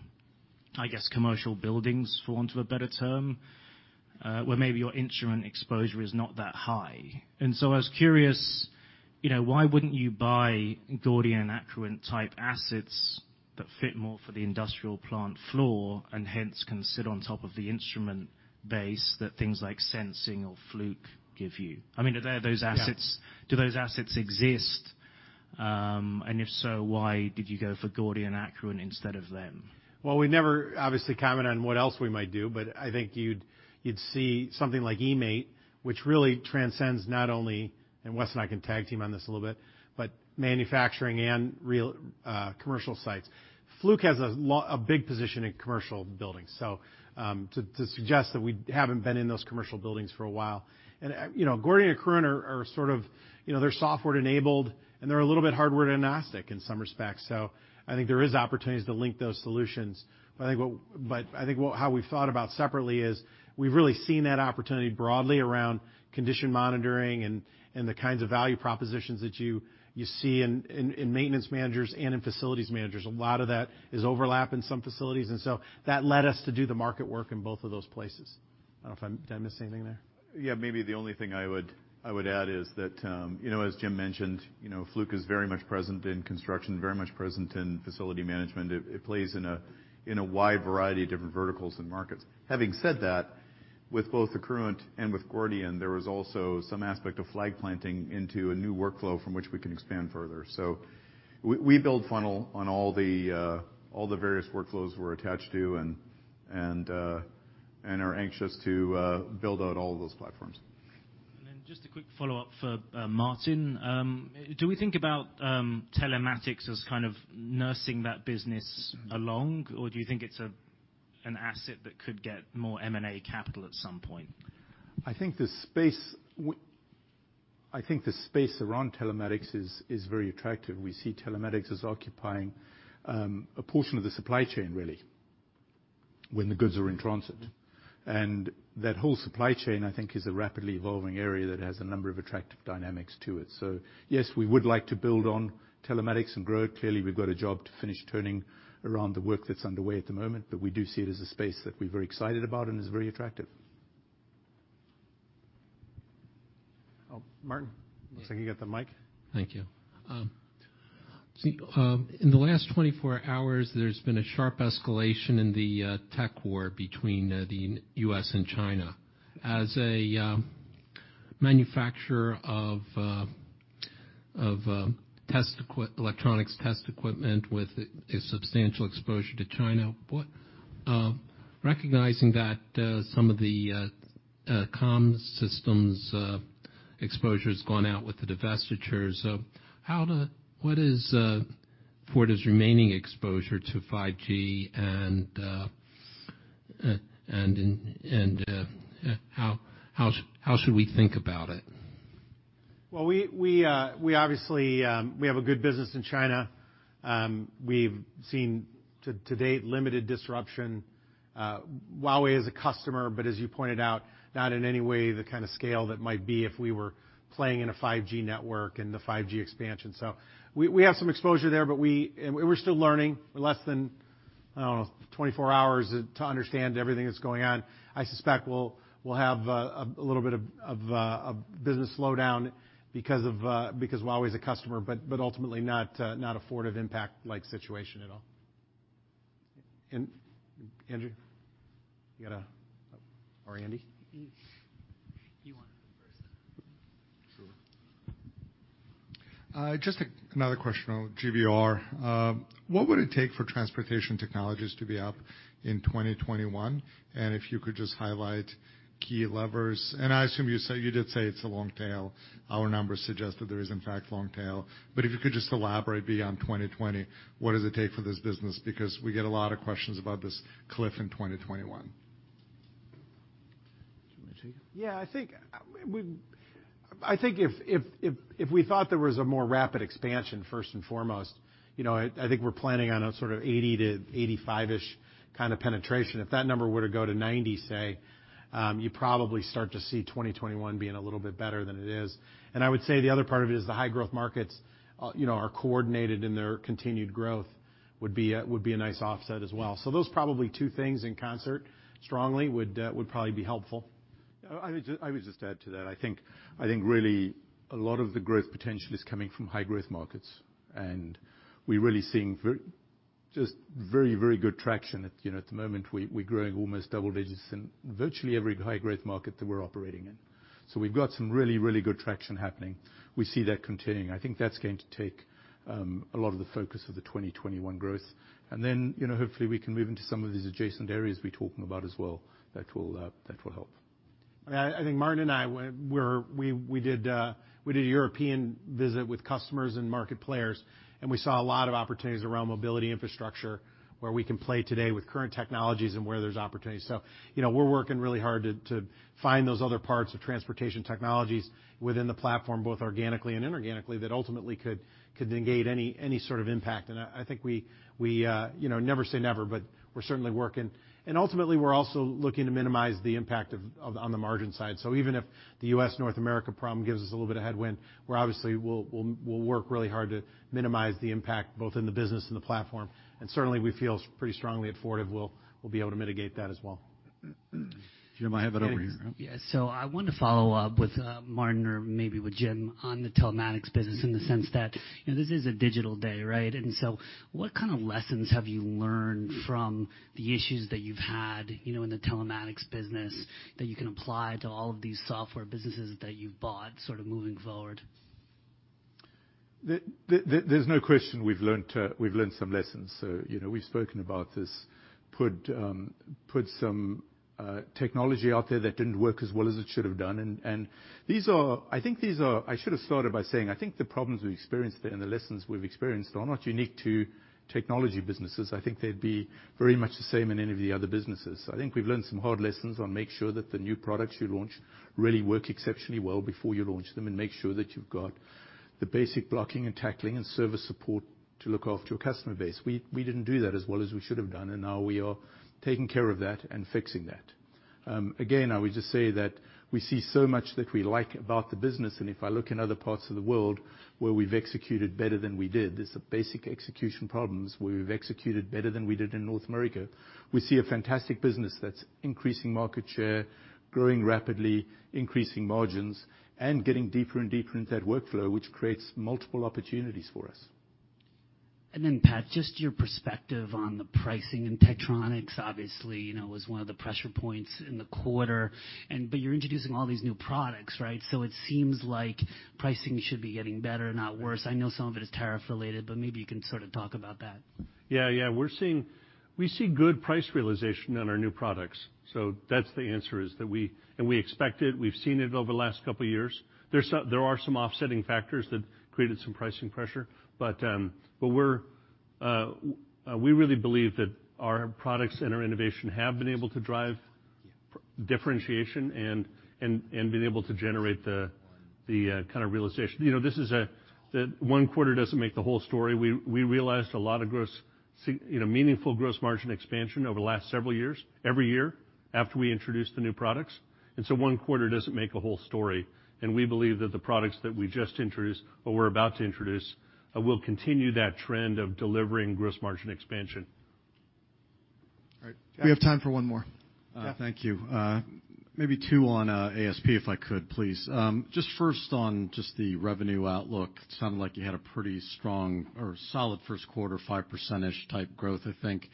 I guess, commercial buildings, for want of a better term, where maybe your instrument exposure is not that high. I was curious, why wouldn't you buy Gordian, Accruent type assets that fit more for the industrial plant floor, and hence can sit on top of the instrument base that things like Sensing or Fluke give you? I mean, are there those assets? Yeah do those assets exist? If so, why did you go for Gordian, Accruent instead of them? Well, we never obviously comment on what else we might do, I think you'd see something like eMaint, which really transcends not only, Wes and I can tag team on this a little bit, manufacturing and real commercial sites. Fluke has a big position in commercial buildings. To suggest that we haven't been in those commercial buildings for a while. Gordian and Accruent are sort of software enabled, and they're a little bit hardware agnostic in some respects. I think there is opportunities to link those solutions. I think how we've thought about separately is we've really seen that opportunity broadly around condition monitoring and the kinds of value propositions that you see in maintenance managers and in facilities managers. A lot of that is overlap in some facilities. That led us to do the market work in both of those places. I don't know, did I miss anything there? Yeah, maybe the only thing I would add is that as Jim mentioned, Fluke is very much present in construction, very much present in facility management. It plays in a wide variety of different verticals and markets. Having said that, with both Accruent and with Gordian, there was also some aspect of flag planting into a new workflow from which we can expand further. We build funnel on all the various workflows we're attached to and are anxious to build out all of those platforms. just a quick follow-up for Martin. Do we think about telematics as kind of nursing that business along, or do you think it's an asset that could get more M&A capital at some point? I think the space I think the space around telematics is very attractive. We see telematics as occupying a portion of the supply chain, really, when the goods are in transit. That whole supply chain, I think, is a rapidly evolving area that has a number of attractive dynamics to it. Yes, we would like to build on telematics and grow it. Clearly, we've got a job to finish turning around the work that's underway at the moment, we do see it as a space that we're very excited about and is very attractive. Martin. Looks like you got the mic. Thank you. In the last 24 hours, there's been a sharp escalation in the tech war between the U.S. and China. As a manufacturer of electronics test equipment with a substantial exposure to China, recognizing that some of the comms systems exposure's gone out with the divestitures, what is Fortive's remaining exposure to 5G and how should we think about it? Obviously, we have a good business in China. We've seen to date limited disruption. Huawei is a customer, but as you pointed out, not in any way the kind of scale that might be if we were playing in a 5G network and the 5G expansion. We have some exposure there, and we're still learning, less than, I don't know, 24 hours to understand everything that's going on. I suspect we'll have a little bit of business slowdown because Huawei's a customer, but ultimately not a Fortive impact-like situation at all. Andrew? You got a Or Andy? You want it first. Sure. Just another question on GVR. What would it take for Transportation Technologies to be up in 2021? If you could just highlight key levers. I assume, you did say it's a long tail. Our numbers suggest that there is in fact long tail. If you could just elaborate beyond 2020, what does it take for this business? Because we get a lot of questions about this cliff in 2021. Do you want me to take it? Yeah, I think if we thought there was a more rapid expansion, first and foremost, I think we're planning on a sort of 80%-85%-ish kind of penetration. If that number were to go to 90%, say, you probably start to see 2021 being a little bit better than it is. I would say the other part of it is the high growth markets are coordinated in their continued growth would be a nice offset as well. Those probably two things in concert strongly would probably be helpful. I would just add to that. I think really a lot of the growth potential is coming from high growth markets, we're really seeing just very good traction. At the moment, we're growing almost double digits in virtually every high growth market that we're operating in. We've got some really good traction happening. We see that continuing. I think that's going to take a lot of the focus of the 2021 growth. Then hopefully we can move into some of these adjacent areas we're talking about as well. That will help. I think Martin and I, we did a European visit with customers and market players, we saw a lot of opportunities around mobility infrastructure where we can play today with current technologies and where there's opportunities. We're working really hard to find those other parts of Transportation Technologies within the platform, both organically and inorganically, that ultimately could negate any sort of impact. I think we never say never, but we're certainly working. Ultimately, we're also looking to minimize the impact on the margin side. Even if the U.S., North America problem gives us a little bit of headwind, we obviously will work really hard to minimize the impact both in the business and the platform. Certainly, we feel pretty strongly at Fortive we'll be able to mitigate that as well. Jim, I have it over here. I wanted to follow up with Martin or maybe with Jim on the telematics business in the sense that this is a digital day, right? What kind of lessons have you learned from the issues that you've had in the telematics business that you can apply to all of these software businesses that you've bought sort of moving forward? There's no question we've learned some lessons. We've spoken about this. Put some technology out there that didn't work as well as it should've done. I should have started by saying, I think the problems we've experienced there and the lessons we've experienced are not unique to technology businesses. I think they'd be very much the same in any of the other businesses. I think we've learned some hard lessons on make sure that the new products you launch really work exceptionally well before you launch them, and make sure that you've got the basic blocking and tackling and service support to look after your customer base. We didn't do that as well as we should have done, and now we are taking care of that and fixing that. Again, I would just say that we see so much that we like about the business, and if I look in other parts of the world where we've executed better than we did, these are basic execution problems where we've executed better than we did in North America. We see a fantastic business that's increasing market share, growing rapidly, increasing margins, and getting deeper and deeper into that workflow, which creates multiple opportunities for us. Pat, just your perspective on the pricing in Tektronix, obviously, was one of the pressure points in the quarter. You're introducing all these new products, right? It seems like pricing should be getting better, not worse. I know some of it is tariff related, but maybe you can sort of talk about that. Yeah. We're seeing good price realization on our new products. That's the answer is that we expect it. We've seen it over the last couple of years. There are some offsetting factors that created some pricing pressure, we really believe that our products and our innovation have been able to drive differentiation and being able to generate the kind of realization. One quarter doesn't make the whole story. We realized a lot of meaningful gross margin expansion over the last several years, every year after we introduced the new products. One quarter doesn't make a whole story, and we believe that the products that we just introduced, or we're about to introduce, will continue that trend of delivering gross margin expansion. All right. We have time for one more. Jeff? Thank you. Maybe two on ASP, if I could, please. First on the revenue outlook, it sounded like you had a pretty strong or solid first quarter, 5%-ish type growth, I think.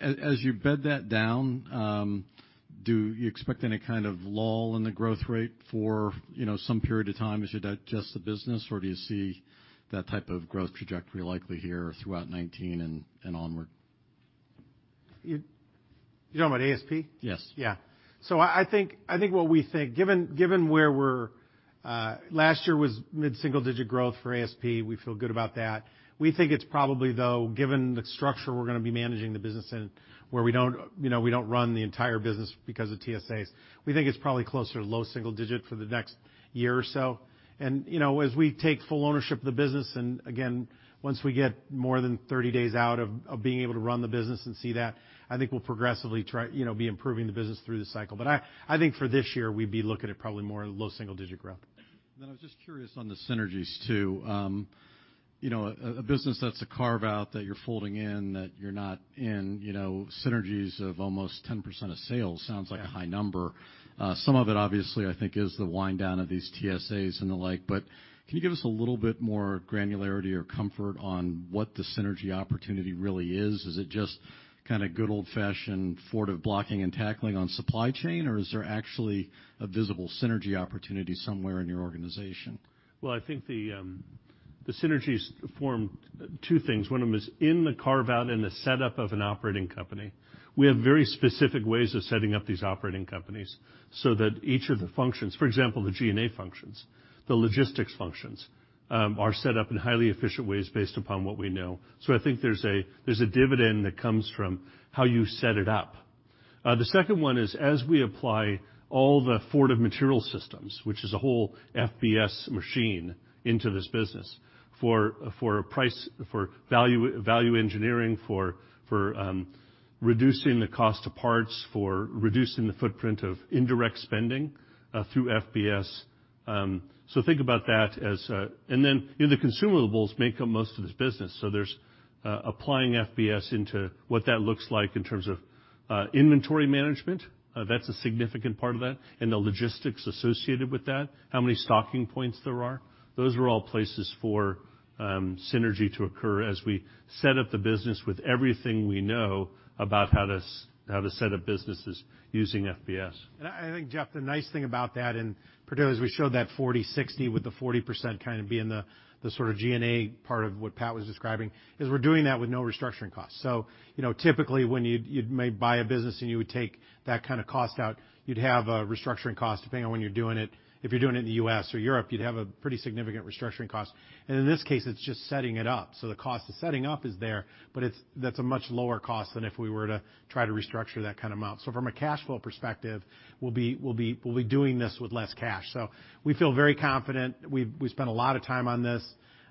As you bed that down, do you expect any kind of lull in the growth rate for some period of time as you digest the business, or do you see that type of growth trajectory likely here throughout 2019 and onward? You're talking about ASP? Yes. Yeah. I think what we think, last year was mid-single digit growth for ASP. We feel good about that. We think it's probably, though, given the structure we're going to be managing the business in, where we don't run the entire business because of TSAs, we think it's probably closer to low single digit for the next year or so. As we take full ownership of the business, and again, once we get more than 30 days out of being able to run the business and see that, I think we'll progressively be improving the business through the cycle. I think for this year, we'd be looking at probably more low single digit growth. I was just curious on the synergies, too. A business that's a carve-out that you're folding in, that you're not in synergies of almost 10% of sales sounds like a high number. Some of it, obviously, I think is the wind down of these TSAs and the like, but can you give us a little bit more granularity or comfort on what the synergy opportunity really is? Is it just kind of good old-fashioned Fortive blocking and tackling on supply chain, or is there actually a visible synergy opportunity somewhere in your organization? I think the synergies form two things. One of them is in the carve-out and the setup of an operating company. We have very specific ways of setting up these operating companies, that each of the functions, for example, the G&A functions, the logistics functions, are set up in highly efficient ways based upon what we know. I think there's a dividend that comes from how you set it up. The second one is, as we apply all the Fortive material systems, which is a whole FBS machine into this business for value engineering, for reducing the cost of parts, for reducing the footprint of indirect spending through FBS. Think about that as the consumables make up most of this business. There's applying FBS into what that looks like in terms of inventory management. That's a significant part of that, and the logistics associated with that, how many stocking points there are. Those are all places for synergy to occur as we set up the business with everything we know about how to set up businesses using FBS. I think, Jeff, the nice thing about that, and particularly as we showed that 40/60, with the 40% kind of being the sort of G&A part of what Pat was describing, is we're doing that with no restructuring costs. Typically, when you may buy a business and you would take that kind of cost out, you'd have a restructuring cost depending on when you're doing it. If you're doing it in the U.S. or Europe, you'd have a pretty significant restructuring cost. In this case, it's just setting it up. The cost of setting up is there, but that's a much lower cost than if we were to try to restructure that kind of amount. From a cash flow perspective, we'll be doing this with less cash. We feel very confident. We've spent a lot of time on this.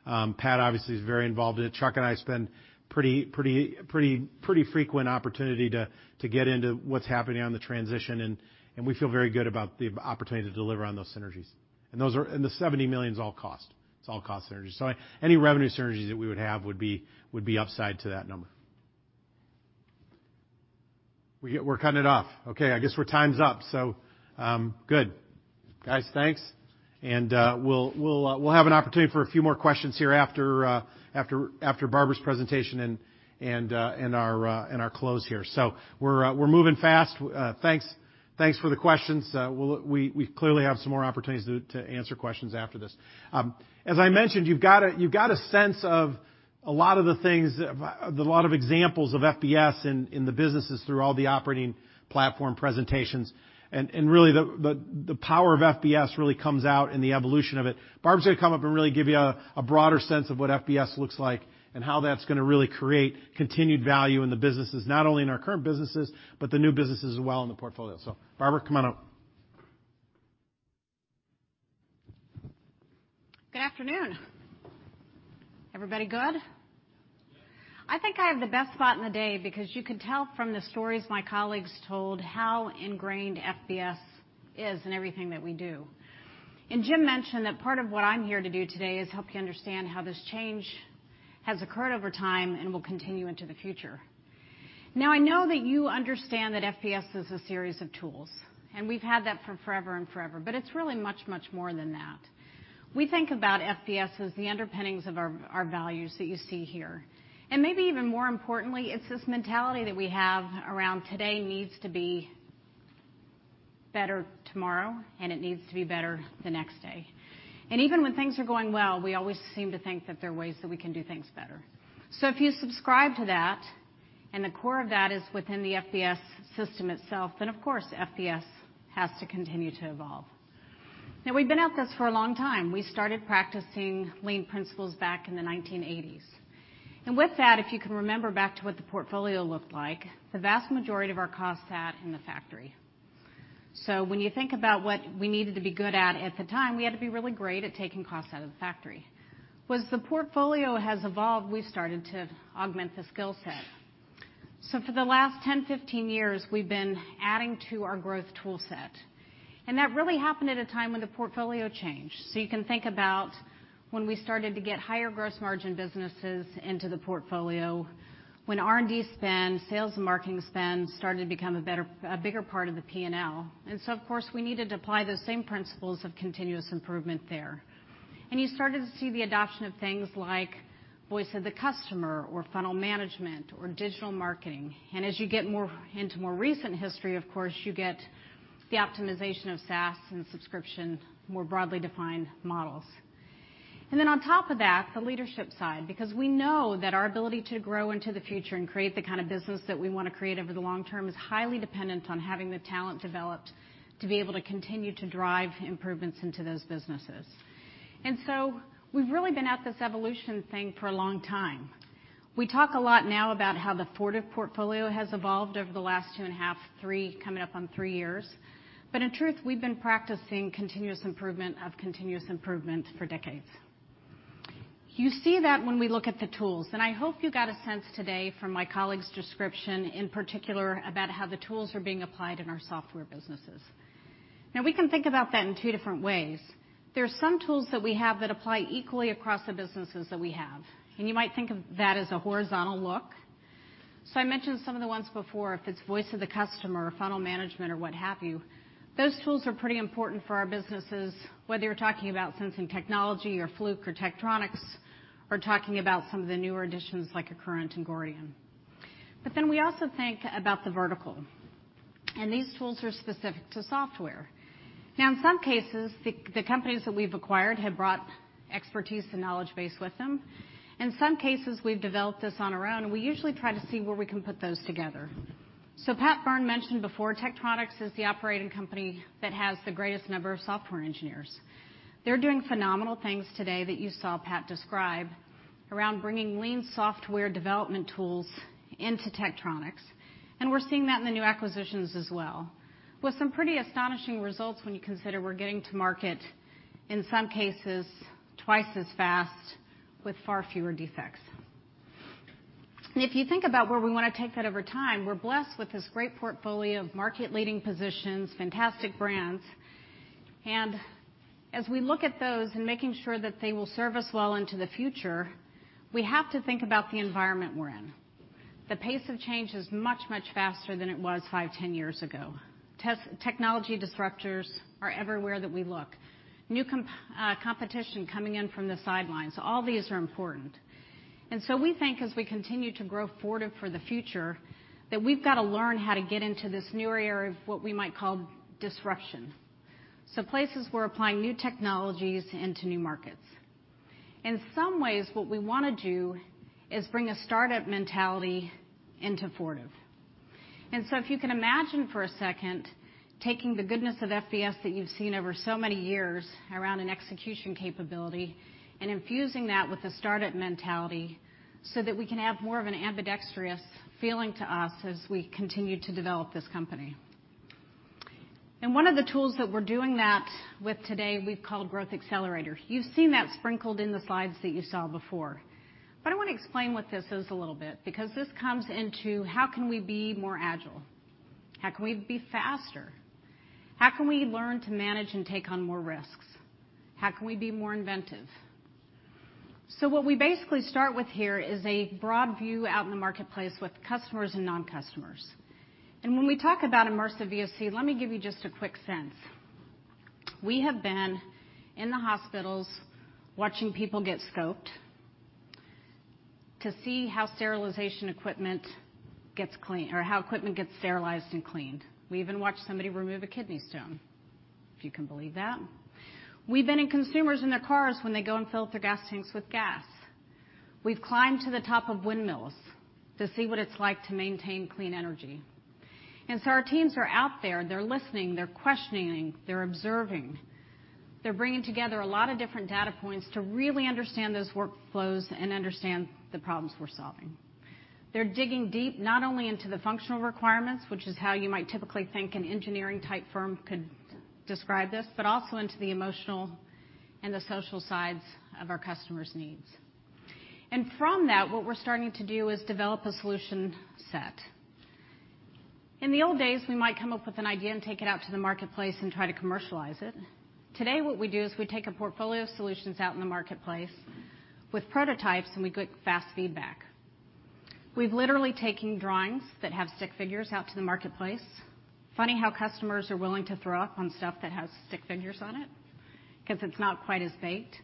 Pat obviously is very involved in it. Chuck and I spend pretty frequent opportunity to get into what's happening on the transition, and we feel very good about the opportunity to deliver on those synergies. The $70 million's all cost. It's all cost synergies. Any revenue synergies that we would have would be upside to that number. We're cutting it off. I guess our time's up, so good. Guys, thanks. We'll have an opportunity for a few more questions here after Barbara's presentation and our close here. We're moving fast. Thanks for the questions. We clearly have some more opportunities to answer questions after this. As I mentioned, you've got a sense of a lot of the things, a lot of examples of FBS in the businesses through all the operating platform presentations. Really, the power of FBS really comes out in the evolution of it. Barbara's going to come up and really give you a broader sense of what FBS looks like, and how that's going to really create continued value in the businesses, not only in our current businesses, but the new businesses as well in the portfolio. Barbara, come on up. Good afternoon. Everybody good? I think I have the best spot in the day because you could tell from the stories my colleagues told how ingrained FBS is in everything that we do. Jim mentioned that part of what I'm here to do today is help you understand how this change has occurred over time and will continue into the future. I know that you understand that FBS is a series of tools, and we've had that for forever and forever. It's really much, much more than that. We think about FBS as the underpinnings of our values that you see here. Maybe even more importantly, it's this mentality that we have around today needs to be better tomorrow, and it needs to be better the next day. Even when things are going well, we always seem to think that there are ways that we can do things better. If you subscribe to that, and the core of that is within the FBS system itself, of course, FBS has to continue to evolve. We've been at this for a long time. We started practicing lean principles back in the 1980s. With that, if you can remember back to what the portfolio looked like, the vast majority of our costs sat in the factory. When you think about what we needed to be good at the time, we had to be really great at taking costs out of the factory. As the portfolio has evolved, we've started to augment the skill set. For the last 10, 15 years, we've been adding to our growth tool set, and that really happened at a time when the portfolio changed. You can think about when we started to get higher gross margin businesses into the portfolio, when R&D spend, sales and marketing spend started to become a bigger part of the P&L. Of course, we needed to apply those same principles of continuous improvement there. You started to see the adoption of things like voice of the customer or funnel management or digital marketing, and as you get into more recent history, of course, you get the optimization of SaaS and subscription, more broadly defined models. On top of that, the leadership side, because we know that our ability to grow into the future and create the kind of business that we want to create over the long term is highly dependent on having the talent developed to be able to continue to drive improvements into those businesses. We've really been at this evolution thing for a long time. We talk a lot now about how the Fortive portfolio has evolved over the last two and a half, three, coming up on three years. In truth, we've been practicing continuous improvement of continuous improvement for decades. You see that when we look at the tools, and I hope you got a sense today from my colleague's description, in particular, about how the tools are being applied in our software businesses. We can think about that in two different ways. There are some tools that we have that apply equally across the businesses that we have, and you might think of that as a horizontal look. I mentioned some of the ones before, if it's voice of the customer or funnel management or what have you, those tools are pretty important for our businesses, whether you're talking about Sensing Technologies or Fluke or Tektronix, or talking about some of the newer additions like Accruent and Gordian. We also think about the vertical, and these tools are specific to software. In some cases, the companies that we've acquired have brought expertise and knowledge base with them. In some cases, we've developed this on our own, and we usually try to see where we can put those together. Pat Byrne mentioned before, Tektronix is the operating company that has the greatest number of software engineers. They're doing phenomenal things today that you saw Pat describe around bringing lean software development tools into Tektronix, and we're seeing that in the new acquisitions as well, with some pretty astonishing results when you consider we're getting to market, in some cases, twice as fast with far fewer defects. If you think about where we want to take that over time, we're blessed with this great portfolio of market leading positions, fantastic brands. As we look at those and making sure that they will serve us well into the future, we have to think about the environment we're in. The pace of change is much, much faster than it was five, 10 years ago. Technology disruptors are everywhere that we look. New competition coming in from the sidelines. All these are important. We think as we continue to grow Fortive for the future, that we've got to learn how to get into this newer area of what we might call disruption. Places we're applying new technologies into new markets. In some ways, what we want to do is bring a startup mentality into Fortive. If you can imagine for a second, taking the goodness of FBS that you've seen over so many years around an execution capability and infusing that with a startup mentality so that we can have more of an ambidextrous feeling to us as we continue to develop this company. One of the tools that we're doing that with today, we've called Growth Accelerator. You've seen that sprinkled in the slides that you saw before. I want to explain what this is a little bit, because this comes into how can we be more agile? How can we be faster? How can we learn to manage and take on more risks? How can we be more inventive? What we basically start with here is a broad view out in the marketplace with customers and non-customers. When we talk about immersive VOC, let me give you just a quick sense. We have been in the hospitals watching people get scoped to see how equipment gets sterilized and cleaned. We even watched somebody remove a kidney stone, if you can believe that. We've been in consumers in their cars when they go and fill up their gas tanks with gas. We've climbed to the top of windmills to see what it's like to maintain clean energy. Our teams are out there, they're listening, they're questioning, they're observing. They're bringing together a lot of different data points to really understand those workflows and understand the problems we're solving. They're digging deep, not only into the functional requirements, which is how you might typically think an engineering type firm could describe this, but also into the emotional and the social sides of our customers' needs. From that, what we're starting to do is develop a solution set. In the old days, we might come up with an idea and take it out to the marketplace and try to commercialize it. Today, what we do is we take a portfolio of solutions out in the marketplace with prototypes, and we get fast feedback. We've literally taken drawings that have stick figures out to the marketplace. Funny how customers are willing to throw up on stuff that has stick figures on it, because it's not quite as baked.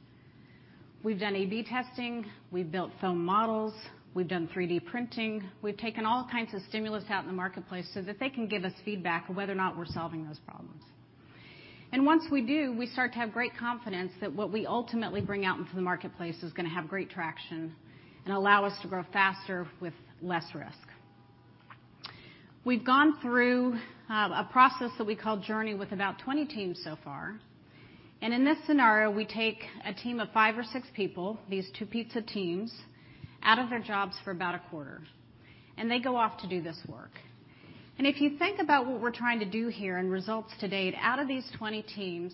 We've done A/B testing, we've built foam models, we've done 3D printing. We've taken all kinds of stimulus out in the marketplace so that they can give us feedback on whether or not we're solving those problems. Once we do, we start to have great confidence that what we ultimately bring out into the marketplace is going to have great traction and allow us to grow faster with less risk. We've gone through a process that we call Journey with about 20 teams so far. In this scenario, we take a team of five or six people, these two pizza teams, out of their jobs for about a quarter, and they go off to do this work. If you think about what we're trying to do here and results to date, out of these 20 teams,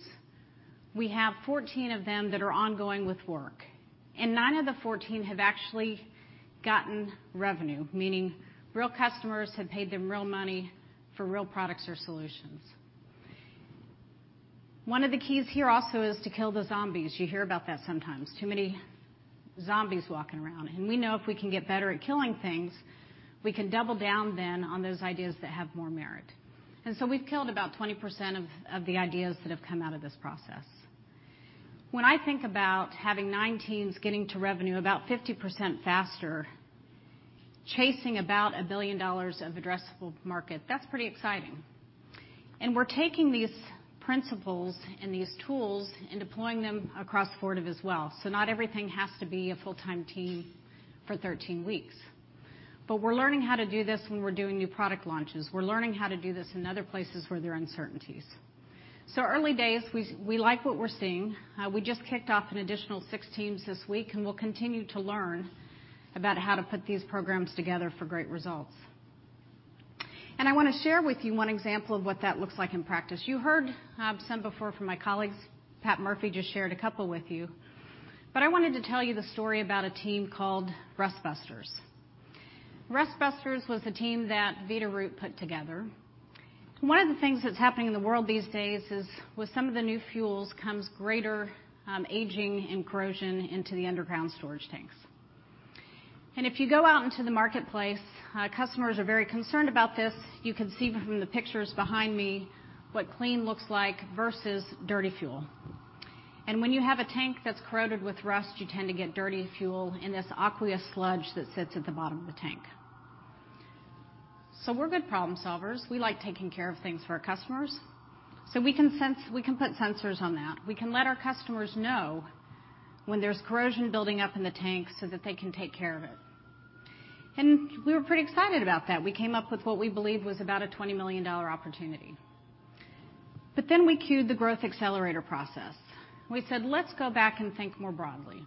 we have 14 of them that are ongoing with work, and nine of the 14 have actually gotten revenue, meaning real customers have paid them real money for real products or solutions. One of the keys here also is to kill the zombies. You hear about that sometimes. Too many zombies walking around, and we know if we can get better at killing things, we can double down then on those ideas that have more merit. We've killed about 20% of the ideas that have come out of this process. When I think about having nine teams getting to revenue about 50% faster, chasing about $1 billion of addressable market, that's pretty exciting. We're taking these principles and these tools and deploying them across Fortive as well. Not everything has to be a full-time team for 13 weeks, but we're learning how to do this when we're doing new product launches. We're learning how to do this in other places where there are uncertainties. Early days, we like what we're seeing. We just kicked off an additional six teams this week, and we'll continue to learn about how to put these programs together for great results. I want to share with you one example of what that looks like in practice. You heard some before from my colleagues. Pat Murphy just shared a couple with you, but I wanted to tell you the story about a team called Rust Busters. Rust Busters was a team that Veeder-Root put together. One of the things that's happening in the world these days is with some of the new fuels comes greater aging and corrosion into the underground storage tanks. If you go out into the marketplace, customers are very concerned about this. You can see from the pictures behind me what clean looks like versus dirty fuel. When you have a tank that's corroded with rust, you tend to get dirty fuel and this aqueous sludge that sits at the bottom of the tank. We're good problem solvers. We like taking care of things for our customers. We can put sensors on that. We can let our customers know when there's corrosion building up in the tank so that they can take care of it. We were pretty excited about that. We came up with what we believed was about a $20 million opportunity. We cued the Growth Accelerator process. We said, "Let's go back and think more broadly.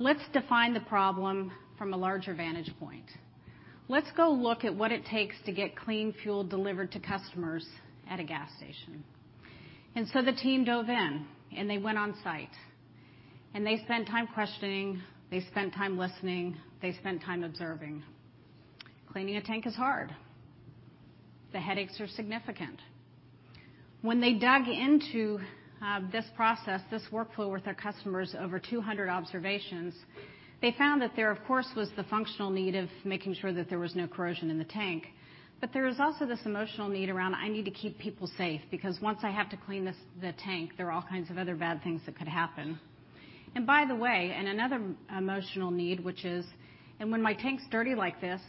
Let's define the problem from a larger vantage point. Let's go look at what it takes to get clean fuel delivered to customers at a gas station." The team dove in. They went on site. They spent time questioning, they spent time listening, they spent time observing. Cleaning a tank is hard. The headaches are significant. When they dug into this process, this workflow with their customers, over 200 observations, they found that there, of course, was the functional need of making sure that there was no corrosion in the tank. There was also this emotional need around, "I need to keep people safe because once I have to clean the tank, there are all kinds of other bad things that could happen." By the way, another emotional need, which is, when my tank's dirty like this,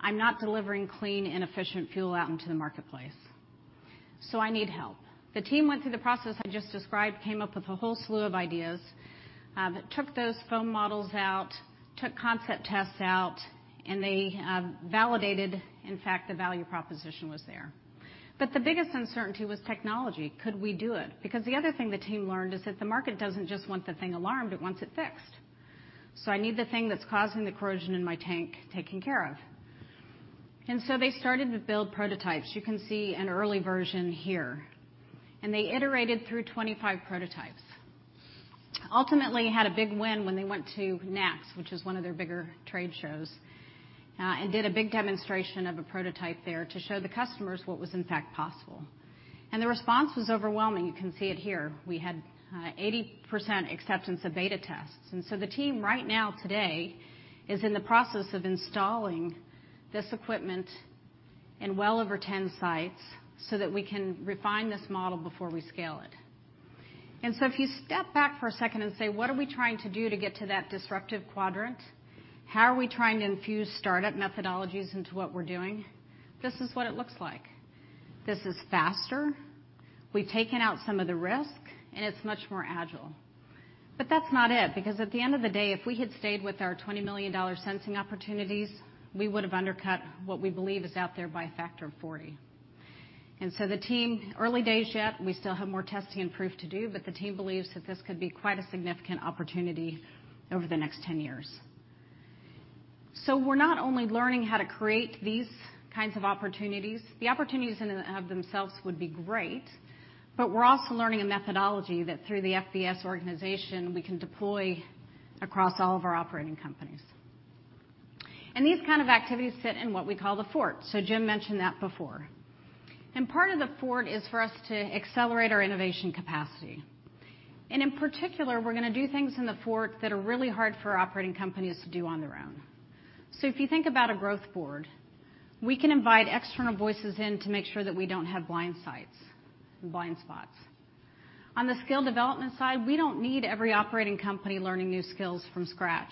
I'm not delivering clean and efficient fuel out into the marketplace, I need help. The team went through the process I just described, came up with a whole slew of ideas, that took those foam models out, took concept tests out. They validated, in fact, the value proposition was there. The biggest uncertainty was technology. Could we do it? Because the other thing the team learned is that the market doesn't just want the thing alarmed, it wants it fixed. I need the thing that's causing the corrosion in my tank taken care of. They started to build prototypes. You can see an early version here. They iterated through 25 prototypes. Ultimately, had a big win when they went to NACS, which is one of their bigger trade shows, did a big demonstration of a prototype there to show the customers what was in fact possible. The response was overwhelming. You can see it here. We had 80% acceptance of beta tests. The team right now today is in the process of installing this equipment in well over 10 sites so that we can refine this model before we scale it. If you step back for a second and say, what are we trying to do to get to that disruptive quadrant? How are we trying to infuse startup methodologies into what we're doing? This is what it looks like. This is faster. We've taken out some of the risk, and it's much more agile. That's not it, because at the end of the day, if we had stayed with our $20 million sensing opportunities, we would have undercut what we believe is out there by a factor of 40. The team, early days yet, we still have more testing and proof to do, but the team believes that this could be quite a significant opportunity over the next 10 years. We're not only learning how to create these kinds of opportunities. The opportunities in and of themselves would be great, but we're also learning a methodology that through the FBS organization, we can deploy across all of our operating companies. These kind of activities sit in what we call the Fort. Jim mentioned that before. Part of the Fort is for us to accelerate our innovation capacity. In particular, we're going to do things in the Fort that are really hard for our operating companies to do on their own. If you think about a growth board, we can invite external voices in to make sure that we don't have blind spots. On the skill development side, we don't need every operating company learning new skills from scratch.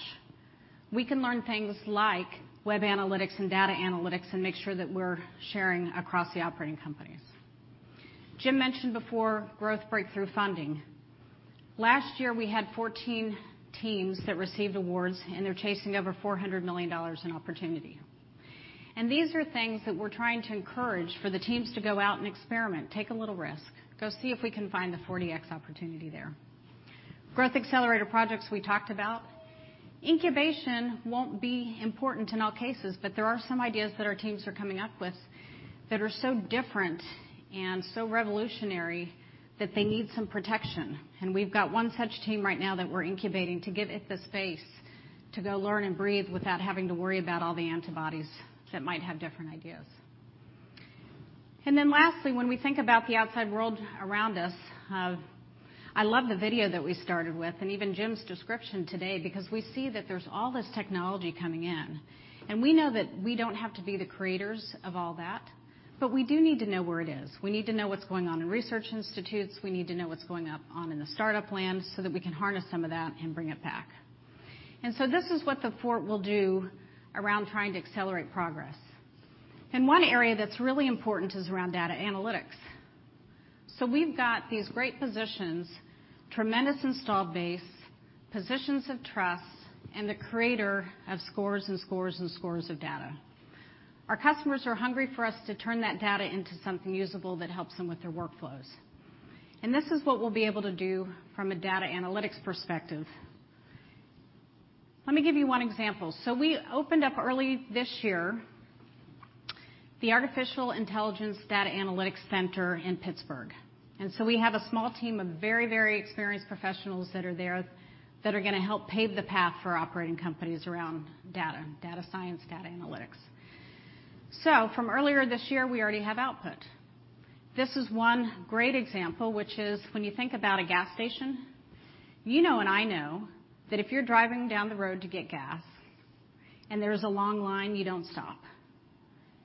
We can learn things like web analytics and data analytics and make sure that we're sharing across the operating companies. Jim mentioned before growth breakthrough funding. Last year, we had 14 teams that received awards, and they're chasing over $400 million in opportunity. These are things that we're trying to encourage for the teams to go out and experiment, take a little risk, go see if we can find the 40x opportunity there. Growth Accelerator projects we talked about. Incubation won't be important in all cases, but there are some ideas that our teams are coming up with that are so different and so revolutionary that they need some protection, and we've got one such team right now that we're incubating to give it the space to go learn and breathe without having to worry about all the antibodies that might have different ideas. Lastly, when we think about the outside world around us, I love the video that we started with and even Jim's description today, because we see that there's all this technology coming in. We know that we don't have to be the creators of all that, but we do need to know where it is. We need to know what's going on in research institutes. We need to know what's going up on in the startup land so that we can harness some of that and bring it back. This is what the Fort will do around trying to accelerate progress. One area that's really important is around data analytics. We've got these great positions, tremendous install base, positions of trust, and the creator of scores and scores and scores of data. Our customers are hungry for us to turn that data into something usable that helps them with their workflows. This is what we'll be able to do from a data analytics perspective. Let me give you one example. We opened up early this year, the Artificial Intelligence Data Analytics Center in Pittsburgh. We have a small team of very, very experienced professionals that are there that are going to help pave the path for operating companies around data science, data analytics. From earlier this year, we already have output. This is one great example, which is when you think about a gas station, you know and I know that if you're driving down the road to get gas and there's a long line, you don't stop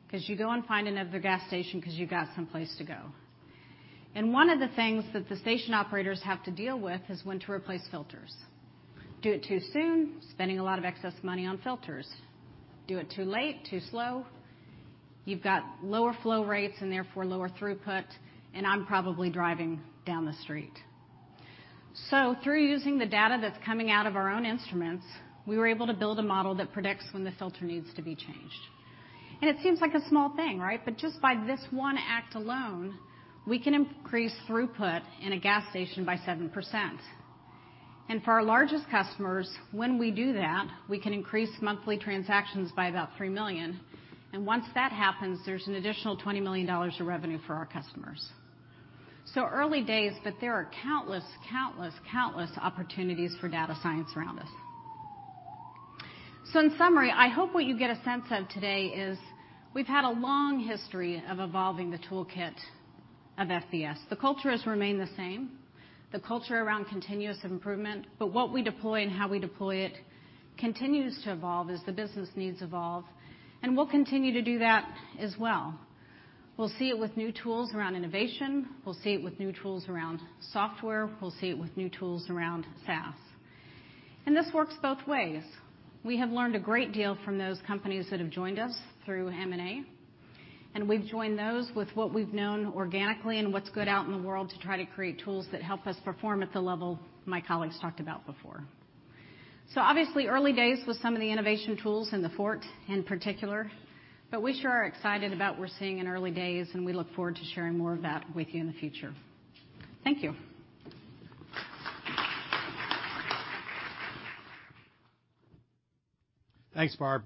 because you go and find another gas station because you got someplace to go. One of the things that the station operators have to deal with is when to replace filters. Do it too soon, spending a lot of excess money on filters. Do it too late, too slow, you've got lower flow rates and therefore lower throughput, and I'm probably driving down the street. Through using the data that's coming out of our own instruments, we were able to build a model that predicts when the filter needs to be changed. It seems like a small thing, right? Just by this one act alone, we can increase throughput in a gas station by 7%. For our largest customers, when we do that, we can increase monthly transactions by about 3 million. Once that happens, there's an additional $20 million of revenue for our customers. Early days, but there are countless, countless opportunities for data science around us. In summary, I hope what you get a sense of today is we've had a long history of evolving the toolkit of FBS. The culture has remained the same, the culture around continuous improvement, what we deploy and how we deploy it continues to evolve as the business needs evolve, and we'll continue to do that as well. We'll see it with new tools around innovation. We'll see it with new tools around software. We'll see it with new tools around SaaS. This works both ways. We have learned a great deal from those companies that have joined us through M&A, and we've joined those with what we've known organically and what's good out in the world to try to create tools that help us perform at the level my colleagues talked about before. Obviously, early days with some of the innovation tools in The Fort in particular, we sure are excited about we're seeing in early days, we look forward to sharing more of that with you in the future. Thank you. Thanks, Barb.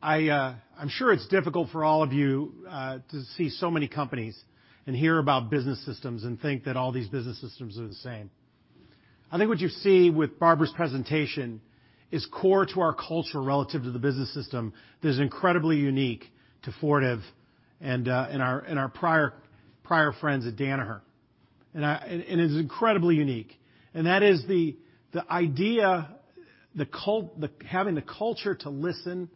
I'm sure it's difficult for all of you to see so many companies and hear about business systems and think that all these business systems are the same. I think what you see with Barbara's presentation is core to our culture relative to the Business System that is incredibly unique to Fortive and our prior friends at Danaher. It is incredibly unique, and that is the idea, having the culture to listen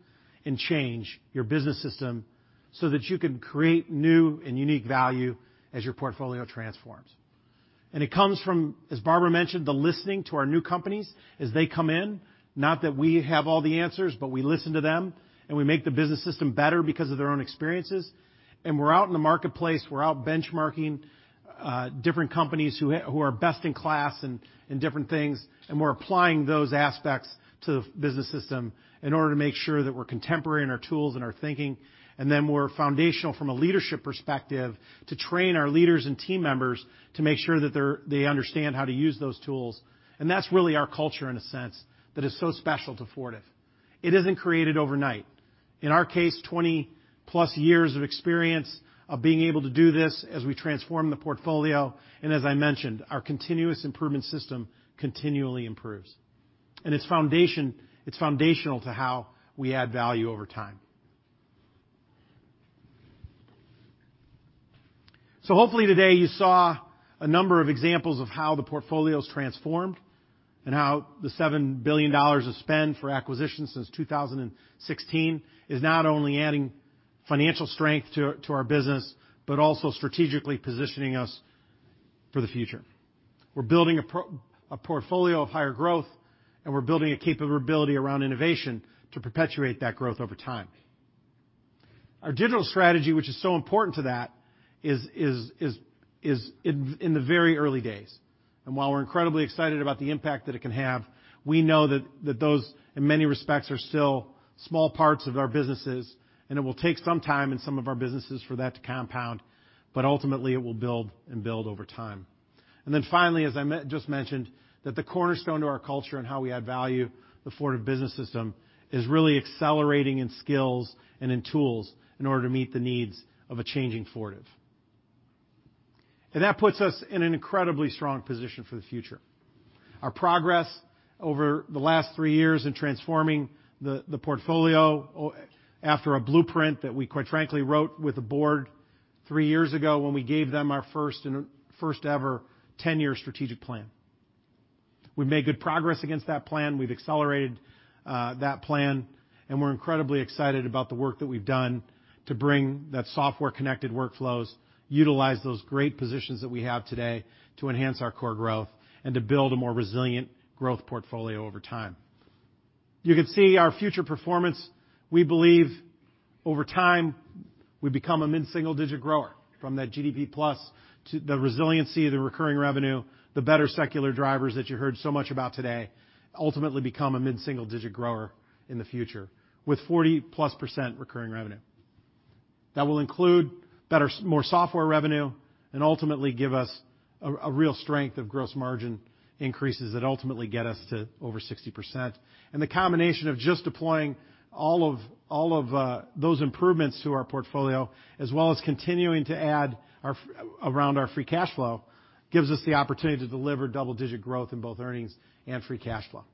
and change your Business System so that you can create new and unique value as your portfolio transforms. It comes from, as Barbara mentioned, the listening to our new companies as they come in, not that we have all the answers, but we listen to them, and we make the Business System better because of their own experiences. We're out in the marketplace, we're out benchmarking different companies who are best in class in different things, and we're applying those aspects to the Business System in order to make sure that we're contemporary in our tools and our thinking. We're foundational from a leadership perspective to train our leaders and team members to make sure that they understand how to use those tools. That's really our culture in a sense that is so special to Fortive. It isn't created overnight. In our case, 20 plus years of experience of being able to do this as we transform the portfolio, as I mentioned, our continuous improvement system continually improves. It's foundational to how we add value over time. Hopefully today you saw a number of examples of how the portfolio's transformed and how the $7 billion of spend for acquisitions since 2016 is not only adding financial strength to our business, but also strategically positioning us for the future. We're building a portfolio of higher growth, and we're building a capability around innovation to perpetuate that growth over time. Our digital strategy, which is so important to that, is in the very early days. While we're incredibly excited about the impact that it can have, we know that those, in many respects, are still small parts of our businesses, and it will take some time in some of our businesses for that to compound. Ultimately, it will build and build over time. Finally, as I just mentioned, that the cornerstone to our culture and how we add value, the Fortive Business System, is really accelerating in skills and in tools in order to meet the needs of a changing Fortive. That puts us in an incredibly strong position for the future. Our progress over the last three years in transforming the portfolio after a blueprint that we, quite frankly, wrote with the board three years ago when we gave them our first ever 10-year strategic plan. We've made good progress against that plan. We've accelerated that plan, and we're incredibly excited about the work that we've done to bring the software-connected workflows, utilize those great positions that we have today to enhance our core growth, and to build a more resilient growth portfolio over time. You can see our future performance. We believe over time, we become a mid-single-digit grower from that GDP+ to the resiliency of the recurring revenue, the better secular drivers that you heard so much about today, ultimately become a mid-single-digit grower in the future with 40+% recurring revenue. That will include more software revenue and ultimately give us a real strength of gross margin increases that ultimately get us to over 60%. The combination of just deploying all of those improvements to our portfolio, as well as continuing to add around our free cash flow, gives us the opportunity to deliver double-digit growth in both earnings and free cash flow.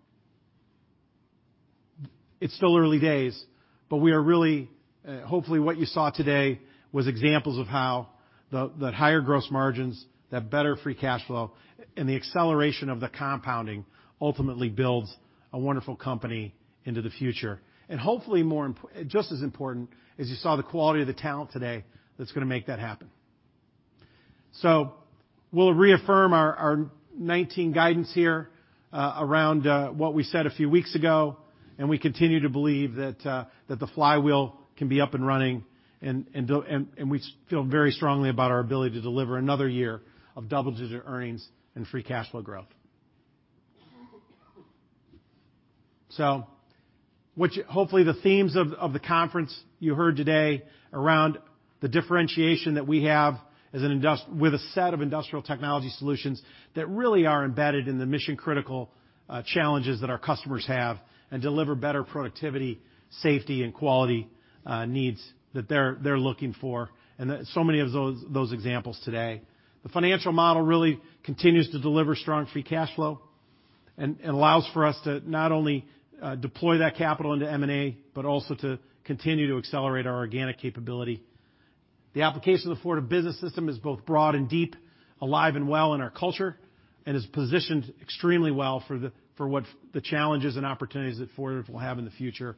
It's still early days, but hopefully what you saw today was examples of how the higher gross margins, that better free cash flow, and the acceleration of the compounding ultimately builds a wonderful company into the future. Hopefully, just as important, is you saw the quality of the talent today that's going to make that happen. We'll reaffirm our 2019 guidance here around what we said a few weeks ago, and we continue to believe that the flywheel can be up and running, and we feel very strongly about our ability to deliver another year of double-digit earnings and free cash flow growth. Hopefully the themes of the conference you heard today around the differentiation that we have with a set of industrial technology solutions that really are embedded in the mission-critical challenges that our customers have and deliver better productivity, safety, and quality needs that they're looking for, and so many of those examples today. The financial model really continues to deliver strong free cash flow and allows for us to not only deploy that capital into M&A, but also to continue to accelerate our organic capability. The application of the Fortive Business System is both broad and deep, alive and well in our culture, and is positioned extremely well for the challenges and opportunities that Fortive will have in the future.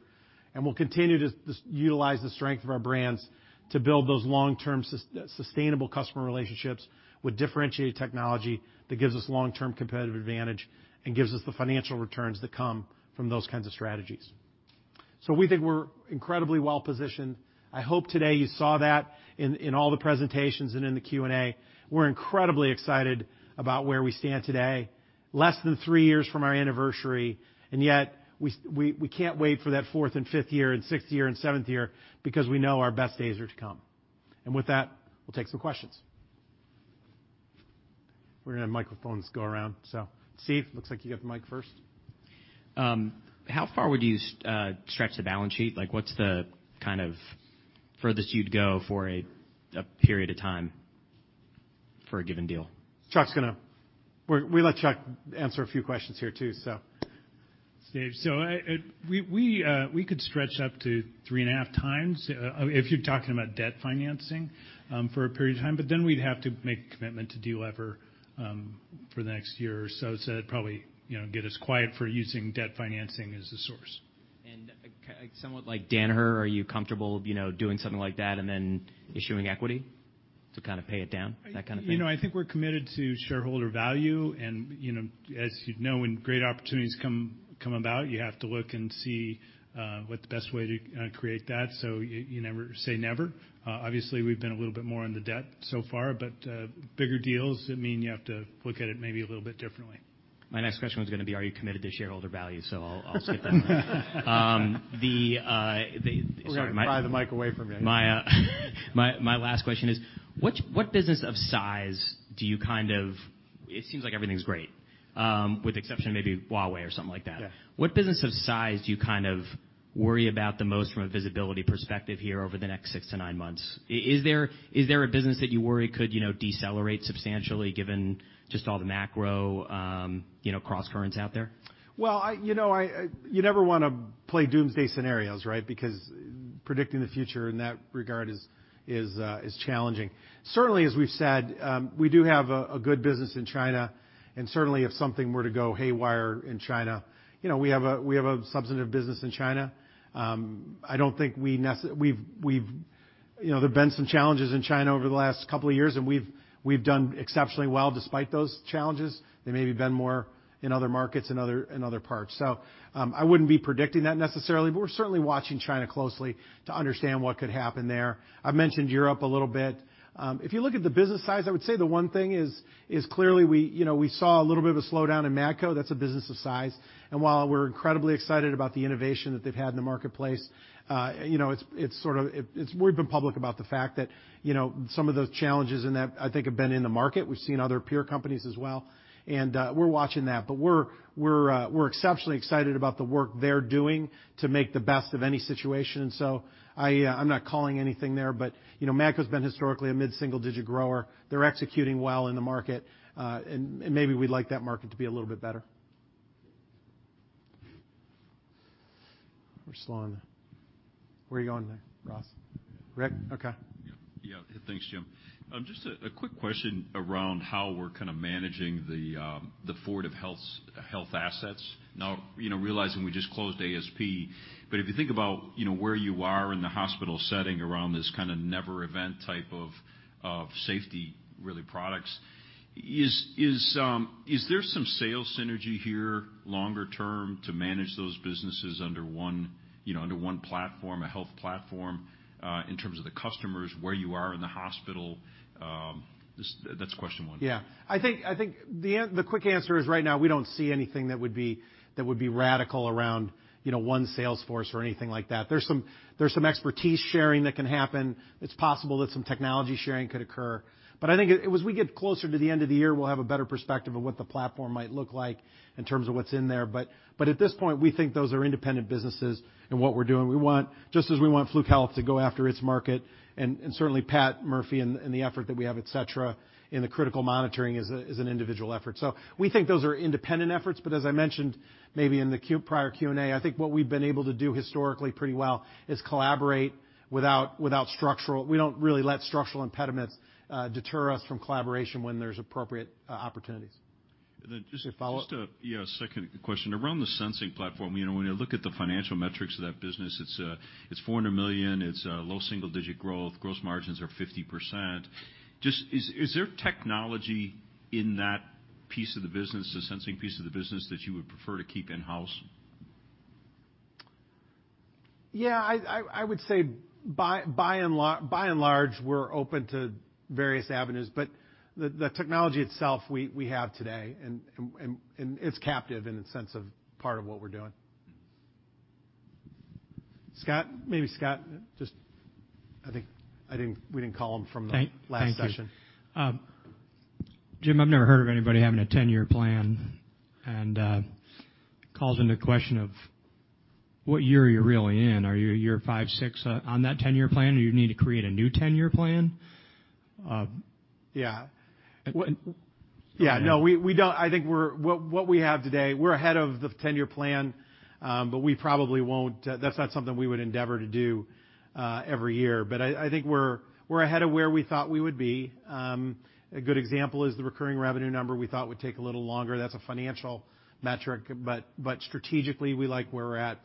We'll continue to utilize the strength of our brands to build those long-term sustainable customer relationships with differentiated technology that gives us long-term competitive advantage and gives us the financial returns that come from those kinds of strategies. We think we're incredibly well-positioned. I hope today you saw that in all the presentations and in the Q&A. We're incredibly excited about where we stand today, less than three years from our anniversary, yet we can't wait for that fourth and fifth year and sixth year and seventh year because we know our best days are to come. With that, we'll take some questions. We're going to have microphones go around. Steve, looks like you got the mic first. How far would you stretch the balance sheet? What's the kind of furthest you'd go for a period of time for a given deal? We'll let Chuck answer a few questions here too. Steve, we could stretch up to three and a half times if you're talking about debt financing for a period of time. We'd have to make a commitment to delever for the next year or so. It'd probably get us quiet for using debt financing as the source. Somewhat like Danaher, are you comfortable doing something like that and then issuing equity to kind of pay it down, that kind of thing? I think we're committed to shareholder value. As you'd know, when great opportunities come about, you have to look and see what the best way to create that. You never say never. Obviously, we've been a little bit more on the debt so far, but bigger deals mean you have to look at it maybe a little bit differently. My next question was going to be, are you committed to shareholder value? I'll skip that one. We're going to pry the mic away from you. My last question is, what business of size do you. It seems like everything's great, with the exception of maybe Huawei or something like that. Yeah. What business of size do you worry about the most from a visibility perspective here over the next six to nine months? Is there a business that you worry could decelerate substantially given just all the macro cross currents out there? Well, you never want to play doomsday scenarios, right? Predicting the future in that regard is challenging. Certainly, as we've said, we do have a good business in China. Certainly if something were to go haywire in China, we have a substantive business in China. There've been some challenges in China over the last couple of years, and we've done exceptionally well despite those challenges. They maybe have been more in other markets, in other parts. I wouldn't be predicting that necessarily, but we're certainly watching China closely to understand what could happen there. I've mentioned Europe a little bit. If you look at the business size, I would say the one thing is clearly we saw a little bit of a slowdown in Matco. That's a business of size. While we're incredibly excited about the innovation that they've had in the marketplace, we've been public about the fact that some of those challenges in that, I think, have been in the market. We've seen other peer companies as well. We're watching that. We're exceptionally excited about the work they're doing to make the best of any situation. I'm not calling anything there, but Matco's been historically a mid-single-digit grower. They're executing well in the market. Maybe we'd like that market to be a little bit better. We're slowing. Where are you going there, Ross? Rick? Okay. Yeah. Thanks, Jim. Just a quick question around how we're kind of managing the Fortive Health assets. Now, realizing we just closed ASP, but if you think about where you are in the hospital setting around this kind of never event type of safety products, is there some sales synergy here longer term to manage those businesses under one platform, a health platform, in terms of the customers, where you are in the hospital? That's question 1. Yeah. I think the quick answer is right now, we don't see anything that would be radical around one sales force or anything like that. There's some expertise sharing that can happen. It's possible that some technology sharing could occur. I think as we get closer to the end of the year, we'll have a better perspective of what the platform might look like in terms of what's in there. At this point, we think those are independent businesses and what we're doing. Just as we want Fluke Health to go after its market, and certainly Pat Murphy and the effort that we have, et cetera, in the critical monitoring is an individual effort. We think those are independent efforts, but as I mentioned, maybe in the prior Q&A, I think what we've been able to do historically pretty well is collaborate. We don't really let structural impediments deter us from collaboration when there's appropriate opportunities. Just a- Follow up? Yeah, a second question. Around the sensing platform, when you look at the financial metrics of that business, it's $400 million, it's low single digit growth, gross margins are 50%. Just is there technology in that piece of the business, the sensing piece of the business, that you would prefer to keep in-house? Yeah, I would say by and large, we're open to various avenues. The technology itself, we have today, and it's captive in the sense of part of what we're doing. Scott, maybe Scott, just I think we didn't call him from the last session. Thank you. Jim, I've never heard of anybody having a 10-year plan, and calls into question of what year you're really in. Are you year five, six on that 10-year plan, or do you need to create a new 10-year plan? Yeah. No, I think what we have today, we're ahead of the 10-year plan, but that's not something we would endeavor to do every year. I think we're ahead of where we thought we would be. A good example is the recurring revenue number we thought would take a little longer. That's a financial metric, but strategically, we like where we're at.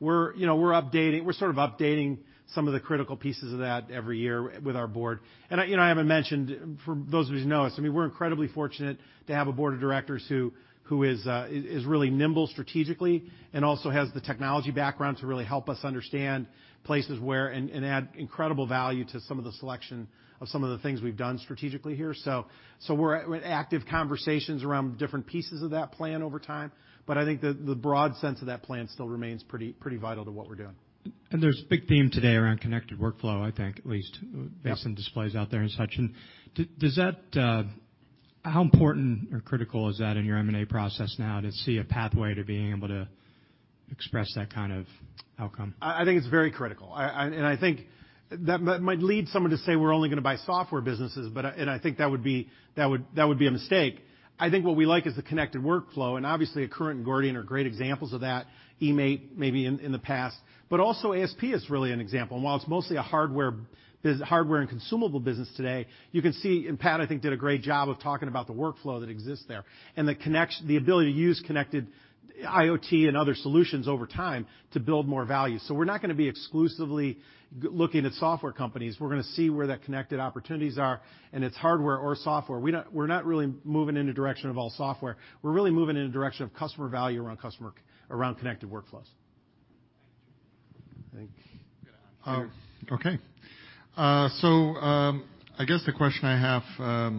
We're sort of updating some of the critical pieces of that every year with our board. I haven't mentioned, for those of you who know us, we're incredibly fortunate to have a board of directors who is really nimble strategically and also has the technology background to really help us understand places where, and add incredible value to some of the selection of some of the things we've done strategically here. We're at active conversations around different pieces of that plan over time, but I think that the broad sense of that plan still remains pretty vital to what we're doing. There's a big theme today around connected workflow, I think, at least based on displays out there and such. How important or critical is that in your M&A process now to see a pathway to being able to express that kind of outcome? I think it's very critical. I think that might lead someone to say we're only going to buy software businesses, and I think that would be a mistake. I think what we like is the connected workflow, and obviously Accruent and Gordian are great examples of that, eMaint maybe in the past. Also ASP is really an example. While it's mostly a hardware and consumable business today, you can see, and Pat I think did a great job of talking about the workflow that exists there, and the ability to use connected IoT and other solutions over time to build more value. We're not going to be exclusively looking at software companies. We're going to see where that connected opportunities are, and it's hardware or software. We're not really moving in a direction of all software. We're really moving in a direction of customer value around connected workflows. Thanks. I guess the question I have,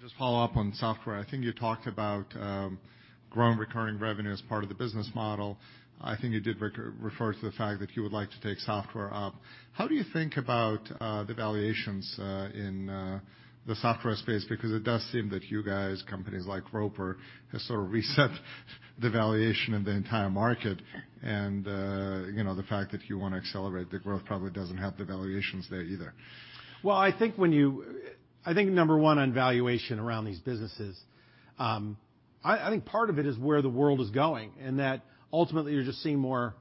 just follow up on software. I think you talked about growing recurring revenue as part of the business model. I think you did refer to the fact that you would like to take software up. How do you think about the valuations in the software space? Because it does seem that you guys, companies like Roper, have sort of reset the valuation in the entire market. The fact that you want to accelerate the growth probably doesn't have the valuations there either. I think, number 1 on valuation around these businesses, I think part of it is where the world is going, and that ultimately you're just seeing more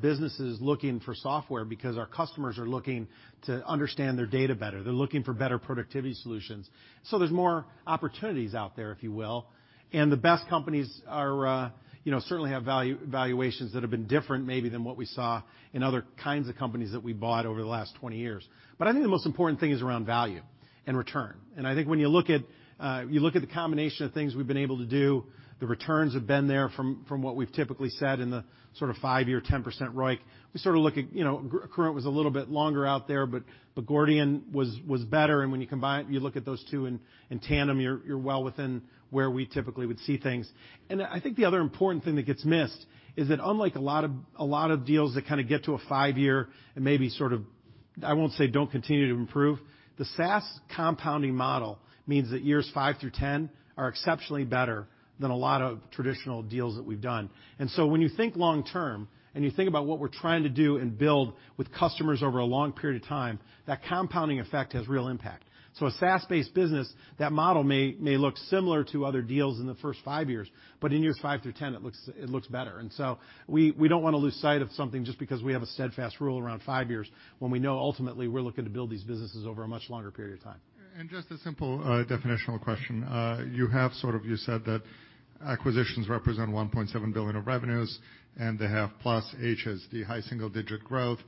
businesses looking for software because our customers are looking to understand their data better. They're looking for better productivity solutions. There's more opportunities out there, if you will. The best companies certainly have valuations that have been different maybe than what we saw in other kinds of companies that we bought over the last 20 years. I think the most important thing is around value and return. I think when you look at the combination of things we've been able to do, the returns have been there from what we've typically said in the sort of 5-year, 10% ROIC. We sort of look at Accruent was a little bit longer out there, but Gordian was better, and when you look at those two in tandem, you're well within where we typically would see things. I think the other important thing that gets missed is that unlike a lot of deals that kind of get to a 5-year and maybe sort of, I won't say don't continue to improve, the SaaS compounding model means that years 5 through 10 are exceptionally better than a lot of traditional deals that we've done. When you think long term and you think about what we're trying to do and build with customers over a long period of time, that compounding effect has real impact. A SaaS-based business, that model may look similar to other deals in the first 5 years, but in years 5 through 10, it looks better. We don't want to lose sight of something just because we have a steadfast rule around 5 years when we know ultimately we're looking to build these businesses over a much longer period of time. Just a simple definitional question. You said that acquisitions represent $1.7 billion of revenues, and they have plus HSD, high single-digit growth.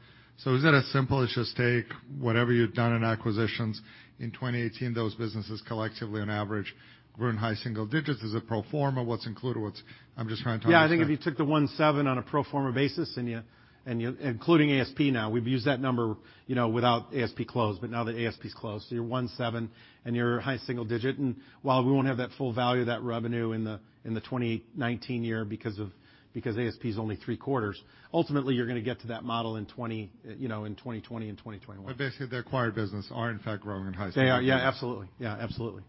Is it as simple as just take whatever you've done in acquisitions in 2018, those businesses collectively on average grew in high single digits? Is it pro forma? What's included? I'm just trying to understand. I think if you took the $1.7 on a pro forma basis and including ASP now, we've used that number without ASP closed, but now that ASP is closed, your $1.7 and your high single digit, and while we won't have that full value of that revenue in the 2019 year because ASP is only three quarters. Ultimately, you're going to get to that model in 2020 and 2021. Basically, the acquired business are in fact growing in high single digits. They are, absolutely.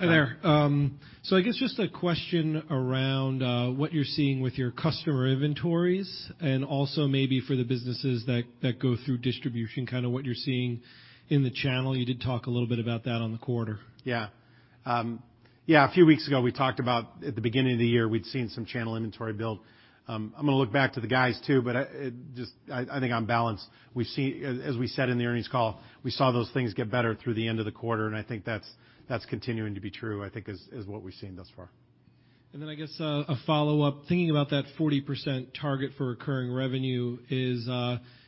Hi there. I guess just a question around what you're seeing with your customer inventories and also maybe for the businesses that go through distribution, kind of what you're seeing in the channel. You did talk a little bit about that on the quarter. Yeah. A few weeks ago, we talked about at the beginning of the year, we'd seen some channel inventory build. I'm going to look back to the guys too, just I think on balance, as we said in the earnings call, we saw those things get better through the end of the quarter, and I think that's continuing to be true, I think is what we've seen thus far. I guess a follow-up, thinking about that 40% target for recurring revenue is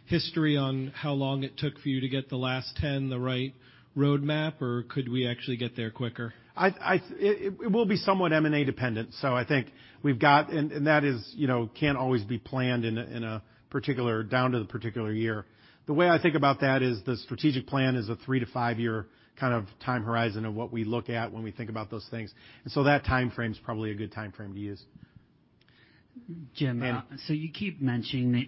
history on how long it took for you to get the last 10%, the right roadmap, or could we actually get there quicker? It will be somewhat M&A dependent. I think we've got, that can't always be planned down to the particular year. The way I think about that is the strategic plan is a 3- to 5-year kind of time horizon of what we look at when we think about those things. That timeframe is probably a good timeframe to use. Jim, you keep mentioning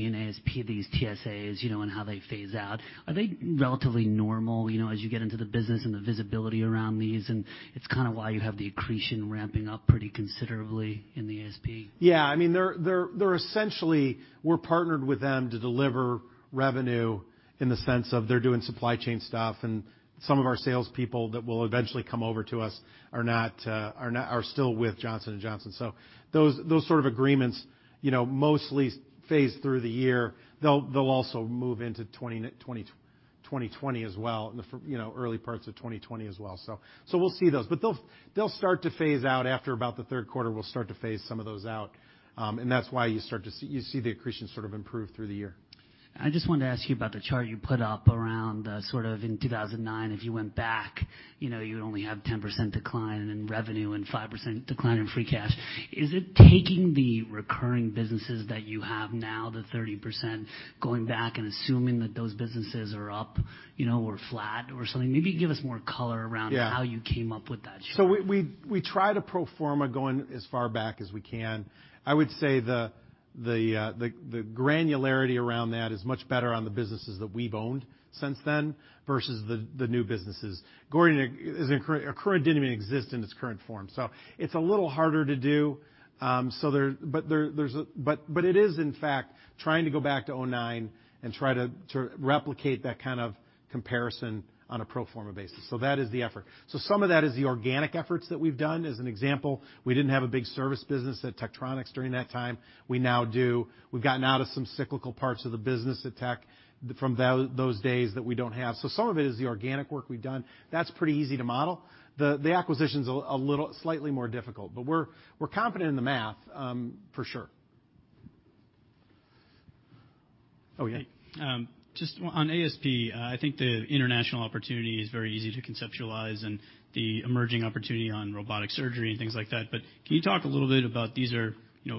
in ASP these TSAs, and how they phase out. Are they relatively normal, as you get into the business and the visibility around these, and it's kind of why you have the accretion ramping up pretty considerably in the ASP? Yeah. They're essentially, we're partnered with them to deliver revenue in the sense of they're doing supply chain stuff, and some of our salespeople that will eventually come over to us are still with Johnson & Johnson. Those sort of agreements mostly phase through the year. They'll also move into 2020 as well, early parts of 2020 as well. We'll see those. They'll start to phase out after about the third quarter, we'll start to phase some of those out. That's why you see the accretion sort of improve through the year. I just wanted to ask you about the chart you put up around sort of in 2009, if you went back, you would only have 10% decline in revenue and 5% decline in free cash. Is it taking the recurring businesses that you have now, the 30%, going back and assuming that those businesses are up or flat or something? Maybe give us more color around how you came up with that chart. We try to pro forma going as far back as we can. I would say the granularity around that is much better on the businesses that we've owned since then versus the new businesses. Gordian is acquired, didn't even exist in its current form. It's a little harder to do. It is in fact trying to go back to 2009 and try to replicate that kind of comparison on a pro forma basis. That is the effort. Some of that is the organic efforts that we've done. As an example, we didn't have a big service business at Tektronix during that time. We now do. We've gotten out of some cyclical parts of the business at Tech from those days that we don't have. Some of it is the organic work we've done. That's pretty easy to model. The acquisition's a little slightly more difficult. We're confident in the math for sure. Oh, yeah. Just on ASP, I think the international opportunity is very easy to conceptualize, and the emerging opportunity on robotic surgery and things like that. Can you talk a little bit about, these are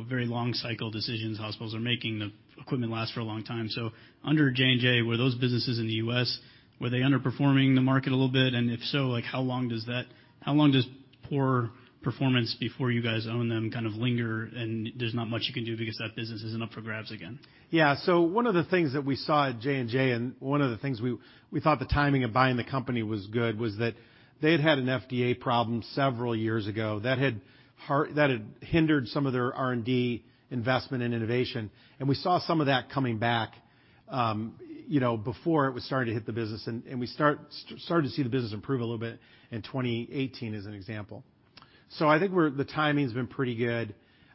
very long cycle decisions hospitals are making. The equipment lasts for a long time. Under J&J, were those businesses in the U.S., were they underperforming the market a little bit? If so, how long does poor performance before you guys own them kind of linger, and there's not much you can do because that business isn't up for grabs again? Yeah. One of the things that we saw at J&J, and one of the things we thought the timing of buying the company was good, was that they had had an FDA problem several years ago that had hindered some of their R&D investment in innovation. We saw some of that coming back before it was starting to hit the business, and we started to see the business improve a little bit in 2018, as an example. I think the timing's been pretty good.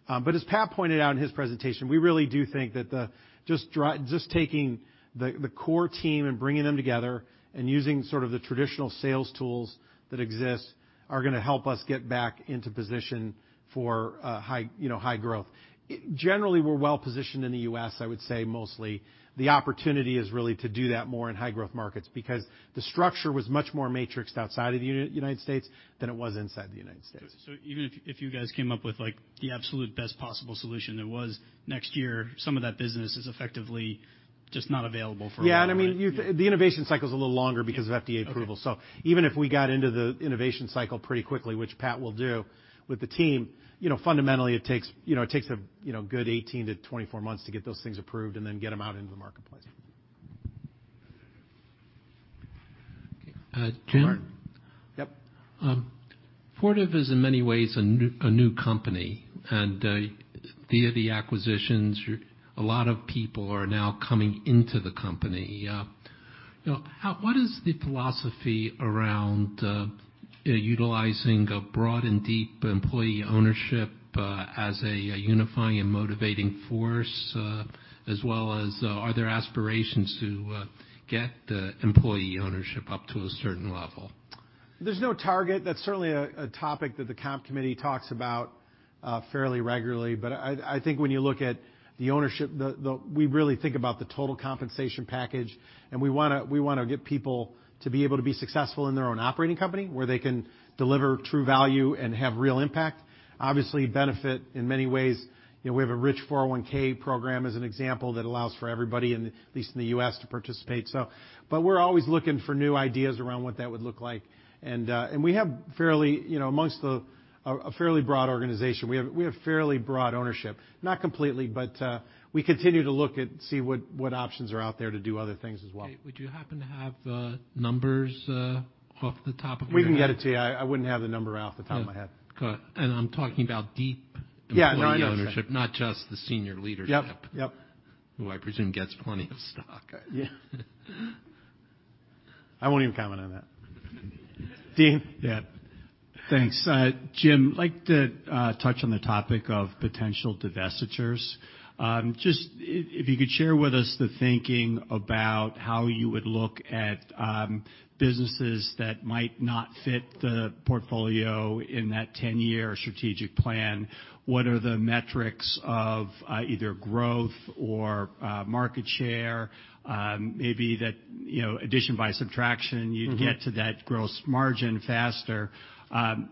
As Pat pointed out in his presentation, we really do think that just taking the core team and bringing them together and using sort of the traditional sales tools that exist are going to help us get back into position for high growth. Generally, we're well-positioned in the U.S., I would say, mostly. The opportunity is really to do that more in high-growth markets, because the structure was much more matrixed outside of the United States than it was inside the United States. Even if you guys came up with the absolute best possible solution there was next year, some of that business is effectively just not available for a while, right? Yeah. The innovation cycle's a little longer because of FDA approval. Okay. Even if we got into the innovation cycle pretty quickly, which Pat will do with the team, fundamentally, it takes a good 18-24 months to get those things approved and then get them out into the marketplace. Okay. Mark. Jim? Yep. Fortive is, in many ways, a new company, and via the acquisitions, a lot of people are now coming into the company. What is the philosophy around utilizing a broad and deep employee ownership as a unifying and motivating force? As well as, are there aspirations to get the employee ownership up to a certain level? There's no target. That's certainly a topic that the comp committee talks about fairly regularly. I think when you look at the ownership, we really think about the total compensation package, and we want to get people to be able to be successful in their own operating company, where they can deliver true value and have real impact. Obviously, benefit in many ways. We have a rich 401(k) program, as an example, that allows for everybody, at least in the U.S., to participate. We're always looking for new ideas around what that would look like. We have, amongst a fairly broad organization, we have fairly broad ownership. Not completely, we continue to look at, see what options are out there to do other things as well. Would you happen to have numbers off the top of your head? We can get it to you. I wouldn't have the number off the top of my head. Yeah. Good. I'm talking about deep employee Yeah, no, I understand ownership, not just the senior leadership Yep who I presume gets plenty of stock. Yeah. I won't even comment on that. Dean? Yeah. Thanks. Jim, I'd like to touch on the topic of potential divestitures. Just if you could share with us the thinking about how you would look at businesses that might not fit the portfolio in that 10-year strategic plan. What are the metrics of either growth or market share? Maybe that addition by subtraction- you'd get to that gross margin faster.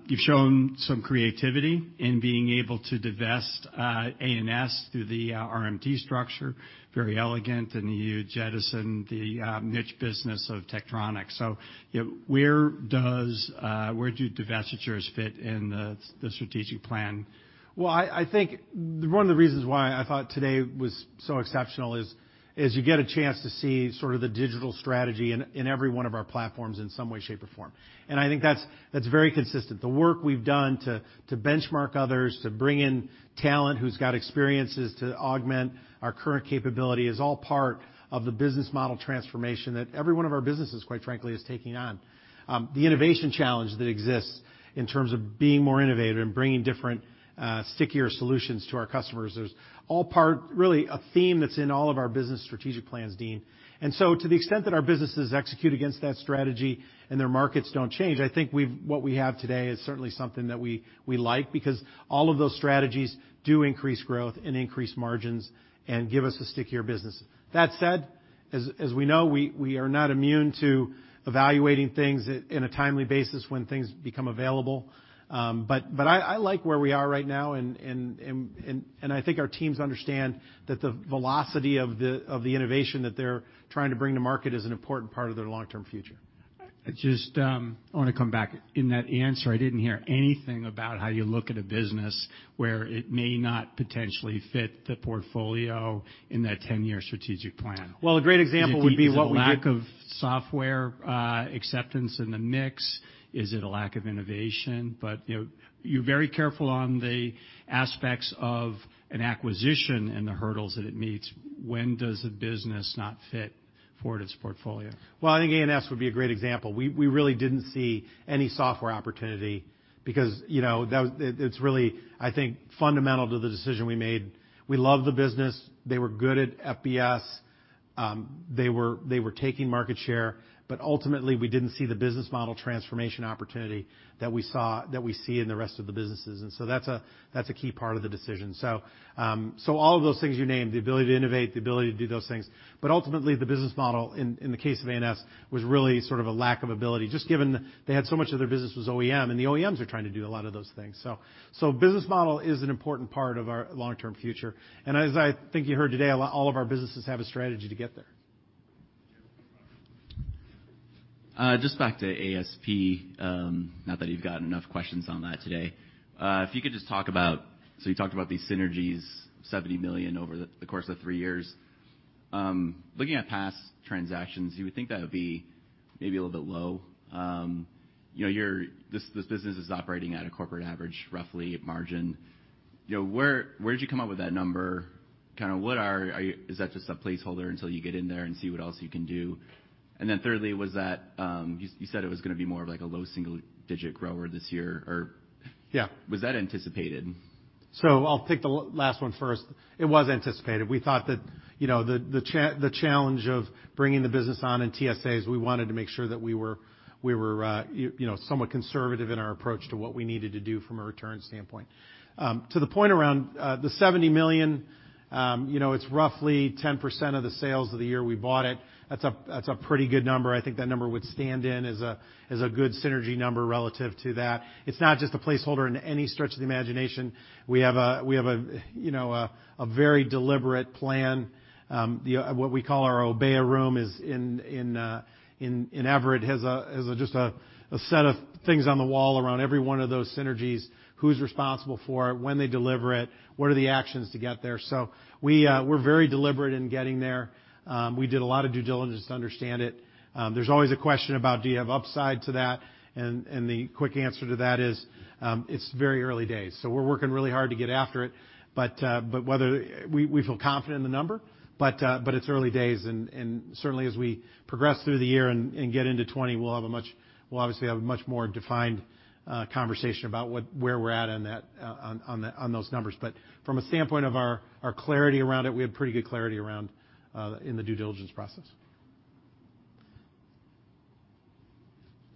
You've shown some creativity in being able to divest A&S through the RMT structure, very elegant, you jettisoned the niche business of Tektronix. Where do divestitures fit in the strategic plan? Well, I think one of the reasons why I thought today was so exceptional is you get a chance to see sort of the digital strategy in every one of our platforms in some way, shape, or form. I think that's very consistent. The work we've done to benchmark others, to bring in talent who's got experiences to augment our current capability is all part of the business model transformation that every one of our businesses, quite frankly, is taking on. The innovation challenge that exists in terms of being more innovative and bringing different, stickier solutions to our customers is all part, really a theme that's in all of our business strategic plans, Dean. To the extent that our businesses execute against that strategy and their markets don't change, I think what we have today is certainly something that we like because all of those strategies do increase growth and increase margins and give us a stickier business. That said, as we know, we are not immune to evaluating things in a timely basis when things become available. I like where we are right now, and I think our teams understand that the velocity of the innovation that they're trying to bring to market is an important part of their long-term future. I just want to come back. In that answer, I didn't hear anything about how you look at a business where it may not potentially fit the portfolio in that 10-year strategic plan. Well, a great example would be what we did- Is it the lack of software acceptance in the mix? Is it a lack of innovation? You're very careful on the aspects of an acquisition and the hurdles that it meets. When does a business not fit Fortive's portfolio? Well, I think A&S would be a great example. We really didn't see any software opportunity because it's really, I think, fundamental to the decision we made. We love the business. They were good at FBS. They were taking market share, but ultimately, we didn't see the business model transformation opportunity that we see in the rest of the businesses. That's a key part of the decision. All of those things you named, the ability to innovate, the ability to do those things, but ultimately, the business model, in the case of A&S, was really sort of a lack of ability, just given they had so much of their business was OEM, and the OEMs are trying to do a lot of those things. Business model is an important part of our long-term future. As I think you heard today, all of our businesses have a strategy to get there. Just back to ASP, not that you've got enough questions on that today. If you could just talk about. You talked about these synergies, $70 million over the course of 3 years. Looking at past transactions, you would think that would be maybe a little bit low. This business is operating at a corporate average, roughly, margin. Where did you come up with that number? Is that just a placeholder until you get in there and see what else you can do? Then thirdly, you said it was going to be more of a low single-digit grower this year? Yeah Was that anticipated? I'll take the last one first. It was anticipated. We thought that the challenge of bringing the business on in TSAs, we wanted to make sure that we were somewhat conservative in our approach to what we needed to do from a return standpoint. To the point around the $70 million, it's roughly 10% of the sales of the year we bought it. That's a pretty good number. I think that number would stand in as a good synergy number relative to that. It's not just a placeholder in any stretch of the imagination. We have a very deliberate plan. What we call our Obeya room is in Everett, has just a set of things on the wall around every one of those synergies, who's responsible for it, when they deliver it, what are the actions to get there. We're very deliberate in getting there. We did a lot of due diligence to understand it. There's always a question about do you have upside to that? The quick answer to that is, it's very early days. We're working really hard to get after it. We feel confident in the number, but it's early days and certainly as we progress through the year and get into 2020, we'll obviously have a much more defined conversation about where we're at on those numbers. From a standpoint of our clarity around it, we had pretty good clarity in the due diligence process.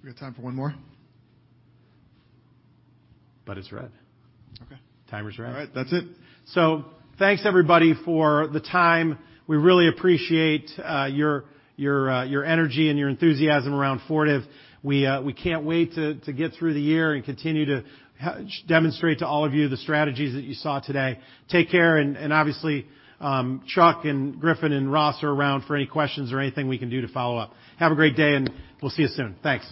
We got time for one more. It's red. Okay. Timer's red. All right. That's it. Thanks everybody for the time. We really appreciate your energy and your enthusiasm around Fortive. We can't wait to get through the year and continue to demonstrate to all of you the strategies that you saw today. Take care and obviously, Chuck and Griffin and Ross are around for any questions or anything we can do to follow up. Have a great day, and we'll see you soon. Thanks.